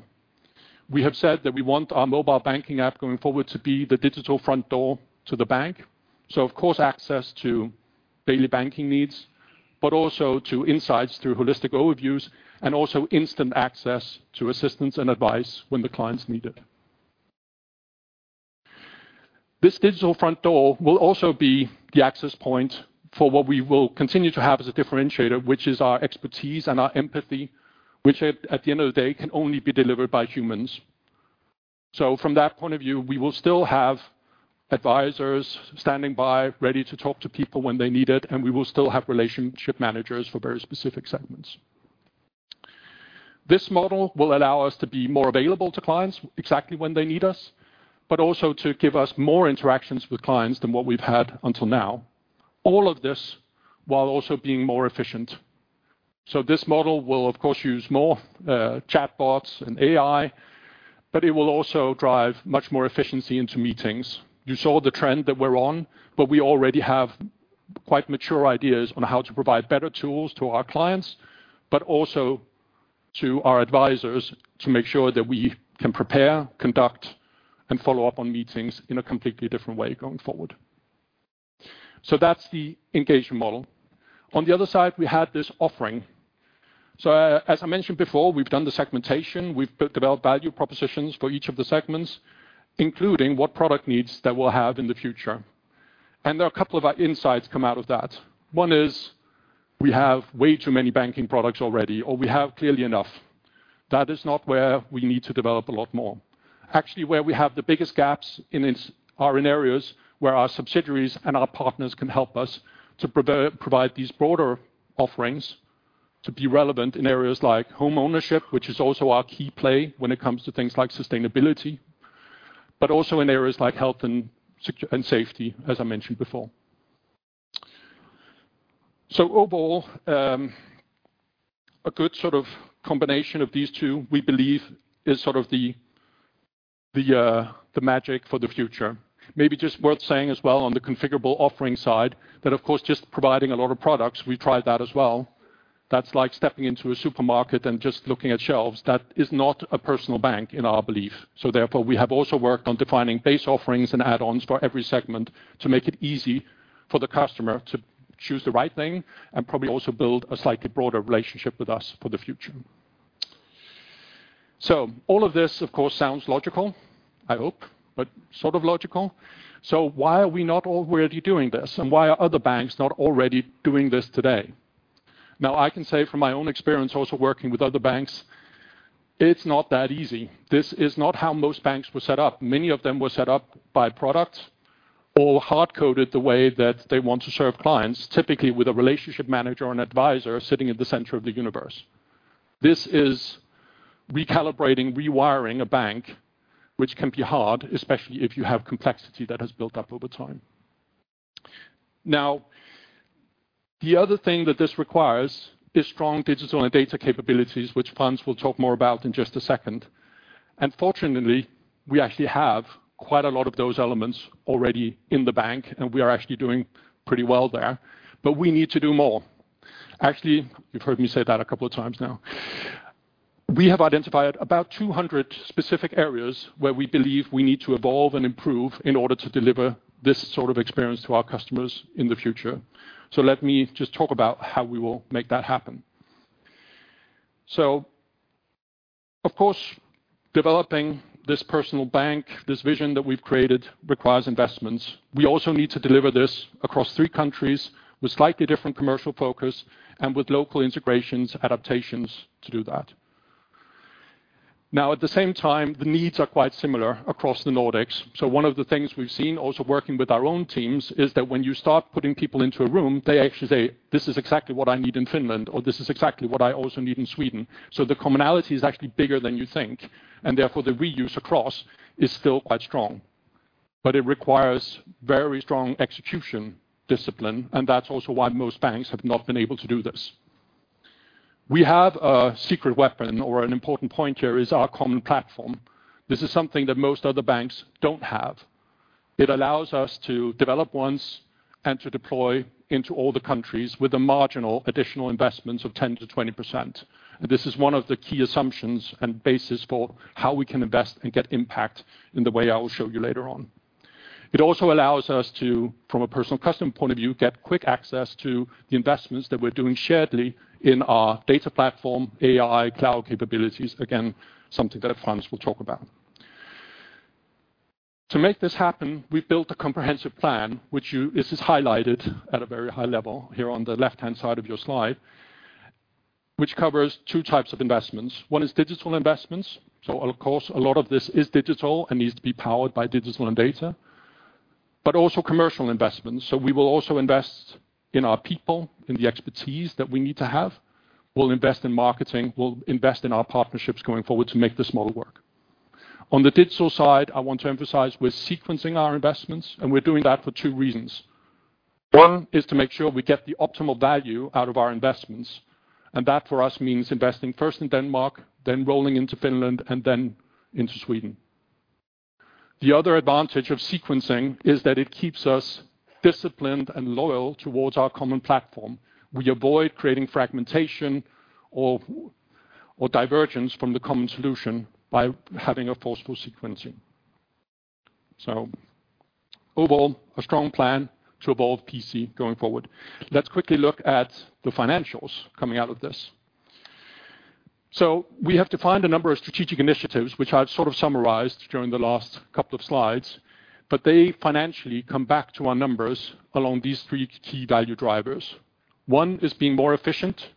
We have said that we want our mobile banking app going forward to be the digital front door to the bank. Of course, access to daily banking needs, but also to insights through holistic overviews and also instant access to assistance and advice when the clients need it. This digital front door will also be the access point for what we will continue to have as a differentiator, which is our expertise and our empathy, which at the end of the day, can only be delivered by humans. From that point of view, we will still have advisors standing by, ready to talk to people when they need it, and we will still have relationship managers for very specific segments. This model will allow us to be more available to clients exactly when they need us, but also to give us more interactions with clients than what we've had until now. All of this while also being more efficient. This model will, of course, use more chatbots and AI, but it will also drive much more efficiency into meetings. You saw the trend that we're on, but we already have quite mature ideas on how to provide better tools to our clients, but also to our advisors to make sure that we can prepare, conduct, and follow up on meetings in a completely different way going forward. That's the engagement model. On the other side, we had this offering. As I mentioned before, we've done the segmentation, we've developed value propositions for each of the segments, including what product needs that we'll have in the future. There are a couple of our insights come out of that. One is, we have way too many banking products already, or we have clearly enough. That is not where we need to develop a lot more. Actually, where we have the biggest gaps in this, are in areas where our subsidiaries and our partners can help us to provide these broader offerings to be relevant in areas like homeownership, which is also our key play when it comes to things like sustainability, but also in areas like health and safety, as I mentioned before. Overall, a good sort of combination of these two, we believe, is sort of the magic for the future. Maybe just worth saying as well on the configurable offering side, that, of course, just providing a lot of products, we tried that as well. That's like stepping into a supermarket and just looking at shelves. That is not a personal bank, in our belief. Therefore, we have also worked on defining base offerings and add-ons for every segment to make it easy for the customer to choose the right thing, and probably also build a slightly broader relationship with us for the future. All of this, of course, sounds logical, I hope, but sort of logical. Why are we not already doing this, and why are other banks not already doing this today? Now, I can say from my own experience, also working with other banks, it's not that easy. This is not how most banks were set up. Many of them were set up by products or hard-coded the way that they want to serve clients, typically with a relationship manager and advisor sitting at the center of the universe. This is recalibrating, rewiring a bank, which can be hard, especially if you have complexity that has built up over time. Now, the other thing that this requires is strong digital and data capabilities, which Frans will talk more about in just a second. Fortunately, we actually have quite a lot of those elements already in the bank, and we are actually doing pretty well there. We need to do more. Actually, you've heard me say that a couple of times now. We have identified about 200 specific areas where we believe we need to evolve and improve in order to deliver this sort of experience to our customers in the future. Let me just talk about how we will make that happen. Of course, developing this personal bank, this vision that we've created, requires investments. We also need to deliver this across three countries with slightly different commercial focus and with local integrations, adaptations to do that. At the same time, the needs are quite similar across the Nordics. One of the things we've seen also working with our own teams, is that when you start putting people into a room, they actually say, "This is exactly what I need in Finland," or, "This is exactly what I also need in Sweden." The commonality is actually bigger than you think, and therefore, the reuse across is still quite strong. It requires very strong execution discipline, and that's also why most banks have not been able to do this. We have a secret weapon, or an important point here is our common platform. This is something that most other banks don't have. It allows us to develop once and to deploy into all the countries with a marginal additional investments of 10%-20%. This is one of the key assumptions and basis for how we can invest and get impact in the way I will show you later on. It also allows us to, from a personal customer point of view, get quick access to the investments that we're doing sharedly in our data platform, AI, cloud capabilities. Again, something that Frans will talk about. To make this happen, we've built a comprehensive plan, which this is highlighted at a very high level here on the left-hand side of your slide, which covers two types of investments. One is digital investments. Of course, a lot of this is digital and needs to be powered by digital and data, but also commercial investments. We will also invest in our people, in the expertise that we need to have. We'll invest in marketing, we'll invest in our partnerships going forward to make this model work. On the digital side, I want to emphasize we're sequencing our investments, and we're doing that for two reasons. One, is to make sure we get the optimal value out of our investments, and that, for us, means investing first in Denmark, then rolling into Finland, and then into Sweden. The other advantage of sequencing is that it keeps us disciplined and loyal towards our common platform. We avoid creating fragmentation or divergence from the common solution by having a forceful sequencing. Overall, a strong plan to evolve PC going forward. Let's quickly look at the financials coming out of this. We have defined a number of strategic initiatives, which I've sort of summarized during the last couple of slides. They financially come back to our numbers along these three key value drivers. One is being more efficient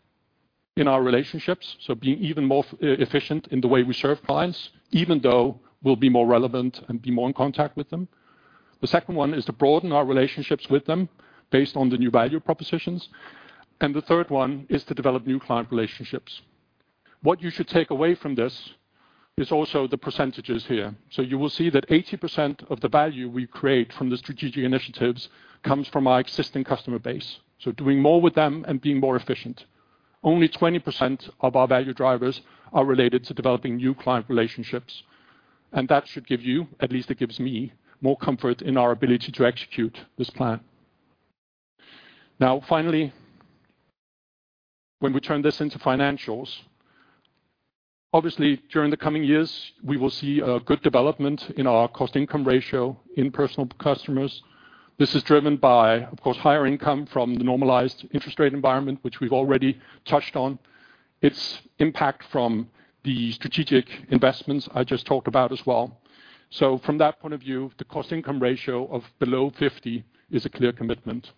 in our relationships, so being even more efficient in the way we serve clients, even though we'll be more relevant and be more in contact with them. The second one is to broaden our relationships with them based on the new value propositions. The third one is to develop new client relationships. What you should take away from this is also the percentages here. You will see that 80% of the value we create from the strategic initiatives comes from our existing customer base, so doing more with them and being more efficient. Only 20% of our value drivers are related to developing new client relationships. That should give you, at least it gives me, more comfort in our ability to execute this plan. Finally, when we turn this into financials, obviously, during the coming years, we will see a good development in our cost-to-income ratio in Personal Customers. This is driven by, of course, higher income from the normalized interest rate environment, which we've already touched on. Its impact from the strategic investments I just talked about as well. From that point of view, the cost-to-income ratio of below 50 is a clear commitment.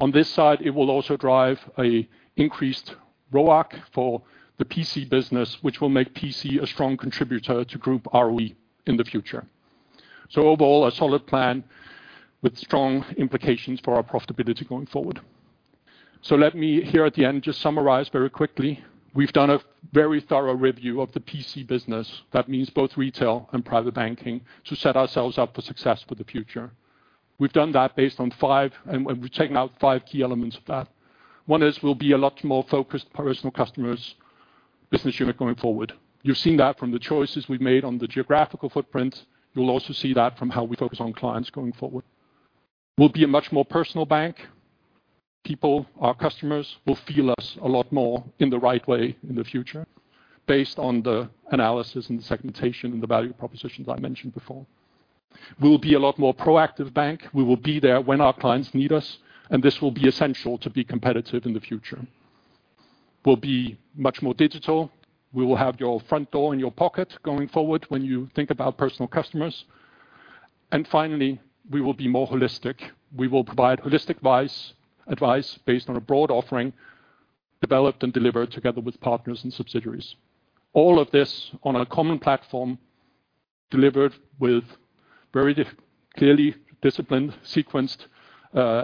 On this side, it will also drive a increased ROAC for the PC business, which will make PC a strong contributor to group ROE in the future. Overall, a solid plan with strong implications for our profitability going forward. Let me here at the end, just summarize very quickly. We've done a very thorough review of the PC business. That means both retail and private banking, to set ourselves up for success for the future. We've done that based on five, and we've taken out five key elements of that. One is we'll be a lot more focused personal customers business unit going forward. You've seen that from the choices we've made on the geographical footprint. You'll also see that from how we focus on clients going forward. We'll be a much more personal bank. People, our customers, will feel us a lot more in the right way in the future, based on the analysis and the segmentation and the value propositions I mentioned before. We'll be a lot more proactive bank. We will be there when our clients need us. This will be essential to be competitive in the future. We'll be much more digital. We will have your front door in your pocket going forward when you think about personal customers. Finally, we will be more holistic. We will provide holistic advice based on a broad offering, developed and delivered together with partners and subsidiaries. All of this on a common platform, delivered with very clearly disciplined, sequenced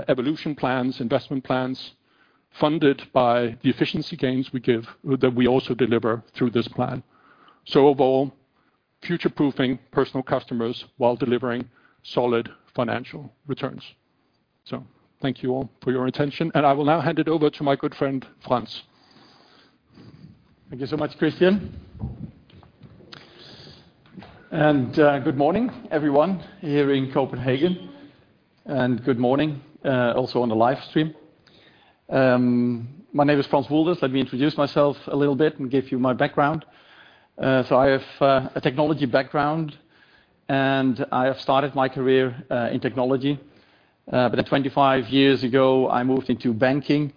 evolution plans, investment plans, funded by the efficiency gains we give, that we also deliver through this plan. Overall, future-proofing personal customers while delivering solid financial returns. Thank you all for your attention, and I will now hand it over to my good friend, Frans. Thank you so much, Christian. Good morning, everyone here in Copenhagen, and good morning also on the live stream. My name is Frans Woelders. Let me introduce myself a little bit and give you my background. I have a technology background, and I have started my career in technology. 25 years ago, I moved into banking,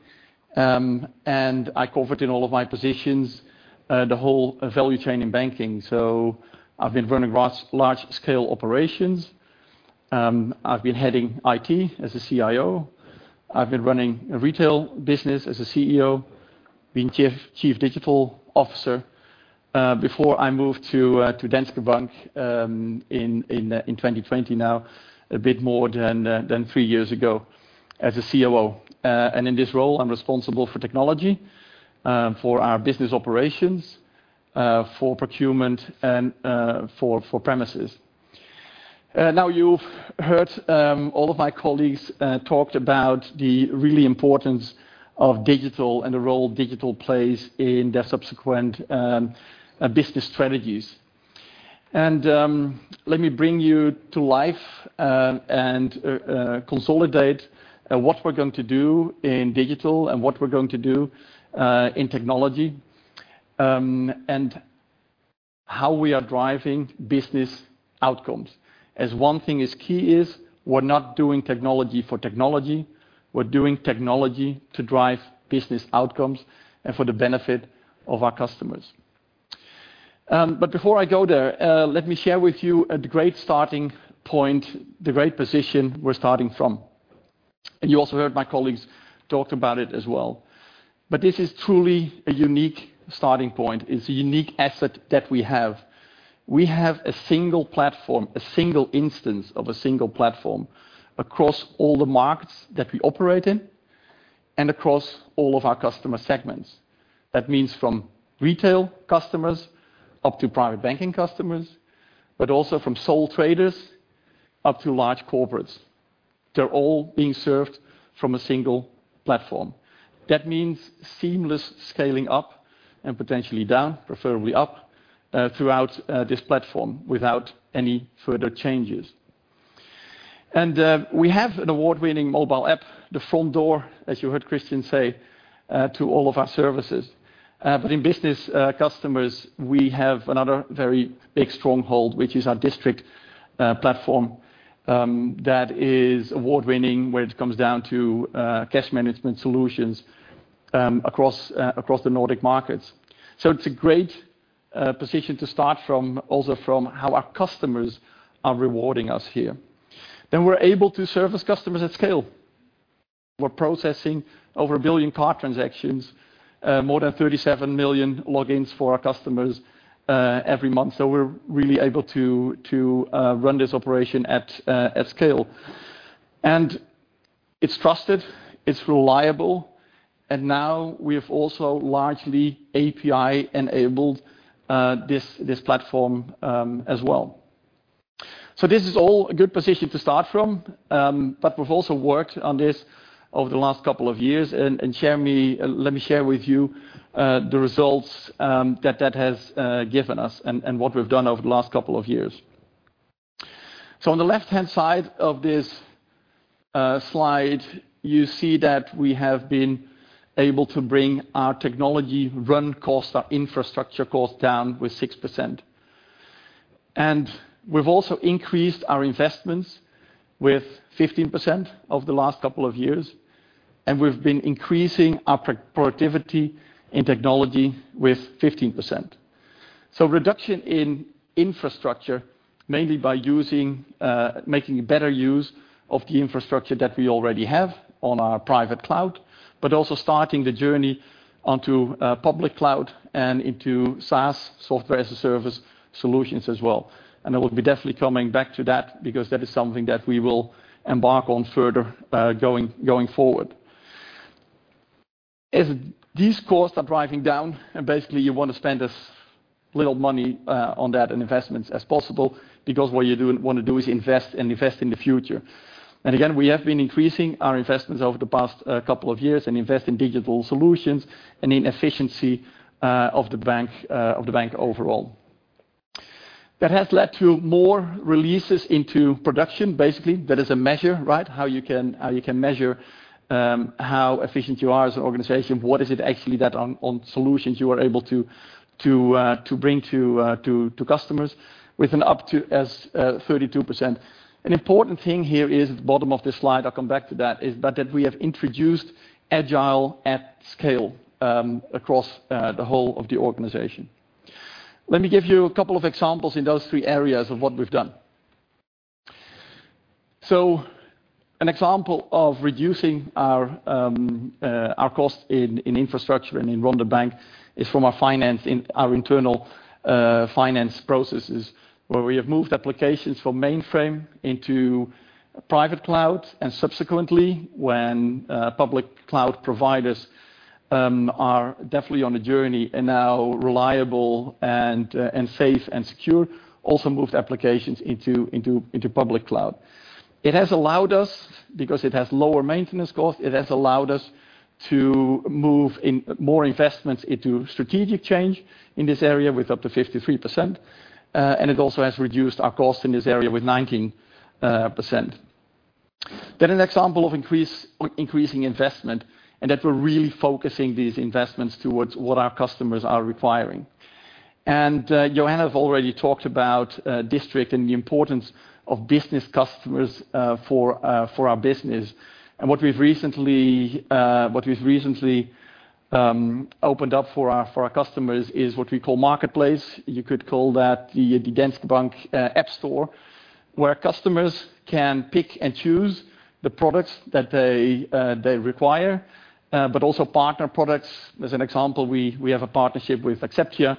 and I covered in all of my positions the whole value chain in banking. I've been running large-scale operations, I've been heading IT as a CIO. I've been running a retail business as a CEO, being Chief Digital Officer, before I moved to Danske Bank in 2020 now, a bit more than three years ago as a COO. In this role, I'm responsible for technology, for our business operations, for procurement, and for premises. Now, you've heard all of my colleagues talked about the really importance of digital and the role digital plays in their subsequent business strategies. Let me bring you to life and consolidate what we're going to do in digital and what we're going to do in technology and how we are driving business outcomes. As one thing is key is, we're not doing technology for technology, we're doing technology to drive business outcomes and for the benefit of our customers. Before I go there, let me share with you the great starting point, the great position we're starting from. You also heard my colleagues talk about it as well. This is truly a unique starting point. It's a unique asset that we have. We have a single platform, a single instance of a single platform across all the markets that we operate in and across all of our customer segments. That means from retail customers up to private banking customers, but also from sole traders up to large corporates. They're all being served from a single platform. That means seamless scaling up and potentially down, preferably up, throughout this platform without any further changes. We have an award-winning mobile app, the front door, as you heard Christian say, to all of our services. In business customers, we have another very big stronghold, which is our District platform, that is award-winning, when it comes down to cash management solutions, across the Nordic markets. It's a great position to start from, also from how our customers are rewarding us here. We're able to service customers at scale. We're processing over 1 billion card transactions, more than 37 million logins for our customers every month. We're really able to run this operation at scale. It's trusted, it's reliable, and now we've also largely API-enabled this platform as well. This is all a good position to start from, but we've also worked on this over the last couple of years, and let me share with you the results that has given us and what we've done over the last couple of years. On the left-hand side of this slide, you see that we have been able to bring our technology run cost, our infrastructure cost down with 6%. We've also increased our investments with 15% over the last couple of years, and we've been increasing our productivity in technology with 15%. Reduction in infrastructure, mainly by using making better use of the infrastructure that we already have on our private cloud, but also starting the journey onto public cloud and into SaaS, Software as a Service, solutions as well. I will be definitely coming back to that because that is something that we will embark on further going forward. As these costs are driving down, basically you want to spend as little money on that and investments as possible, because what you want to do is invest and invest in the future. Again, we have been increasing our investments over the past couple of years and invest in digital solutions and in efficiency of the bank, of the bank overall. That has led to more releases into production. Basically, that is a measure, right? How you can, how you can measure how efficient you are as an organization. What is it actually that on solutions you are able to bring to customers with an up to as 32%. An important thing here is, at the bottom of this slide, I'll come back to that, is that we have introduced agile at scale across the whole of the organization. Let me give you a couple of examples in those three areas of what we've done. An example of reducing our cost in infrastructure and in run the bank is from our finance in our internal finance processes, where we have moved applications from mainframe into private cloud, and subsequently, when public cloud providers are definitely on a journey and now reliable and safe and secure, also moved applications into public cloud. It has allowed us, because it has lower maintenance costs, it has allowed us to move in more investments into strategic change in this area with up to 53%, and it also has reduced our costs in this area with 19%. An example of increasing investment, and that we're really focusing these investments towards what our customers are requiring. Johanna has already talked about District and the importance of business customers for our business. What we've recently opened up for our customers is what we call Marketplace. You could call that the Danske Bank App Store, where customers can pick and choose the products that they require, but also partner products. As an example, we have a partnership with Axeptia,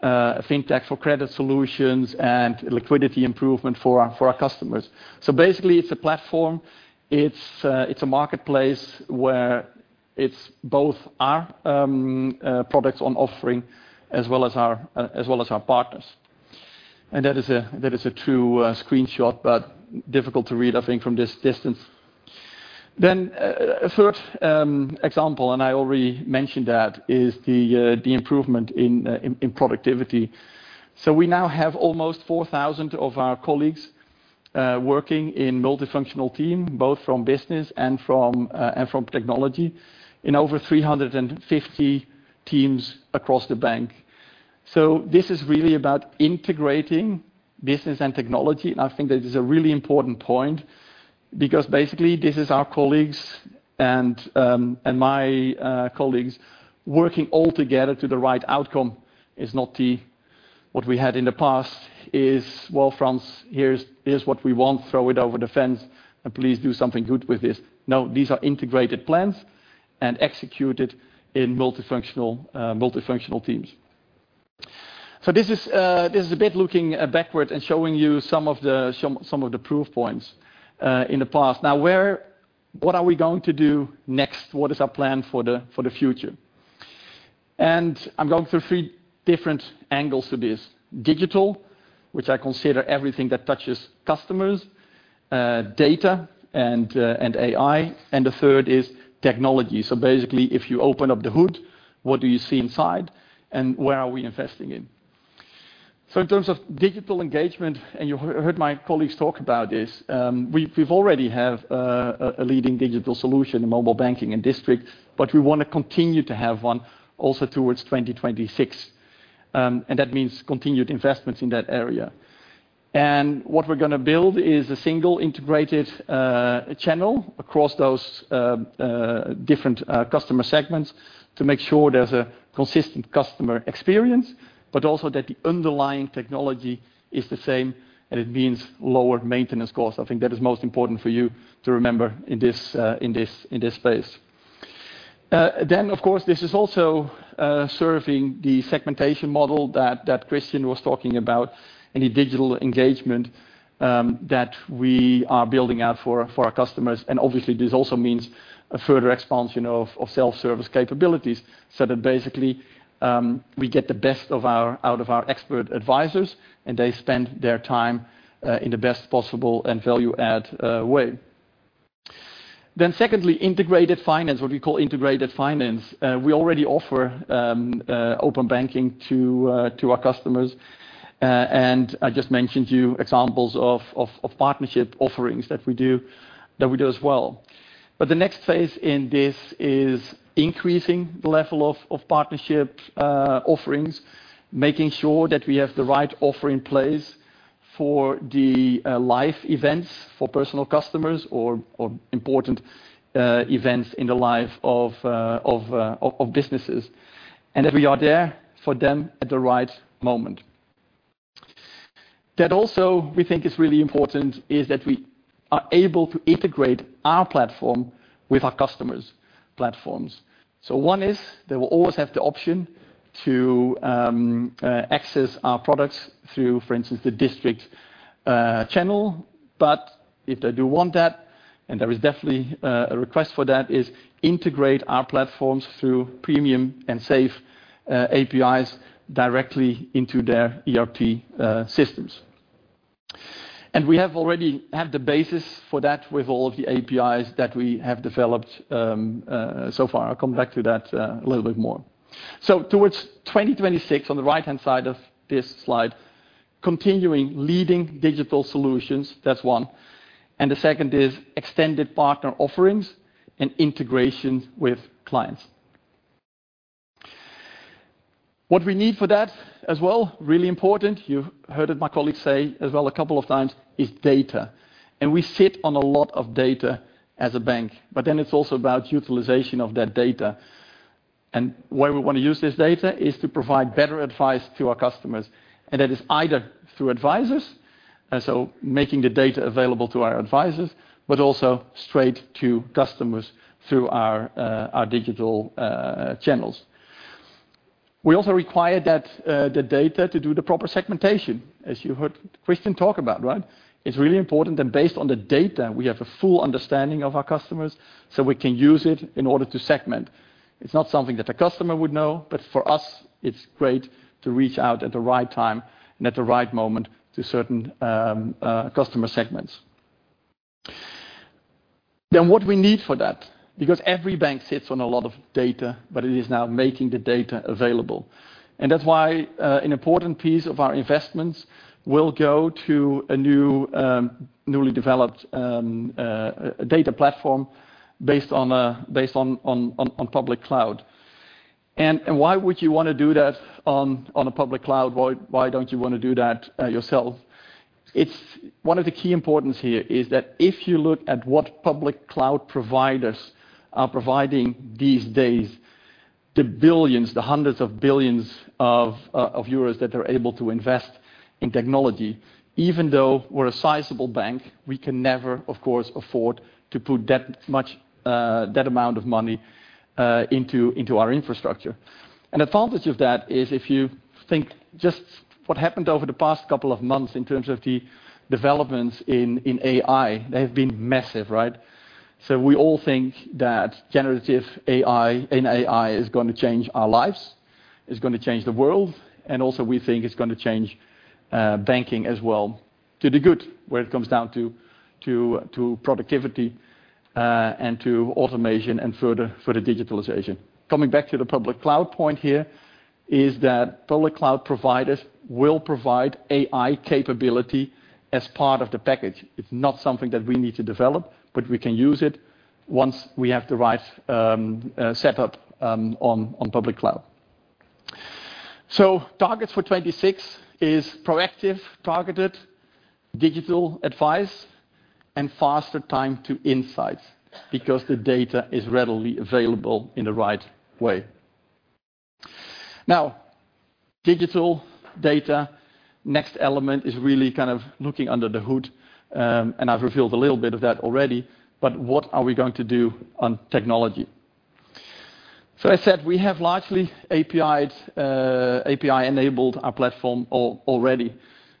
a fintech for credit solutions and liquidity improvement for our customers. Basically, it's a platform. It's a Marketplace where it's both our products on offering as well as our partners. That is a true screenshot, but difficult to read, I think, from this distance. A third example, and I already mentioned that, is the improvement in productivity. We now have almost 4,000 of our colleagues working in multifunctional team, both from business and from technology, in over 350 teams across the bank. This is really about integrating business and technology, and I think that is a really important point because basically, this is our colleagues and my colleagues working all together to the right outcome. It's not what we had in the past is: "Well, Frans, here's what we want. Throw it over the fence, and please do something good with this." No, these are integrated plans and executed in multifunctional teams. This is a bit looking backward and showing you some of the proof points in the past. Now, what are we going to do next? What is our plan for the future? I'm going through three different angles to this: digital, which I consider everything that touches customers, data and AI, and the third is technology. Basically, if you open up the hood, what do you see inside, and where are we investing in? In terms of digital engagement, and you heard my colleagues talk about this, we've already have a leading digital solution in mobile banking and District, but we want to continue to have one also towards 2026. That means continued investments in that area. What we're gonna build is a single, integrated channel across those different customer segments to make sure there's a consistent customer experience, but also that the underlying technology is the same, and it means lower maintenance costs. I think that is most important for you to remember in this space. Of course, this is also serving the segmentation model that Christian was talking about and the digital engagement that we are building out for our customers. Obviously, this also means a further expansion of self-service capabilities, so that basically, we get the best out of our expert advisors, and they spend their time in the best possible and value-add way. Secondly, integrated finance, what we call integrated finance. We already offer open banking to our customers. I just mentioned to you examples of partnership offerings that we do as well. The next phase in this is increasing the level of partnership offerings, making sure that we have the right offer in place for the life events, for personal customers or important events in the life of businesses, and that we are there for them at the right moment. That also, we think is really important, is that we are able to integrate our platform with our customers' platforms. One is, they will always have the option to access our products through, for instance, the District channel. If they do want that, and there is definitely a request for that, is integrate our platforms through premium and safe APIs directly into their ERP systems. We have already have the basis for that with all of the APIs that we have developed so far. I'll come back to that a little bit more. Towards 2026, on the right-hand side of this slide, continuing leading digital solutions, that's one, and the second is extended partner offerings and integration with clients. What we need for that as well, really important, you've heard it my colleagues say as well a couple of times, is data, and we sit on a lot of data as a bank, but then it's also about utilization of that data. Where we want to use this data is to provide better advice to our customers, and that is either through advisors, and so making the data available to our advisors, but also straight to customers through our digital channels. We also require that the data to do the proper segmentation, as you heard Christian talk about, right? It's really important that based on the data, we have a full understanding of our customers, so we can use it in order to segment. What we need for that, because every bank sits on a lot of data, but it is now making the data available. That's why an important piece of our investments will go to a new, newly developed, data platform based on public cloud. Why would you want to do that on a public cloud? Why don't you want to do that yourself? It's. One of the key importance here is that if you look at what public cloud providers are providing these days, the billions of EUR, the hundreds of billions of EUR that they're able to invest in technology, even though we're a sizable bank, we can never, of course, afford to put that much that amount of money into our infrastructure. An advantage of that is if you think just what happened over the past couple of months in terms of the developments in AI, they have been massive, right? We all think that generative AI and AI is going to change our lives, is going to change the world, and also we think it's going to change banking as well to the good, when it comes down to productivity, and to automation and further digitalization. Coming back to the public cloud point here, is that public cloud providers will provide AI capability as part of the package. It's not something that we need to develop, but we can use it once we have the right set up on public cloud. Targets for 26 is proactive, targeted, digital advice and faster time to insights because the data is readily available in the right way. Digital data, next element is really kind of looking under the hood, and I've revealed a little bit of that already, but what are we going to do on technology? I said we have largely API'd, API-enabled our platform already.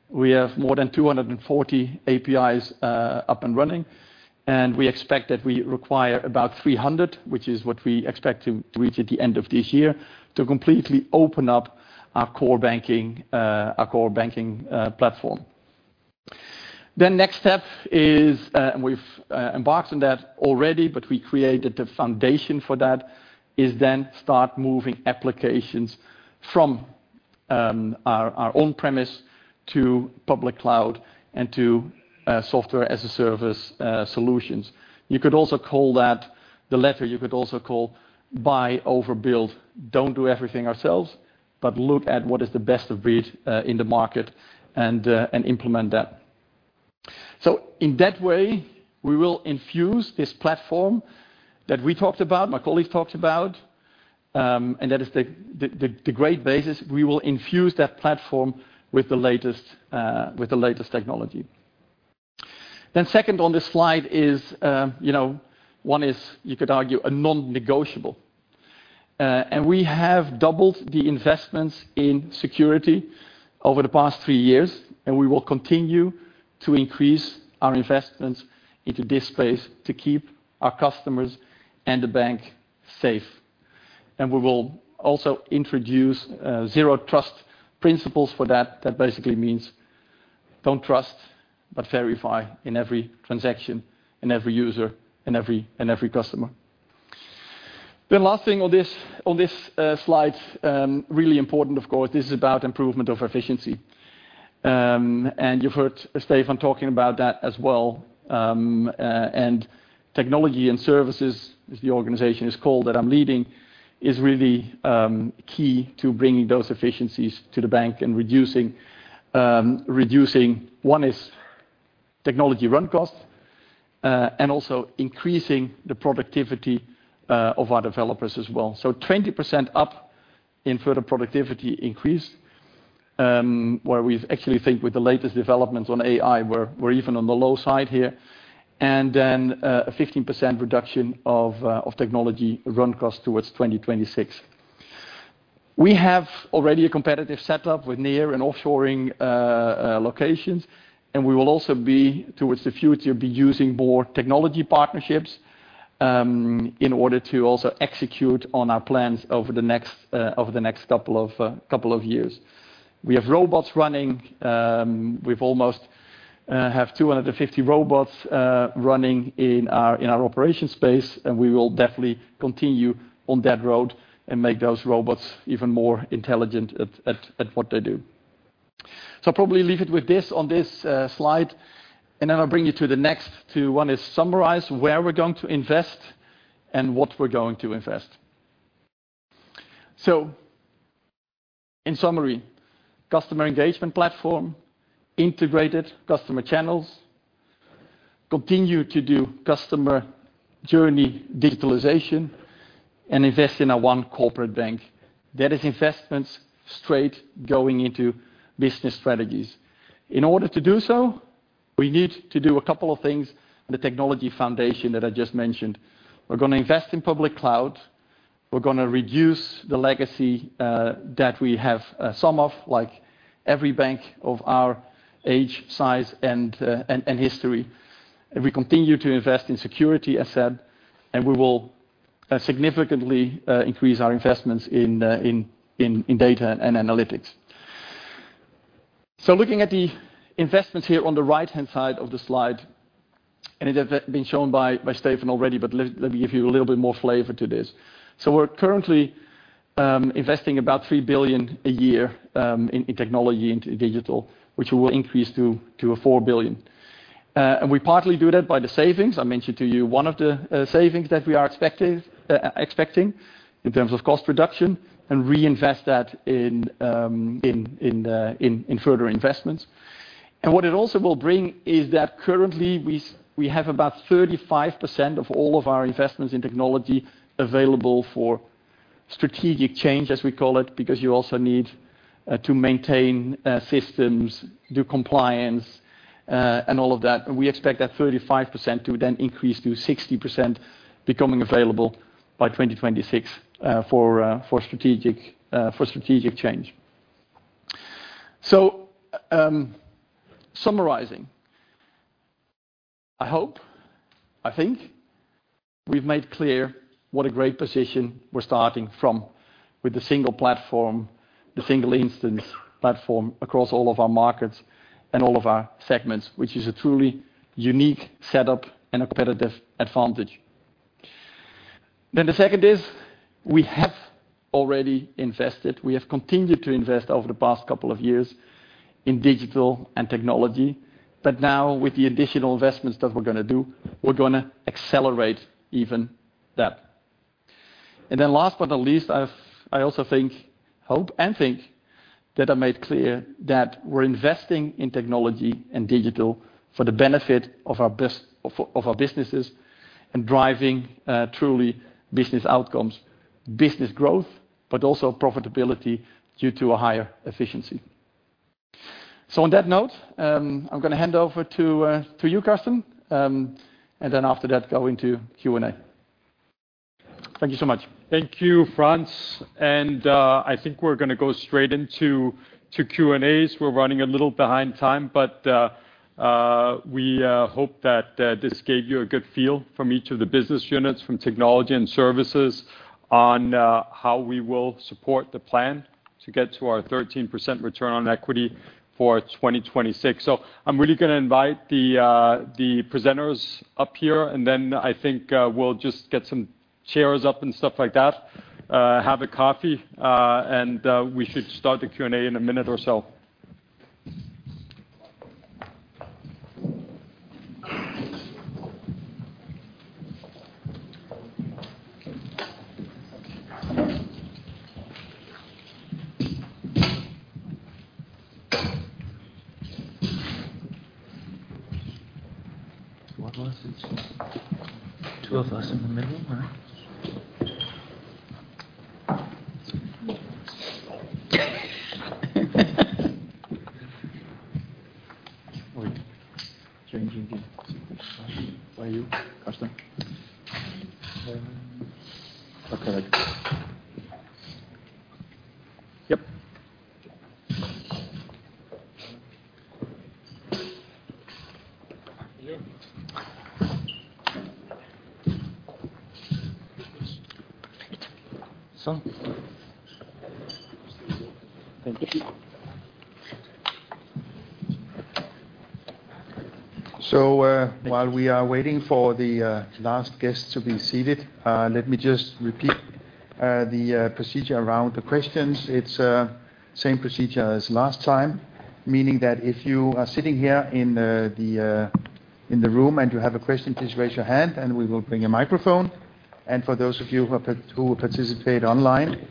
We have more than 240 APIs up and running, and we expect that we require about 300, which is what we expect to reach at the end of this year, to completely open up our core banking, our core banking platform. Next step is, and we've embarked on that already, but we created the foundation for that, is then start moving applications from our on-premise to public cloud and to software-as-a-service solutions. You could also call that the latter, you could also call buy over build. Don't do everything ourselves, but look at what is the best of breed in the market and implement that. In that way, we will infuse this platform that we talked about, my colleagues talked about, and that is the great basis. We will infuse that platform with the latest with the latest technology. Second on this slide is, you know, one is, you could argue, a non-negotiable. We have doubled the investments in security over the past three years, and we will continue to increase our investments into this space to keep our customers and the bank safe. We will also introduce zero trust principles for that. Don't trust, but verify in every transaction, in every user, in every customer. The last thing on this slide, really important, of course, this is about improvement of efficiency. You've heard Stephan talking about that as well. Technology and services, as the organization is called, that I'm leading, is really key to bringing those efficiencies to the bank and reducing. One is technology run costs and also increasing the productivity of our developers as well. 20% up in further productivity increase, where we actually think with the latest developments on AI, we're even on the low side here. A 15% reduction of technology run cost towards 2026. We have already a competitive setup with near and offshoring locations, and we will also be, towards the future, be using more technology partnerships in order to also execute on our plans over the next couple of years. We have robots running, we've almost have 250 robots running in our operation space, and we will definitely continue on that road and make those robots even more intelligent at what they do. I'll probably leave it with this on this slide, and then I'll bring you to the next. One is summarize where we're going to invest and what we're going to invest. In summary, customer engagement platform, integrated customer channels, continue to do customer journey digitalization, and invest in a One Corporate Bank. That is investments straight going into business strategies. In order to do so, we need to do a couple of things, the technology foundation that I just mentioned. We're gonna invest in public cloud, we're gonna reduce the legacy that we have, some of, like every bank of our age, size, and history. We continue to invest in security, as said, and we will significantly increase our investments in data and analytics. Looking at the investments here on the right-hand side of the slide, and it has been shown by Stephan already, but let me give you a little bit more flavor to this. We're currently investing about 3 billion a year in technology into digital, which we will increase to 4 billion. We partly do that by the savings. I mentioned to you one of the savings that we are expecting in terms of cost reduction and reinvest that in further investments. What it also will bring is that currently, we have about 35% of all of our investments in technology available for strategic change, as we call it, because you also need to maintain systems, do compliance and all of that. We expect that 35% to then increase to 60%, becoming available by 2026 for strategic change. Summarizing: I hope, I think, we've made clear what a great position we're starting from with the single platform, the single instance platform across all of our markets and all of our segments, which is a truly unique setup and a competitive advantage. The second is, we have already invested, we have continued to invest over the past couple of years in digital and technology, but now with the additional investments that we're going to do, we're going to accelerate even that. Last but not least, I also think, hope and think, that I made clear that we're investing in technology and digital for the benefit of our businesses, and driving truly business outcomes, business growth, but also profitability due to a higher efficiency. On that note, I'm gonna hand over to you, Carsten, and then after that, go into Q&A. Thank you so much. Thank you, Frans. I think we're gonna go straight into to Q&As. We're running a little behind time, but we hope that this gave you a good feel from each of the business units, from technology and services, on how we will support the plan to get to our 13% return on equity for 2026. I'm really gonna invite the presenters up here, and then I think we'll just get some chairs up and stuff like that. Have a coffee, and we should start the Q&A in a minute or so. While we are waiting for the last guests to be seated, let me just repeat the procedure around the questions. It is same procedure as last time, meaning that if you are sitting here in the, in the room and you have a question, please raise your hand, and we will bring a microphone. For those of you who participate online,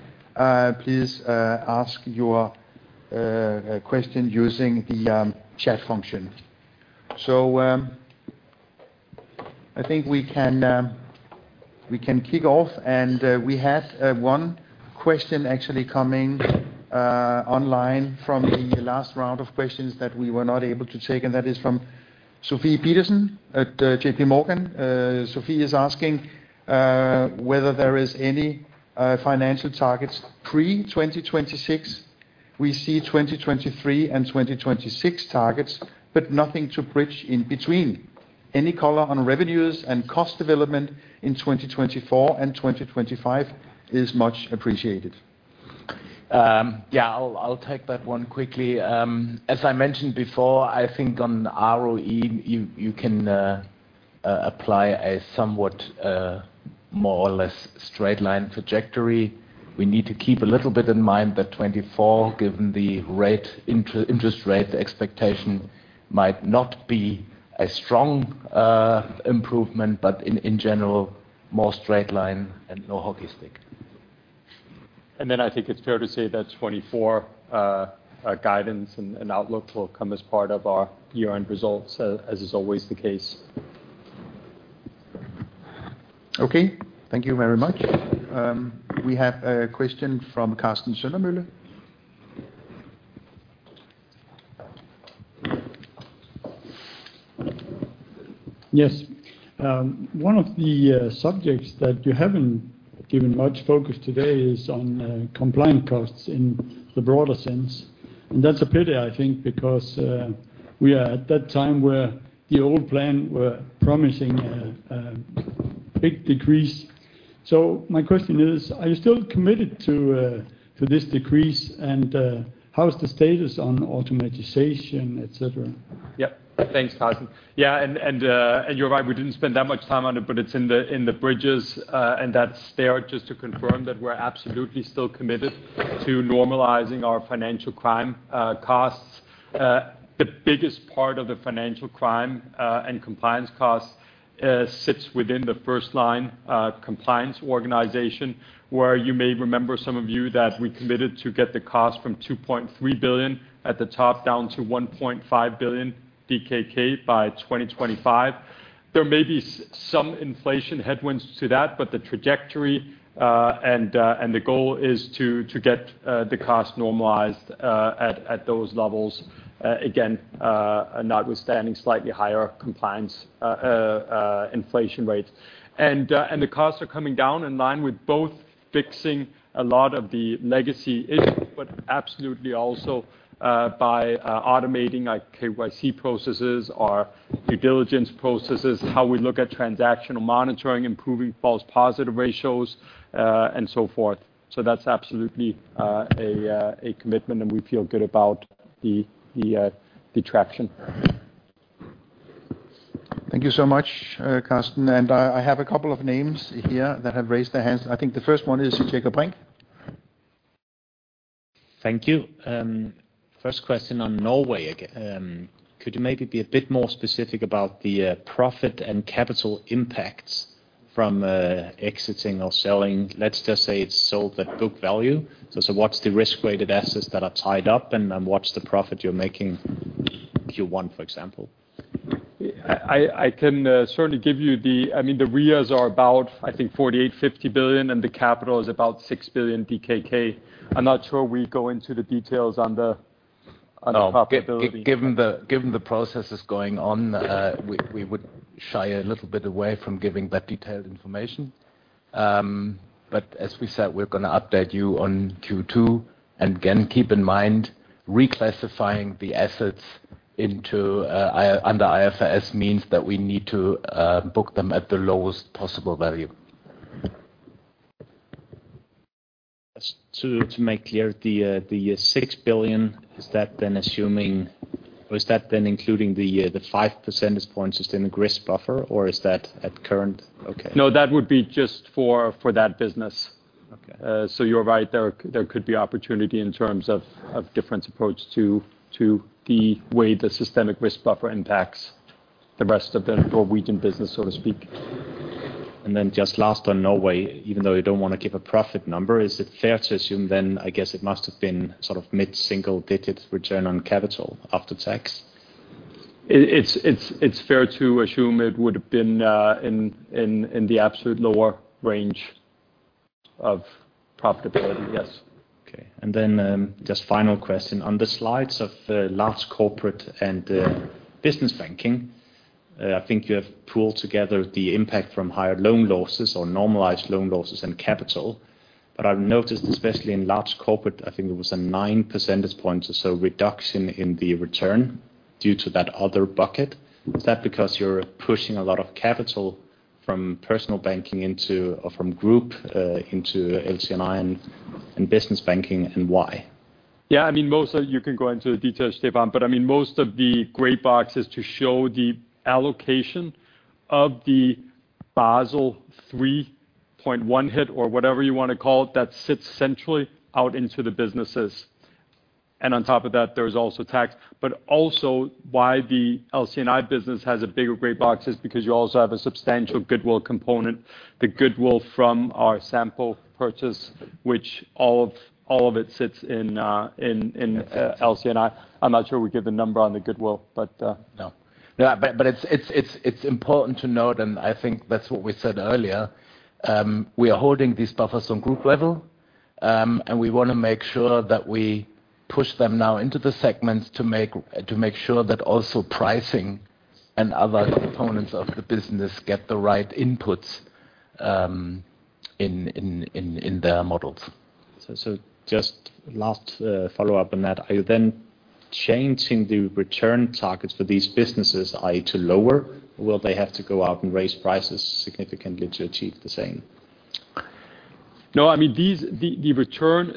please ask your question using the chat function. I think we can kick off. We had one question actually coming online from the last round of questions that we were not able to take. That is from Sofie Peterzens at JPMorgan. Sofie is asking whether there is any financial targets pre 2026. We see 2023 and 2026 targets. Nothing to bridge in between. Any color on revenues and cost development in 2024 and 2025 is much appreciated. Yeah, I'll take that one quickly. As I mentioned before, I think on ROE, you can apply a somewhat more or less straight line trajectory. We need to keep a little bit in mind that 2024, given the interest rate expectation, might not be a strong improvement, but in general, more straight line and no hockey stick. I think it's fair to say that 2024 guidance and outlook will come as part of our year-end results, as is always the case. Okay, thank you very much. We have a question from Karsten Søndermølle. Yes. One of the subjects that you haven't given much focus today is on compliance costs in the broader sense. That's a pity, I think, because we are at that time where the old plan were promising a big decrease. My question is, are you still committed to this decrease, and how is the status on automatization, et cetera? Yep. Thanks, Carsten. You're right, we didn't spend that much time on it, but it's in the, in the bridges. That's there just to confirm that we're absolutely still committed to normalizing our financial crime costs. The biggest part of the financial crime and compliance costs sits within the first line compliance organization, where you may remember, some of you, that we committed to get the cost from 2.3 billion at the top, down to 1.5 billion DKK by 2025. There may be some inflation headwinds to that, but the trajectory and the goal is to get the cost normalized at those levels. Again, notwithstanding slightly higher compliance inflation rates. The costs are coming down in line with both fixing a lot of the legacy issues, but absolutely also by automating our KYC processes, our due diligence processes, how we look at transactional monitoring, improving false positive ratios and so forth. That's absolutely a commitment, and we feel good about the traction. Thank you so much, Karsten. I have a couple of names here that have raised their hands. I think the first one is Jakob Brink. Thank you. First question on Norway again. Could you maybe be a bit more specific about the profit and capital impacts from exiting or selling? Let's just say it's sold at book value. What's the risk-weighted assets that are tied up, and what's the profit you're making in Q1, for example? I can certainly give you. I mean, the RWAs are about, I think, 48, 50 billion, and the capital is about 6 billion DKK. I'm not sure we go into the details on the profitability. No, given the, given the processes going on, we would shy a little bit away from giving that detailed information. As we said, we're gonna update you on Q2. Again, keep in mind, reclassifying the assets into under IFRS means that we need to book them at the lowest possible value. Just to make clear, the 6 billion, is that then assuming, or is that then including the 5 percentage points is in the risk buffer, or is that at current? Okay. No, that would be just for that business. Okay. You're right, there could be opportunity in terms of different approach to the way the systemic risk buffer impacts the rest of the Norwegian business, so to speak. Just last on Norway, even though you don't want to give a profit number, is it fair to assume then, I guess it must have been sort of mid-single digits return on capital after tax? It's fair to assume it would have been in the absolute lower range of profitability, yes. Okay. Just final question. On the slides of Large Corporate and Business Banking, I think you have pooled together the impact from higher loan losses or normalized loan losses and capital. I've noticed, especially in Large Corporate, I think it was a 9 percentage points or so reduction in the return due to that other bucket. Is that because you're pushing a lot of capital from personal banking into, or from group, into LC&I and business banking, and why? Yeah, I mean, most of you can go into the details, Stephan, but I mean, most of the gray box is to show the allocation of the Basel 3.1 hit, or whatever you wanna call it, that sits centrally out into the businesses. On top of that, there's also tax. Also, why the LC&I business has a bigger gray box is because you also have a substantial goodwill component. The goodwill from our Sampo purchase, which all of it sits in, LC&I. I'm not sure we give the number on the goodwill, but. No. Yeah, but it's important to note, I think that's what we said earlier, we are holding these buffers on group level, we wanna make sure that we push them now into the segments to make sure that also pricing and other components of the business get the right inputs, in their models. Just last follow-up on that, are you then changing the return targets for these businesses, i.e., to lower? Will they have to go out and raise prices significantly to achieve the same? No, I mean, The return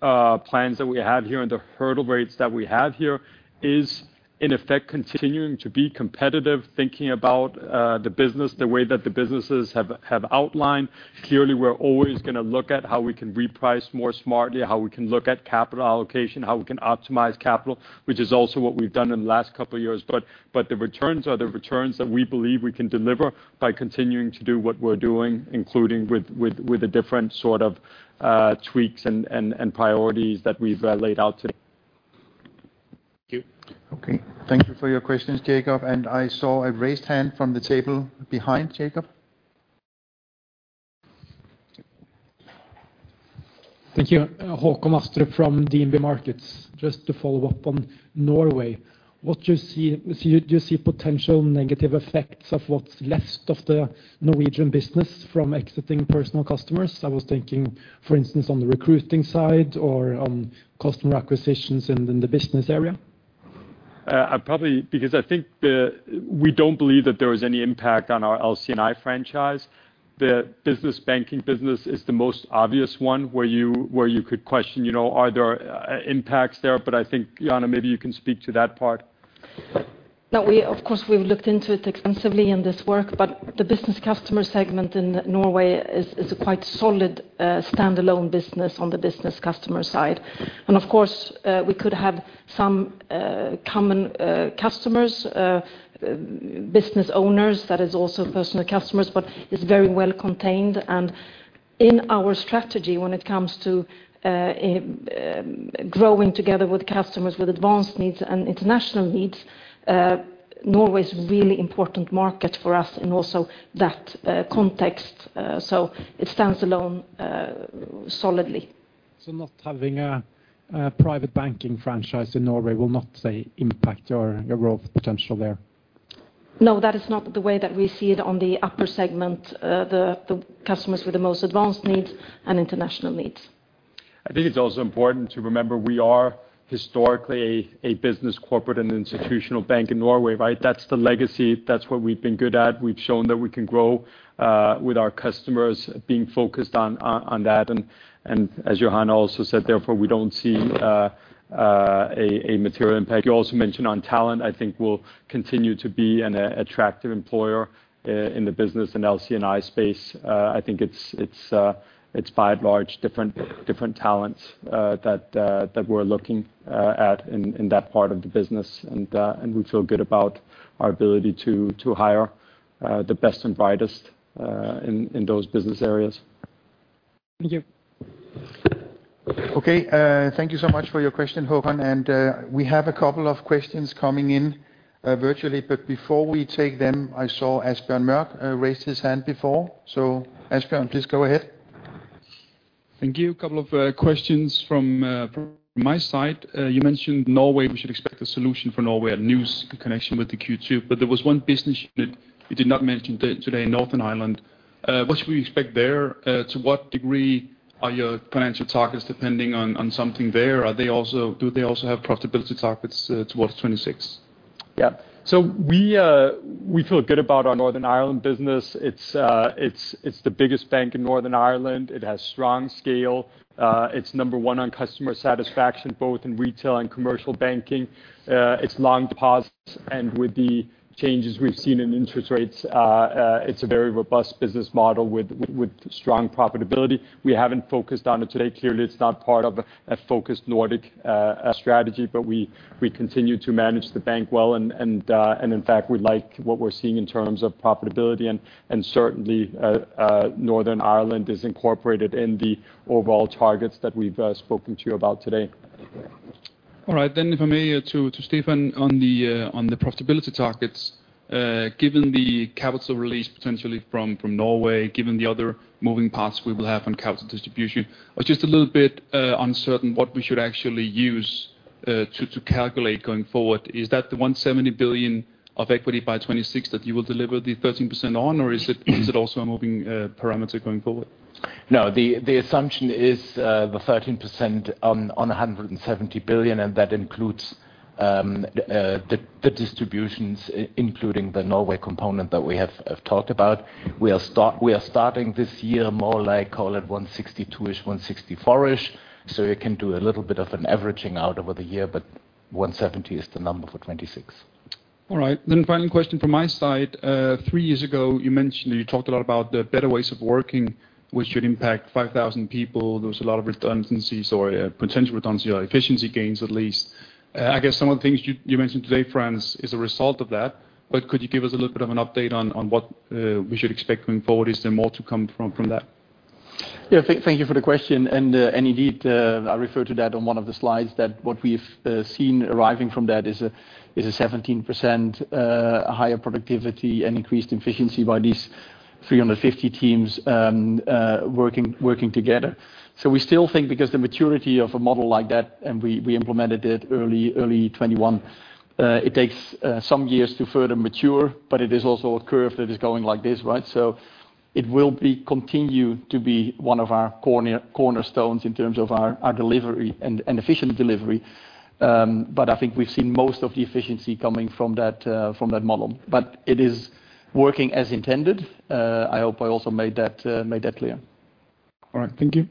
plans that we have here and the hurdle rates that we have here is, in effect, continuing to be competitive, thinking about the business, the way that the businesses have outlined. Clearly, we're always gonna look at how we can reprice more smartly, how we can look at capital allocation, how we can optimize capital, which is also what we've done in the last couple of years. The returns are the returns that we believe we can deliver by continuing to do what we're doing, including with the different sort of tweaks and priorities that we've laid out today. Thank you. Okay. Thank you for your questions, Jakob. I saw a raised hand from the table behind Jakob. Thank you. Håkon Astrup from DNB Markets. Just to follow up on Norway, do you see potential negative effects of what's left of the Norwegian business from exiting personal customers? I was thinking, for instance, on the recruiting side or on customer acquisitions in the business area. I probably, because I think we don't believe that there is any impact on our LC&I franchise. The business banking business is the most obvious one where you could question, you know, are there impacts there? I think, Johanna, maybe you can speak to that part. No, we of course, we've looked into it extensively in this work, but the business customer segment in Norway is a quite solid, standalone business on the business customer side. Of course, we could have some, common, customers, business owners, that is also personal customers, but it's very well contained. In our strategy, when it comes to, growing together with customers with advanced needs and international needs, Norway's a really important market for us in also that, context. It stands alone, solidly. Not having a private banking franchise in Norway will not, say, impact your growth potential there? No, that is not the way that we see it on the upper segment, the customers with the most advanced needs and international needs. I think it's also important to remember, we are historically a business corporate and institutional bank in Norway, right? That's the legacy, that's what we've been good at. We've shown that we can grow with our customers being focused on that. As Johanna also said, therefore, we don't see a material impact. You also mentioned on talent, I think we'll continue to be an attractive employer in the business and LC&I space. I think it's by and large, different talents that we're looking at in that part of the business. We feel good about our ability to hire the best and brightest in those business areas. Thank you. Okay, thank you so much for your question, Håkon. We have a couple of questions coming in, virtually, but before we take them, I saw Asbjørn Mørk, raise his hand before. Asbjørn, please go ahead. Thank you. A couple of questions from my side. You mentioned Norway, we should expect a solution for Norway, a news connection with the Q2. There was one business you did not mention today, Northern Ireland. What should we expect there? To what degree are your financial targets depending on something there? Do they also have profitability targets, towards 2026? We feel good about our Northern Ireland business. It's the biggest bank in Northern Ireland. It has strong scale. It's number one on customer satisfaction, both in retail and commercial banking. It's long deposits, and with the changes we've seen in interest rates, it's a very robust business model with strong profitability. We haven't focused on it today. Clearly, it's not part of a focused Nordic strategy, but we continue to manage the bank well, and in fact, we like what we're seeing in terms of profitability, and certainly, Northern Ireland is incorporated in the overall targets that we've spoken to you about today. All right. if I may, to Stephan Engels, on the profitability targets, given the capital release potentially from Norway, given the other moving parts we will have on capital distribution, I'm just a little bit uncertain what we should actually use to calculate going forward. Is that the 170 billion of equity by 2026 that you will deliver the 13% on, or is it also a moving parameter going forward? No, the assumption is, the 13% on 170 billion, and that includes, the distributions, including the Norway component that we have talked about. We are starting this year more like, call it 162-ish, 164-ish, so you can do a little bit of an averaging out over the year, but 170 is the number for 2026. All right, final question from my side. Three years ago, you talked a lot about the better ways of working, which should impact 5,000 people. There was a lot of redundancies or potential redundancy or efficiency gains, at least. I guess some of the things you mentioned today, Frans, is a result of that, could you give us a little bit of an update on what we should expect going forward? Is there more to come from that? Yeah, thank you for the question. Indeed, I refer to that on one of the slides, that what we've seen arriving from that is a 17% higher productivity and increased efficiency by these 350 teams working together. We still think because the maturity of a model like that, and we implemented it early 21, it takes some years to further mature, but it is also a curve that is going like this, right? It will continue to be one of our cornerstones in terms of our delivery and efficient delivery. I think we've seen most of the efficiency coming from that from that model. It is working as intended. I hope I also made that made that clear. All right. Thank you.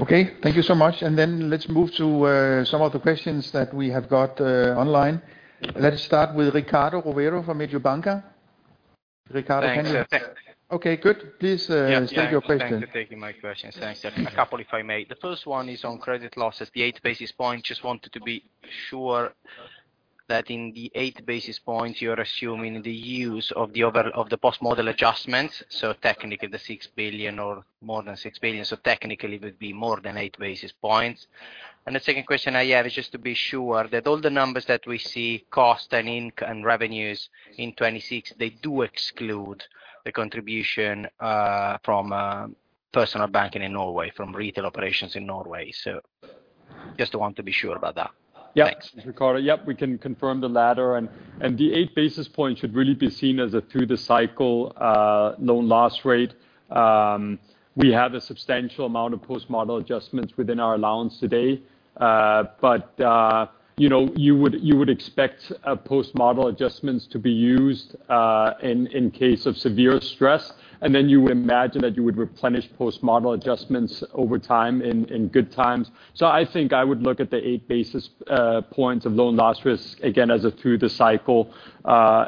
Okay, thank you so much. Let's move to some of the questions that we have got online. Let's start with Riccardo Rovere from Mediobanca. Riccardo. Thanks. Okay, good. Please, state your question. Yeah, thanks for taking my question. Thanks. A couple, if I may. The first one is on credit losses, the 8 basis points. Just wanted to be sure that in the 8 basis points, you're assuming the use of the Post-Model Adjustments, so technically, the 6 billion or more than 6 billion, so technically, it would be more than 8 basis points. The second question I have is just to be sure that all the numbers that we see, cost and revenues in 2026, they do exclude the contribution from personal banking in Norway, from retail operations in Norway. Just want to be sure about that. Yeah. Thanks. Riccardo, yep, we can confirm the latter, and the 8 basis points should really be seen as a through-the-cycle loan loss rate. We have a substantial amount of Post-Model Adjustments within our allowance today. You know, you would expect Post-Model Adjustments to be used in case of severe stress, and then you would imagine that you would replenish Post-Model Adjustments over time, in good times. I think I would look at the 8 basis points of loan loss risk, again, as a through-the-cycle,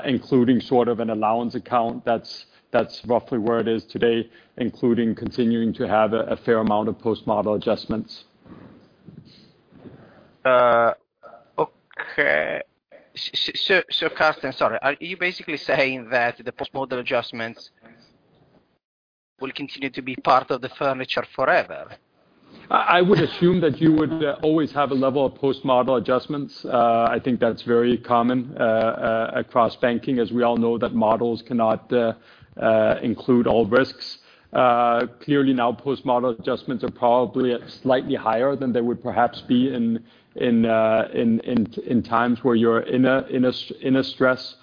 including sort of an allowance account. That's roughly where it is today, including continuing to have a fair amount of Post-Model Adjustments. Okay. Carsten, sorry, are you basically saying that the Post-Model Adjustments will continue to be part of the furniture forever? I would assume that you would always have a level of Post-Model Adjustments. I think that's very common across banking, as we all know that models cannot include all risks. Clearly, now, Post-Model Adjustments are probably at slightly higher than they would perhaps be in times where you're in a stress,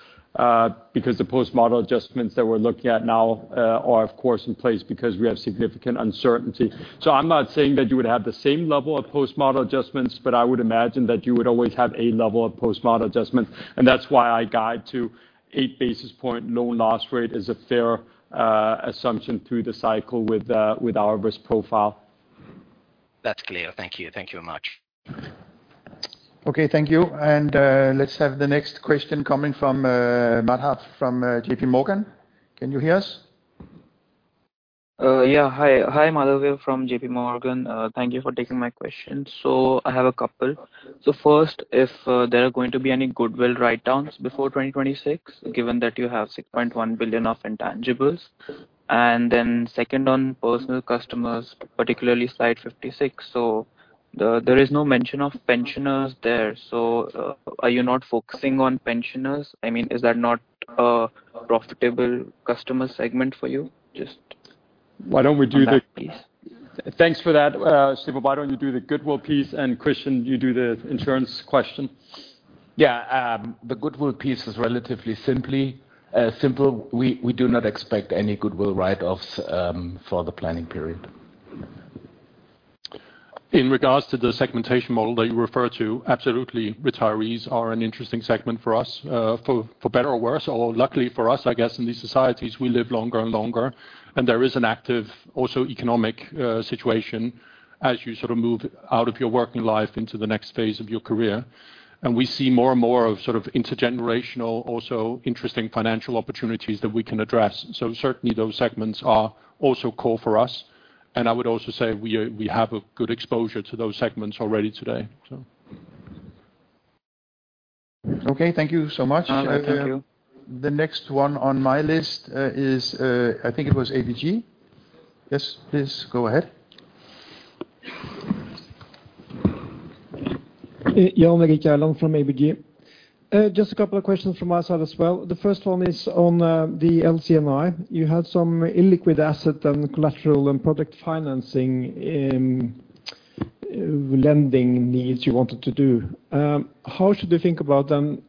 because the Post-Model Adjustments that we're looking at now are of course, in place because we have significant uncertainty. I'm not saying that you would have the same level of Post-Model Adjustments, but I would imagine that you would always have a level of Post-Model Adjustment, and that's why I guide to 8 basis point loan loss rate is a fair assumption through the cycle with our risk profile. That's clear. Thank you. Thank you very much. Okay, thank you. Let's have the next question coming from, Madhav from, JPMorgan. Can you hear us? Yeah. Hi. Hi, Madhav from JPMorgan. Thank you for taking my question. I have a couple. First, if there are going to be any goodwill write-downs before 2026, given that you have 6.1 billion of intangibles? Second, on personal customers, particularly slide 56, there is no mention of pensioners there, are you not focusing on pensioners? I mean, is that not a profitable customer segment for you? Why don't we? On that piece. Thanks for that, Madhav. Why don't you do the goodwill piece, and Christian, you do the insurance question? The goodwill piece is relatively simple. We do not expect any goodwill write-offs for the planning period. In regards to the segmentation model that you refer to, absolutely, retirees are an interesting segment for us, for better or worse, or luckily for us, I guess in these societies, we live longer and longer, and there is an active, also economic, situation as you sort of move out of your working life into the next phase of your career. We see more and more of sort of intergenerational, also interesting financial opportunities that we can address. Certainly those segments are also core for us. I would also say we have a good exposure to those segments already today, so. Okay, thank you so much. Madhav, thank you. The next one on my list, is, I think it was ABG. Yes, please go ahead. Hey, Jan Erik Gjerland from ABG. Just a couple of questions from my side as well. The first one is on the LC&I. You had some illiquid asset and collateral and product financing in lending needs you wanted to do. How should we think about then,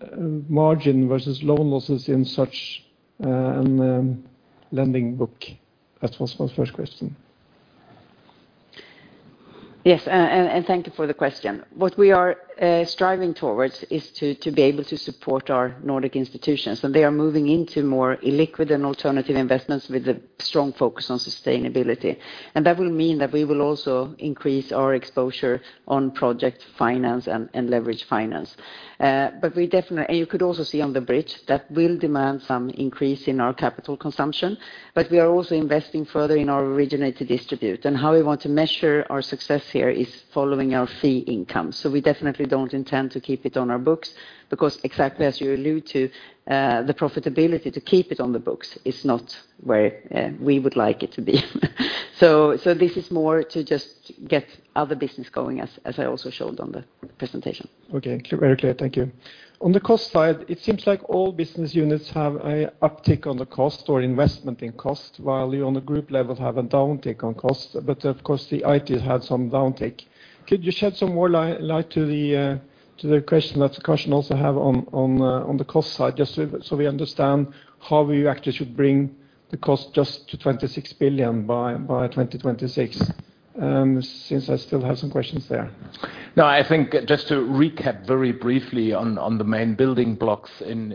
margin versus loan losses in such lending book? That was my first question. Yes, thank you for the question. What we are striving towards is to be able to support our Nordic institutions, and they are moving into more illiquid and alternative investments with a strong focus on sustainability. That will mean that we will also increase our exposure on project finance and leverage finance. You could also see on the bridge that will demand some increase in our capital consumption, but we are also investing further in our originate-to-distribute. How we want to measure our success here is following our fee income. We definitely don't intend to keep it on our books, because exactly as you allude to, the profitability to keep it on the books is not where we would like it to be. This is more to just get other business going, as I also showed on the presentation. Okay, very clear. Thank you. On the cost side, it seems like all business units have a uptick on the cost or investment in cost, while you on the group level, have a downtick on cost. Of course, the IT had some downtick. Could you shed some more light to the question that question I also have on the cost side, just so we understand how we actually should bring the cost just to 26 billion by 2026, since I still have some questions there. I think just to recap very briefly on the main building blocks in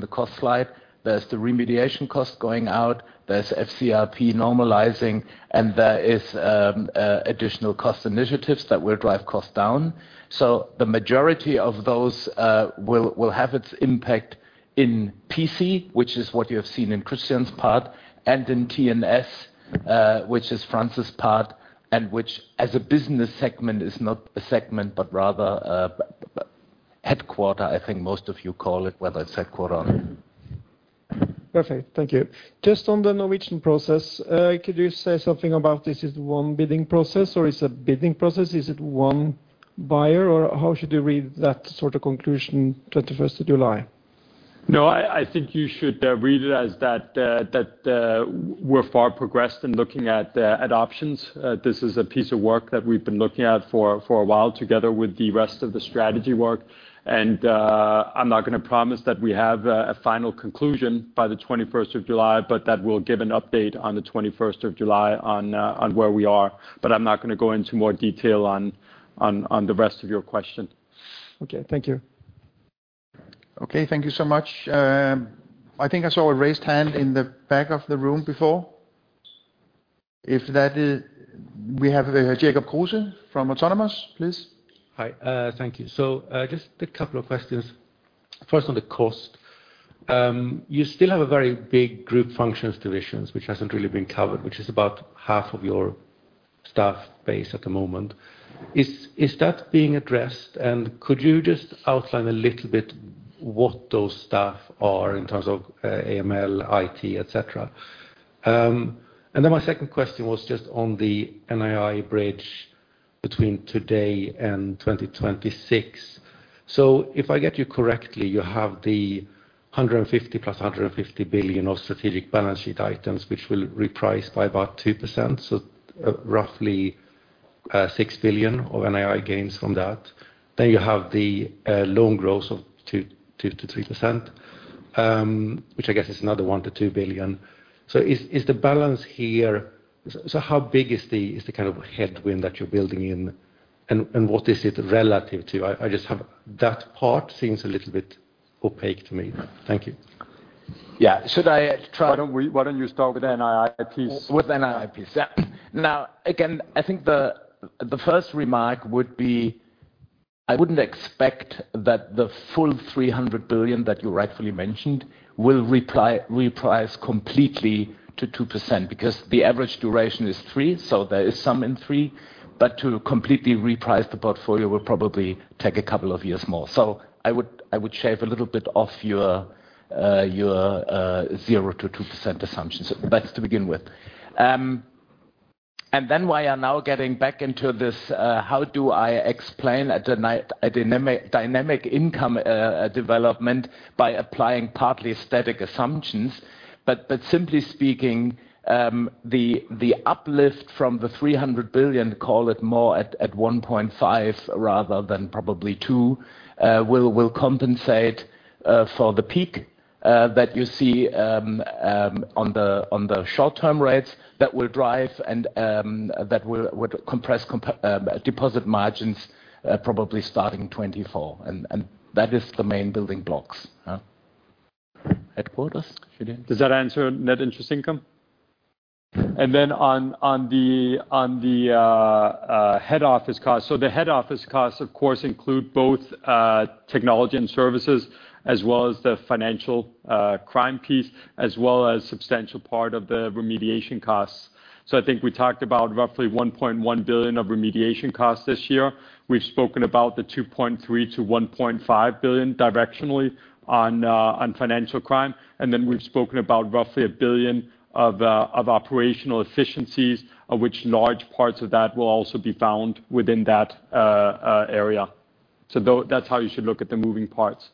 the cost slide, there's the remediation cost going out, there's FCRP normalizing, and there is additional cost initiatives that will drive costs down. The majority of those will have its impact in PC, which is what you have seen in Christian's part, and in TNS, which is Frans' part, and which, as a business segment, is not a segment, but rather a headquarter, I think most of you call it, whether it's headquarter or. Perfect. Thank you. Just on the Norwegian process, could you say something about this is one bidding process or it's a bidding process? Is it one buyer, or how should you read that sort of conclusion, 21st of July? No, I think you should read it as that we're far progressed in looking at options. This is a piece of work that we've been looking at for a while, together with the rest of the strategy work. I'm not gonna promise that we have a final conclusion by the July 21st, but that we'll give an update on the July 21st on where we are. I'm not gonna go into more detail on the rest of your question. Okay, thank you. Thank you so much. I think I saw a raised hand in the back of the room before. We have Jacob Kruse from Autonomous, please. Hi, thank you. Just a couple of questions. First, on the cost, you still have a very big group functions divisions, which hasn't really been covered, which is about half of your staff base at the moment. Is that being addressed? Could you just outline a little bit what those staff are in terms of AML, IT, et cetera? My second question was just on the NII bridge between today and 2026. If I get you correctly, you have the 150 plus 150 billion of strategic balance sheet items, which will reprice by about 2%, roughly 6 billion of NII gains from that. You have the loan growth of 2%-3%, which I guess is another 1 billion-2 billion. Is the balance here, how big is the kind of headwind that you're building in, and what is it relative to? I just have. That part seems a little bit opaque to me. Thank you. Yeah. Should I Why don't you start with NII piece? With NII piece. Again, I think the first remark would be, I wouldn't expect that the full 300 billion that you rightfully mentioned will reprice completely to 2%, because the average duration is three, so there is some in three. To completely reprice the portfolio will probably take two years more. I would shave a little bit off your 0%-2% assumption. That's to begin with. Then we are now getting back into this, how do I explain a dynamic income development by applying partly static assumptions? Simply speaking, the uplift from the 300 billion, call it more at 1.5, rather than probably two, will compensate for the peak that you see on the short-term rates that will drive and that would compress deposit margins, probably starting 2024. That is the main building blocks. Headquarters, should you? Does that answer net interest income? On the head office cost. The head office costs, of course, include both technology and services, as well as the financial crime piece, as well as substantial part of the remediation costs. I think we talked about roughly 1.1 billion of remediation costs this year. We've spoken about the 2.3 billion-1.5 billion directionally on financial crime. We've spoken about roughly 1 billion of operational efficiencies, of which large parts of that will also be found within that area. That's how you should look at the moving parts.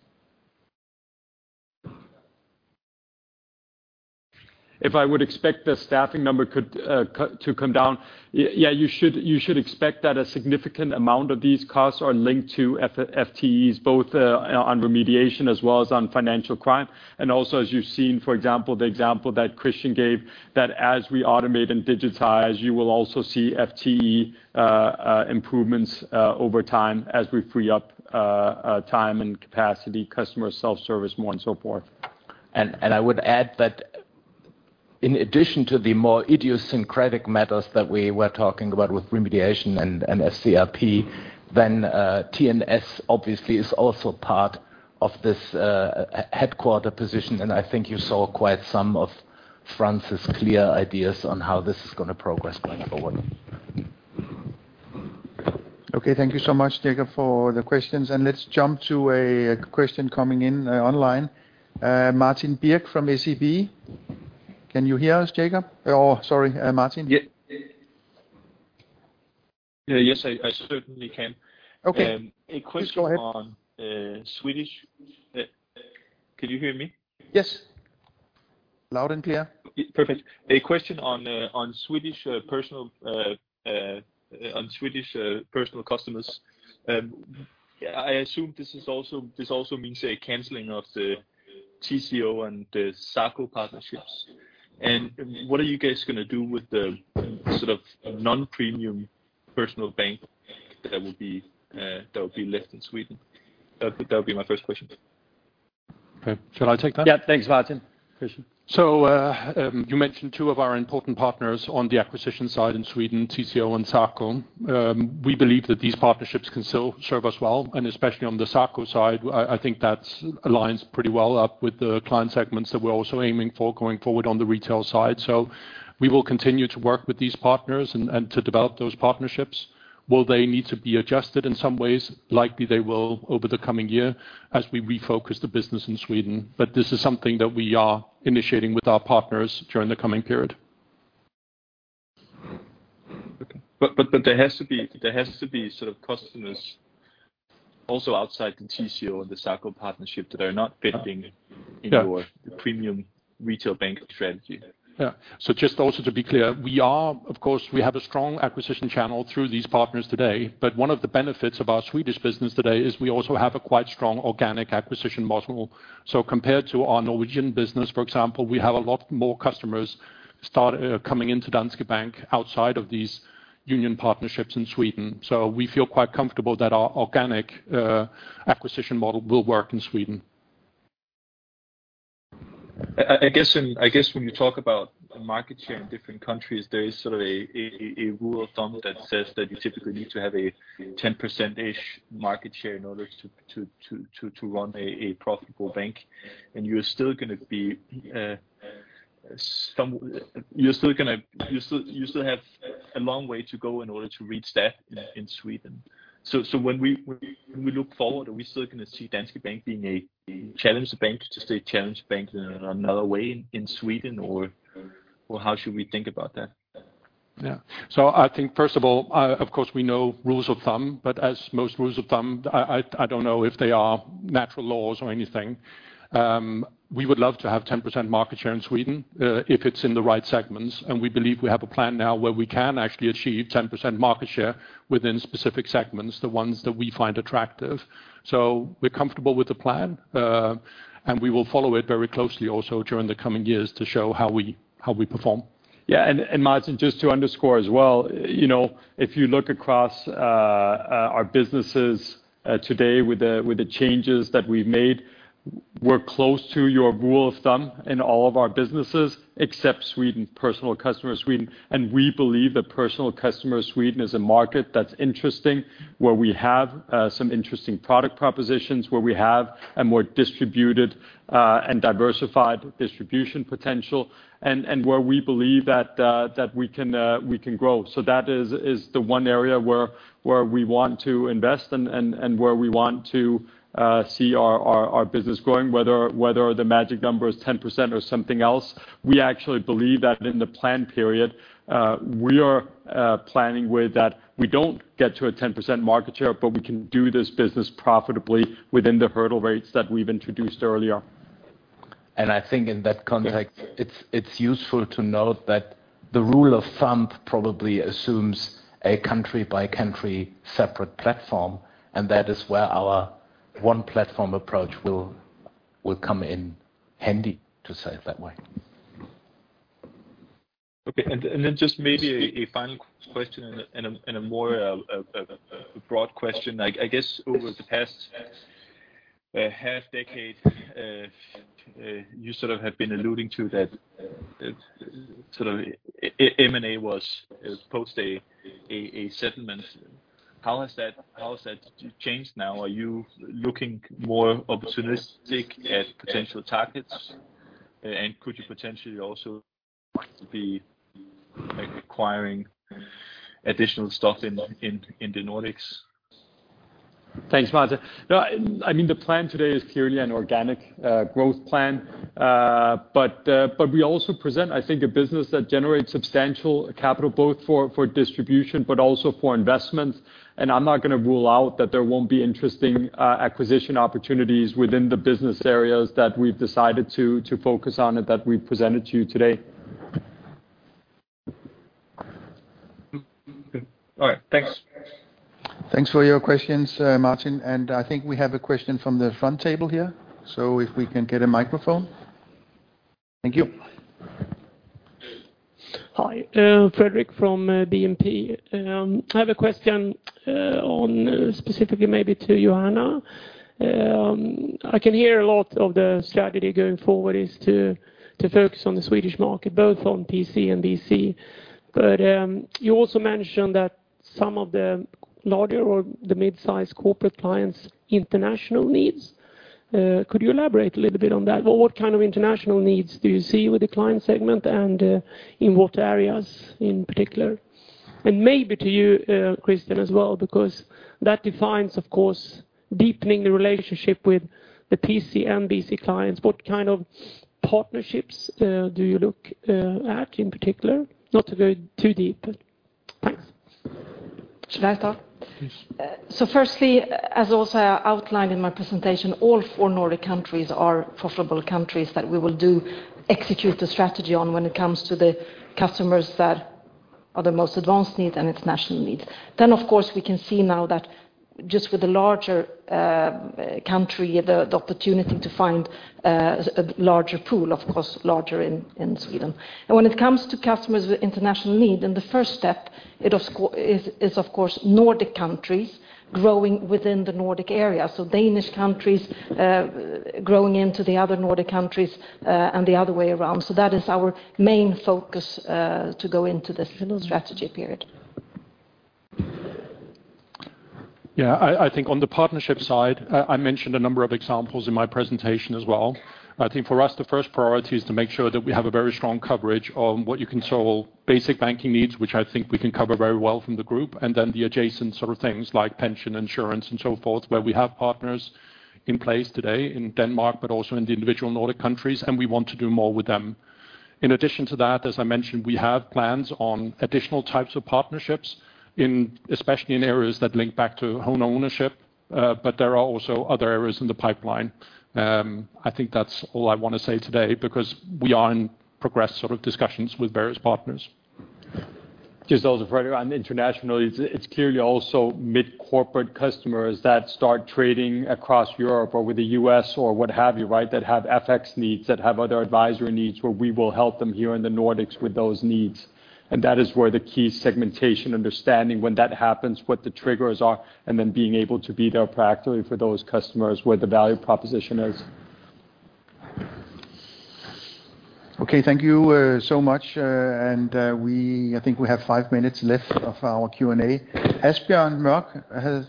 If I would expect the staffing number could to come down? Yeah, you should expect that a significant amount of these costs are linked to FTEs, both on remediation as well as on financial crime. Also, as you've seen, for example, the example that Christian gave, that as we automate and digitize, you will also see FTE improvements over time as we free up time and capacity, customer self-service more, and so forth. I would add that in addition to the more idiosyncratic matters that we were talking about with remediation and FCRP, TNS obviously is also part of this headquarter position. I think you saw quite some of Frans's clear ideas on how this is gonna progress going forward. Okay, thank you so much, Jacob, for the questions, and let's jump to a question coming in online. Martin Birk from SEB, can you hear us, Jacob? Oh, sorry, Martin? Yeah. Yes, I certainly can. Okay. A question- Please go ahead. On Swedish... Can you hear me? Yes. Loud and clear. Perfect. A question on Swedish personal customers. I assume this also means a canceling of the TCO and the Saco partnerships. What are you guys gonna do with the sort of non-premium personal bank that will be left in Sweden? That would be my first question. Okay. Shall I take that? Yeah. Thanks, Martin. Christian. You mentioned two of our important partners on the acquisition side in Sweden, TCO and Saco. We believe that these partnerships can still serve us well, and especially on the Saco side, I think that's aligns pretty well up with the client segments that we're also aiming for going forward on the retail side. We will continue to work with these partners and to develop those partnerships. Will they need to be adjusted in some ways? Likely they will over the coming year as we refocus the business in Sweden. This is something that we are initiating with our partners during the coming period. There has to be sort of customers also outside the TCO and the Saco partnership that are not fitting-. Yeah... into your premium retail bank strategy. Just also to be clear, we are, of course, we have a strong acquisition channel through these partners today, but one of the benefits of our Swedish business today is we also have a quite strong organic acquisition model. Compared to our Norwegian business, for example, we have a lot more customers start coming into Danske Bank outside of these union partnerships in Sweden. We feel quite comfortable that our organic acquisition model will work in Sweden. I guess when you talk about the market share in different countries, there is sort of a rule of thumb that says that you typically need to have a 10%-ish market share in order to run a profitable bank. You're still gonna have a long way to go in order to reach that in Sweden. When we look forward, are we still gonna see Danske Bank being a challenged bank, to stay challenged bank in another way in Sweden, or how should we think about that? Yeah. I think first of all, of course, we know rules of thumb, but as most rules of thumb, I don't know if they are natural laws or anything. We would love to have 10% market share in Sweden, if it's in the right segments, and we believe we have a plan now where we can actually achieve 10% market share within specific segments, the ones that we find attractive. We're comfortable with the plan, and we will follow it very closely also during the coming years to show how we perform., just to underscore as well, you know, if you look across our businesses today with the changes that we've made, we're close to your rule of thumb in all of our businesses, except Sweden, Personal Customer Sweden. We believe that Personal Customer Sweden is a market that's interesting, where we have some interesting product propositions, where we have a more distributed and diversified distribution potential, and where we believe that we can grow. So that is the one area where we want to invest and where we want to see our business growing, whether the magic number is 10% or something else. We actually believe that in the plan period, we are planning with that. We don't get to a 10% market share, but we can do this business profitably within the hurdle rates that we've introduced earlier. I think in that context, it's useful to note that the rule of thumb probably assumes a country-by-country separate platform, and that is where our one platform approach will come in handy, to say it that way. Okay, then just maybe a final question and a more broad question? I guess over the past half decade, you sort of have been alluding to that sort of M&A was post a settlement. How has that changed now? Are you looking more opportunistic at potential targets? Could you potentially also be, like, acquiring additional stock in the Nordics? Thanks, Martin. I mean, the plan today is clearly an organic growth plan. But we also present, I think, a business that generates substantial capital, both for distribution, but also for investment. I'm not gonna rule out that there won't be interesting acquisition opportunities within the business areas that we've decided to focus on and that we've presented to you today. All right, thanks. Thanks for your questions, Martin. I think we have a question from the front table here. If we can get a microphone. Thank you. Hi, Fredrik from BNP. I have a question on specifically maybe to Johanna. I can hear a lot of the strategy going forward is to focus on the Swedish market, both on PC and BC. You also mentioned that some of the larger or the mid-sized corporate clients' international needs. Could you elaborate a little bit on that? What kind of international needs do you see with the client segment, and, in what areas in particular? Maybe to you, Christian, as well, because that defines, of course, deepening the relationship with the PC and BC clients. What kind of partnerships do you look at in particular? Not to go too deep, but thanks. Should I talk? Please. Firstly, as also I outlined in my presentation, all four Nordic countries are profitable countries that we will do execute the strategy on when it comes to the customers that are the most advanced needs and international needs. Of course, we can see now that just with the larger country, the opportunity to find a larger pool, of course, larger in Sweden. When it comes to customers with international need, then the first step it is of course, Nordic countries growing within the Nordic area. Danish countries growing into the other Nordic countries and the other way around. That is our main focus to go into this new strategy period. I think on the partnership side, I mentioned a number of examples in my presentation as well. I think for us, the first priority is to make sure that we have a very strong coverage on what you can call basic banking needs, which I think we can cover very well from the group, and then the adjacent sort of things like pension insurance and so forth, where we have partners in place today in Denmark, but also in the individual Nordic countries, and we want to do more with them. In addition to that, as I mentioned, we have plans on additional types of partnerships especially in areas that link back to home ownership, but there are also other areas in the pipeline. I think that's all I want to say today, because we are in progress sort of discussions with various partners. Just also Fredrik, on internationally, it's clearly also mid-corporate customers that start trading across Europe or with the US or what have you, right? That have FX needs, that have other advisory needs, where we will help them here in the Nordics with those needs. That is where the key segmentation, understanding when that happens, what the triggers are, and then being able to be there practically for those customers, where the value proposition is. Okay, thank you, so much. I think we have five minutes left of our Q&A. Asbjørn Mørk has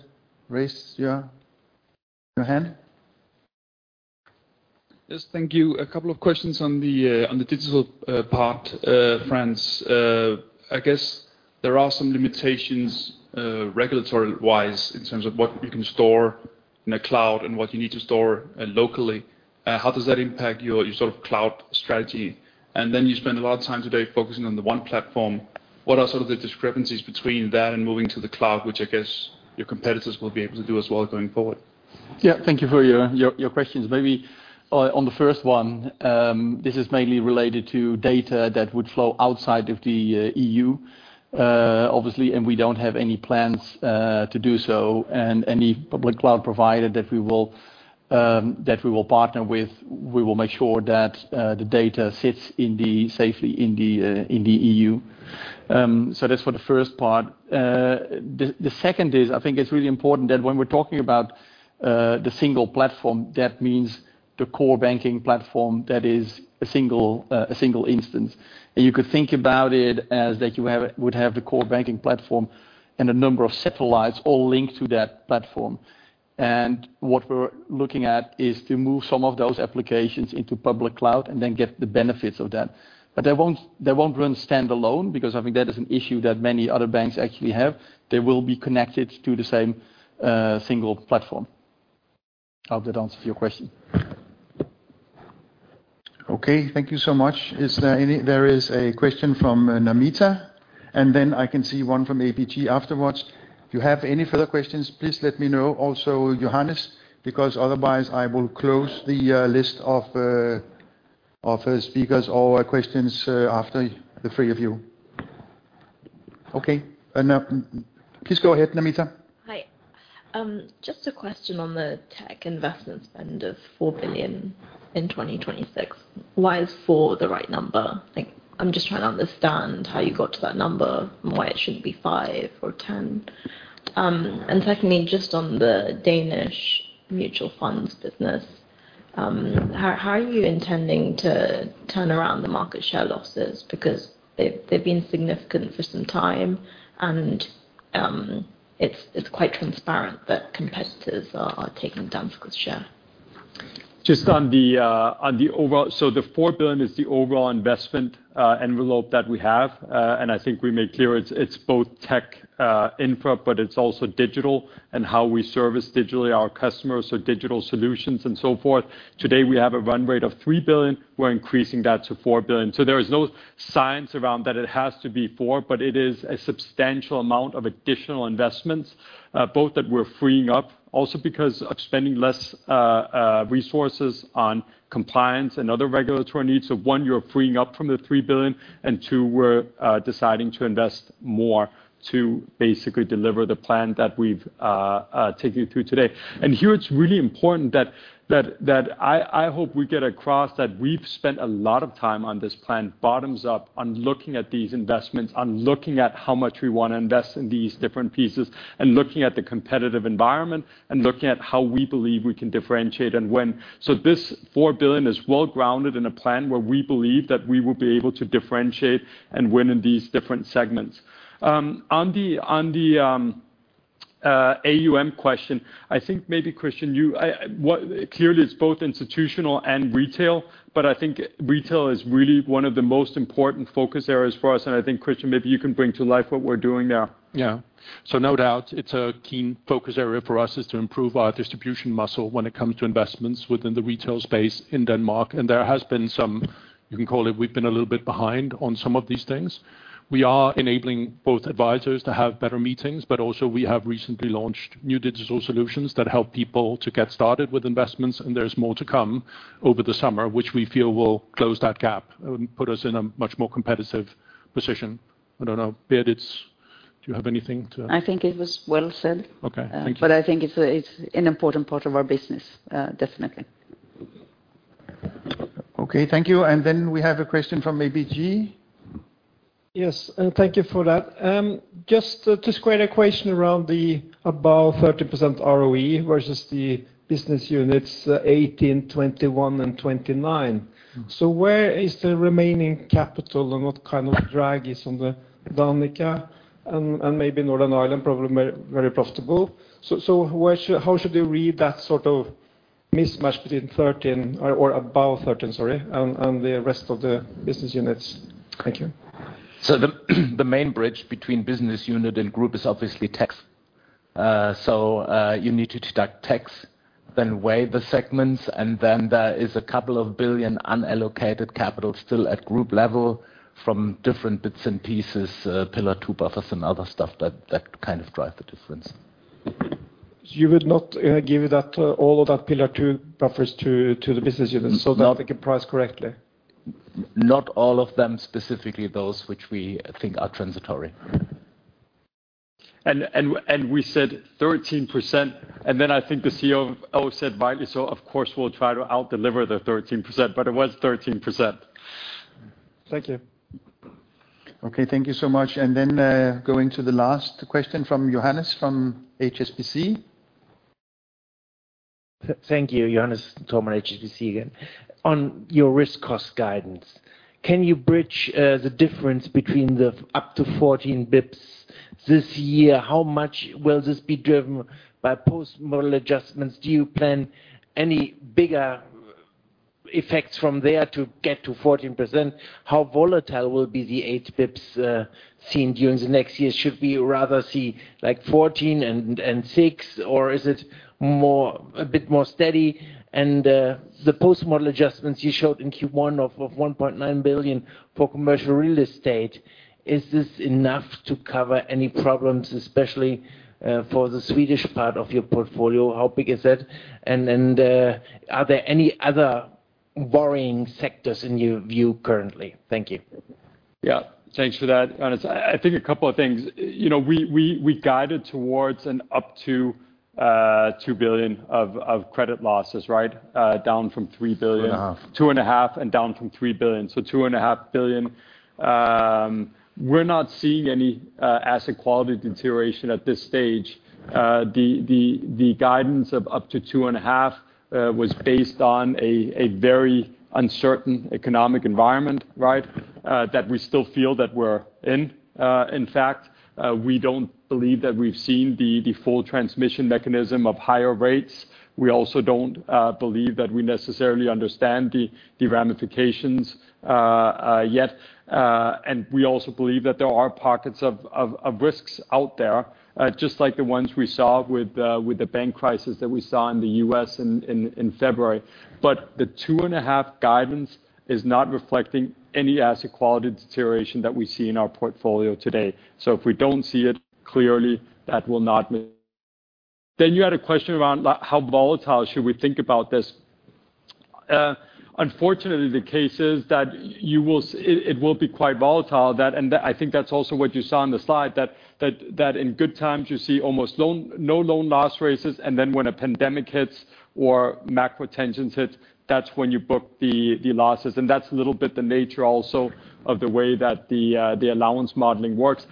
raised your hand. Yes, thank you. A couple of questions on the digital part, Frans. I guess there are some limitations regulatory-wise, in terms of what you can store in a cloud and what you need to store locally. How does that impact your sort of cloud strategy? You spent a lot of time today focusing on the one platform. What are sort of the discrepancies between that and moving to the cloud, which I guess your competitors will be able to do as well going forward? Thank you for your questions. Maybe on the first one, this is mainly related to data that would flow outside of the EU, obviously, and we don't have any plans to do so. Any public cloud provider that we will partner with, we will make sure that the data sits safely in the EU. That's for the first part. The second is, I think it's really important that when we're talking about the single platform, that means the core banking platform, that is a single, a single instance. You could think about it as that you would have the core banking platform and a number of satellites all linked to that platform. What we're looking at is to move some of those applications into public cloud and then get the benefits of that. They won't run standalone, because I think that is an issue that many other banks actually have. They will be connected to the same single platform. I hope that answers your question. Okay, thank you so much. There is a question from Namita, and then I can see one from APG afterwards. If you have any further questions, please let me know, also Johannes, because otherwise I will close the list of speakers or questions after the three of you. Okay, please go ahead, Namita. Hi. Just a question on the tech investment spend of 4 billion in 2026. Why is four the right number? Like, I'm just trying to understand how you got to that number and why it shouldn't be five or 10. Secondly, just on the Danish mutual funds business, how are you intending to turn around the market share losses? Because they've been significant for some time, and it's quite transparent that competitors are taking Danske's share.... Just on the, on the overall, the 4 billion is the overall investment envelope that we have. I think we made clear it's both tech, infra, but it's also digital and how we service digitally our customers, so digital solutions and so forth. Today, we have a run rate of 3 billion. We're increasing that to 4 billion. There is no science around that it has to be four, but it is a substantial amount of additional investments, both that we're freeing up, also because of spending less resources on compliance and other regulatory needs. One, you're freeing up from the 3 billion, two, we're deciding to invest more to basically deliver the plan that we've taken you through today. Here, it's really important that I hope we get across that we've spent a lot of time on this plan, bottoms up, on looking at these investments, on looking at how much we wanna invest in these different pieces, and looking at the competitive environment, and looking at how we believe we can differentiate and when. This 4 billion is well grounded in a plan where we believe that we will be able to differentiate and win in these different segments. On the AUM question, I think maybe Christian, clearly, it's both institutional and retail, but I think retail is really one of the most important focus areas for us. I think, Christian, maybe you can bring to life what we're doing there. No doubt, it's a key focus area for us, is to improve our distribution muscle when it comes to investments within the retail space in Denmark. There has been some, you can call it, we've been a little bit behind on some of these things. We are enabling both advisors to have better meetings. Also, we have recently launched new digital solutions that help people to get started with investments. There's more to come over the summer, which we feel will close that gap and put us in a much more competitive position. I don't know, Berit, do you have anything to add? I think it was well said. Okay, thank you. I think it's an important part of our business, definitely. Okay, thank you. We have a question from ABG. Yes, thank you for that. Just to square the equation around the above 30% ROE versus the business units 18%, 21%, and 29%. Where is the remaining capital, and what kind of drag is on the Danica and maybe Northern Ireland, probably very, very profitable? Where should, how should you read that sort of mismatch between 13% or above 13%, sorry, on the rest of the business units? Thank you. The main bridge between business unit and group is obviously tax. You need to deduct tax, then weigh the segments, and then there is a couple of billion DKK unallocated capital still at group level from different bits and pieces, Pillar II buffers and other stuff that kind of drive the difference. You would not, give that, all of that Pillar II buffers to the business units. No. that they can price correctly? Not all of them, specifically those which we think are transitory. We said 13%, and then I think the CEO said rightly so, of course, we'll try to out-deliver the 13%, but it was 13%. Thank you. Okay, thank you so much. Going to the last question from Johannes from HSBC. Thank you, Johannes Thormann, HSBC again. On your risk cost guidance, can you bridge the difference between the up to 14 basis points this year? How much will this be driven by post-model adjustments? Do you plan any bigger effects from there to get to 14%? How volatile will be the 8 basis points seen during the next year? Should we rather see like 14 and six, or is it more, a bit more steady? The post-model adjustments you showed in Q1 of 1.9 billion for commercial real estate, is this enough to cover any problems, especially for the Swedish part of your portfolio? How big is it? Are there any other worrying sectors in your view currently? Thank you. Yeah, thanks for that, Johannes. I think a couple of things. You know, we guided towards an up to 2 billion of credit losses, right? down from 3 billion. 2.5. Two and a half, down from 3 billion. 2.5 billion. We're not seeing any asset quality deterioration at this stage. The guidance of up to two and a half was based on a very uncertain economic environment, right? That we still feel that we're in. In fact, we don't believe that we've seen the full transmission mechanism of higher rates. We also don't believe that we necessarily understand the ramifications yet. We also believe that there are pockets of risks out there, just like the ones we saw with the bank crisis that we saw in the US in February. The two and a half guidance is not reflecting any asset quality deterioration that we see in our portfolio today. If we don't see it clearly, that will not be... You had a question around how volatile should we think about this? Unfortunately, the case is that it will be quite volatile. I think that's also what you saw on the slide, that in good times, you see almost no loan loss rates, and then when a pandemic hits or macro tensions hit, that's when you book the losses. That's a little bit the nature also of the way that the allowance modeling works.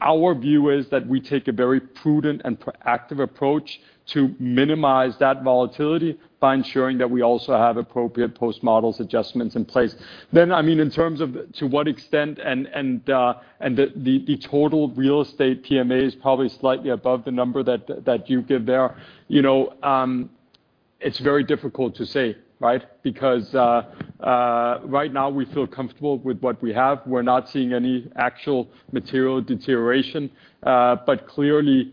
Our view is that we take a very prudent and proactive approach to minimize that volatility by ensuring that we also have appropriate Post-Model Adjustments in place. I mean, in terms of to what extent and the total real estate PMA is probably slightly above the number that you give there. You know, it's very difficult to say, right? Because right now we feel comfortable with what we have. We're not seeing any actual material deterioration. Clearly,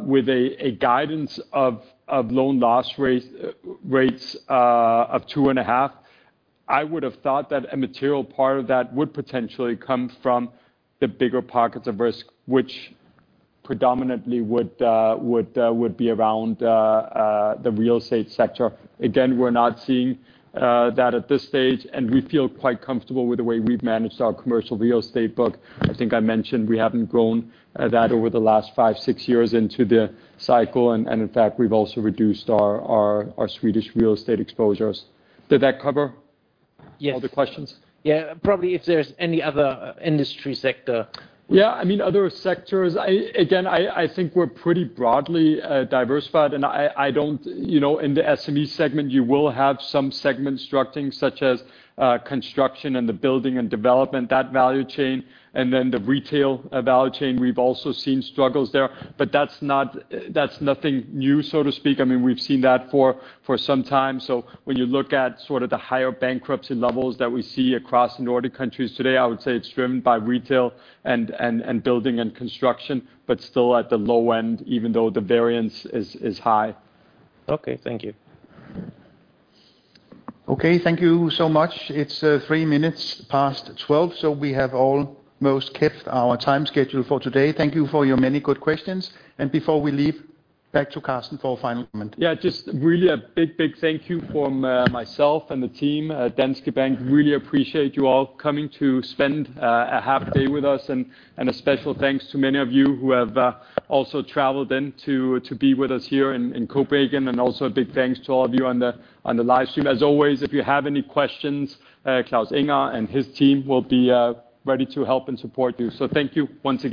with a guidance of loan loss rate, rates of 2.5%, I would have thought that a material part of that would potentially come from the bigger pockets of risk, which predominantly would be around the real estate sector. Again, we're not seeing that at this stage, and we feel quite comfortable with the way we've managed our commercial real estate book. I think I mentioned we haven't grown that over the last five, six years into the cycle, and in fact, we've also reduced our Swedish real estate exposures. Did that cover? Yes. all the questions? Yeah. Probably if there's any other industry sector. Yeah, I mean, other sectors, again, I think we're pretty broadly diversified, and I don't. You know, in the SME segment, you will have some segment structuring, such as construction and the building and development, that value chain, and then the retail value chain. We've also seen struggles there, but that's nothing new, so to speak. I mean, we've seen that for some time. When you look at sort of the higher bankruptcy levels that we see across Nordic countries today, I would say it's driven by retail and building and construction, but still at the low end, even though the variance is high. Okay, thank you. Okay, thank you so much. It's 3 minutes past 12 noon, we have almost kept our time schedule for today. Thank you for your many good questions. Before we leave, back to Carsten for a final comment. Just really a big, big thank you from myself and the team at Danske Bank. Really appreciate you all coming to spend a half day with us, and a special thanks to many of you who have also traveled in to be with us here in Copenhagen, and also a big thanks to all of you on the live stream. As always, if you have any questions, Claus Ingar and his team will be ready to help and support you. Thank you once again.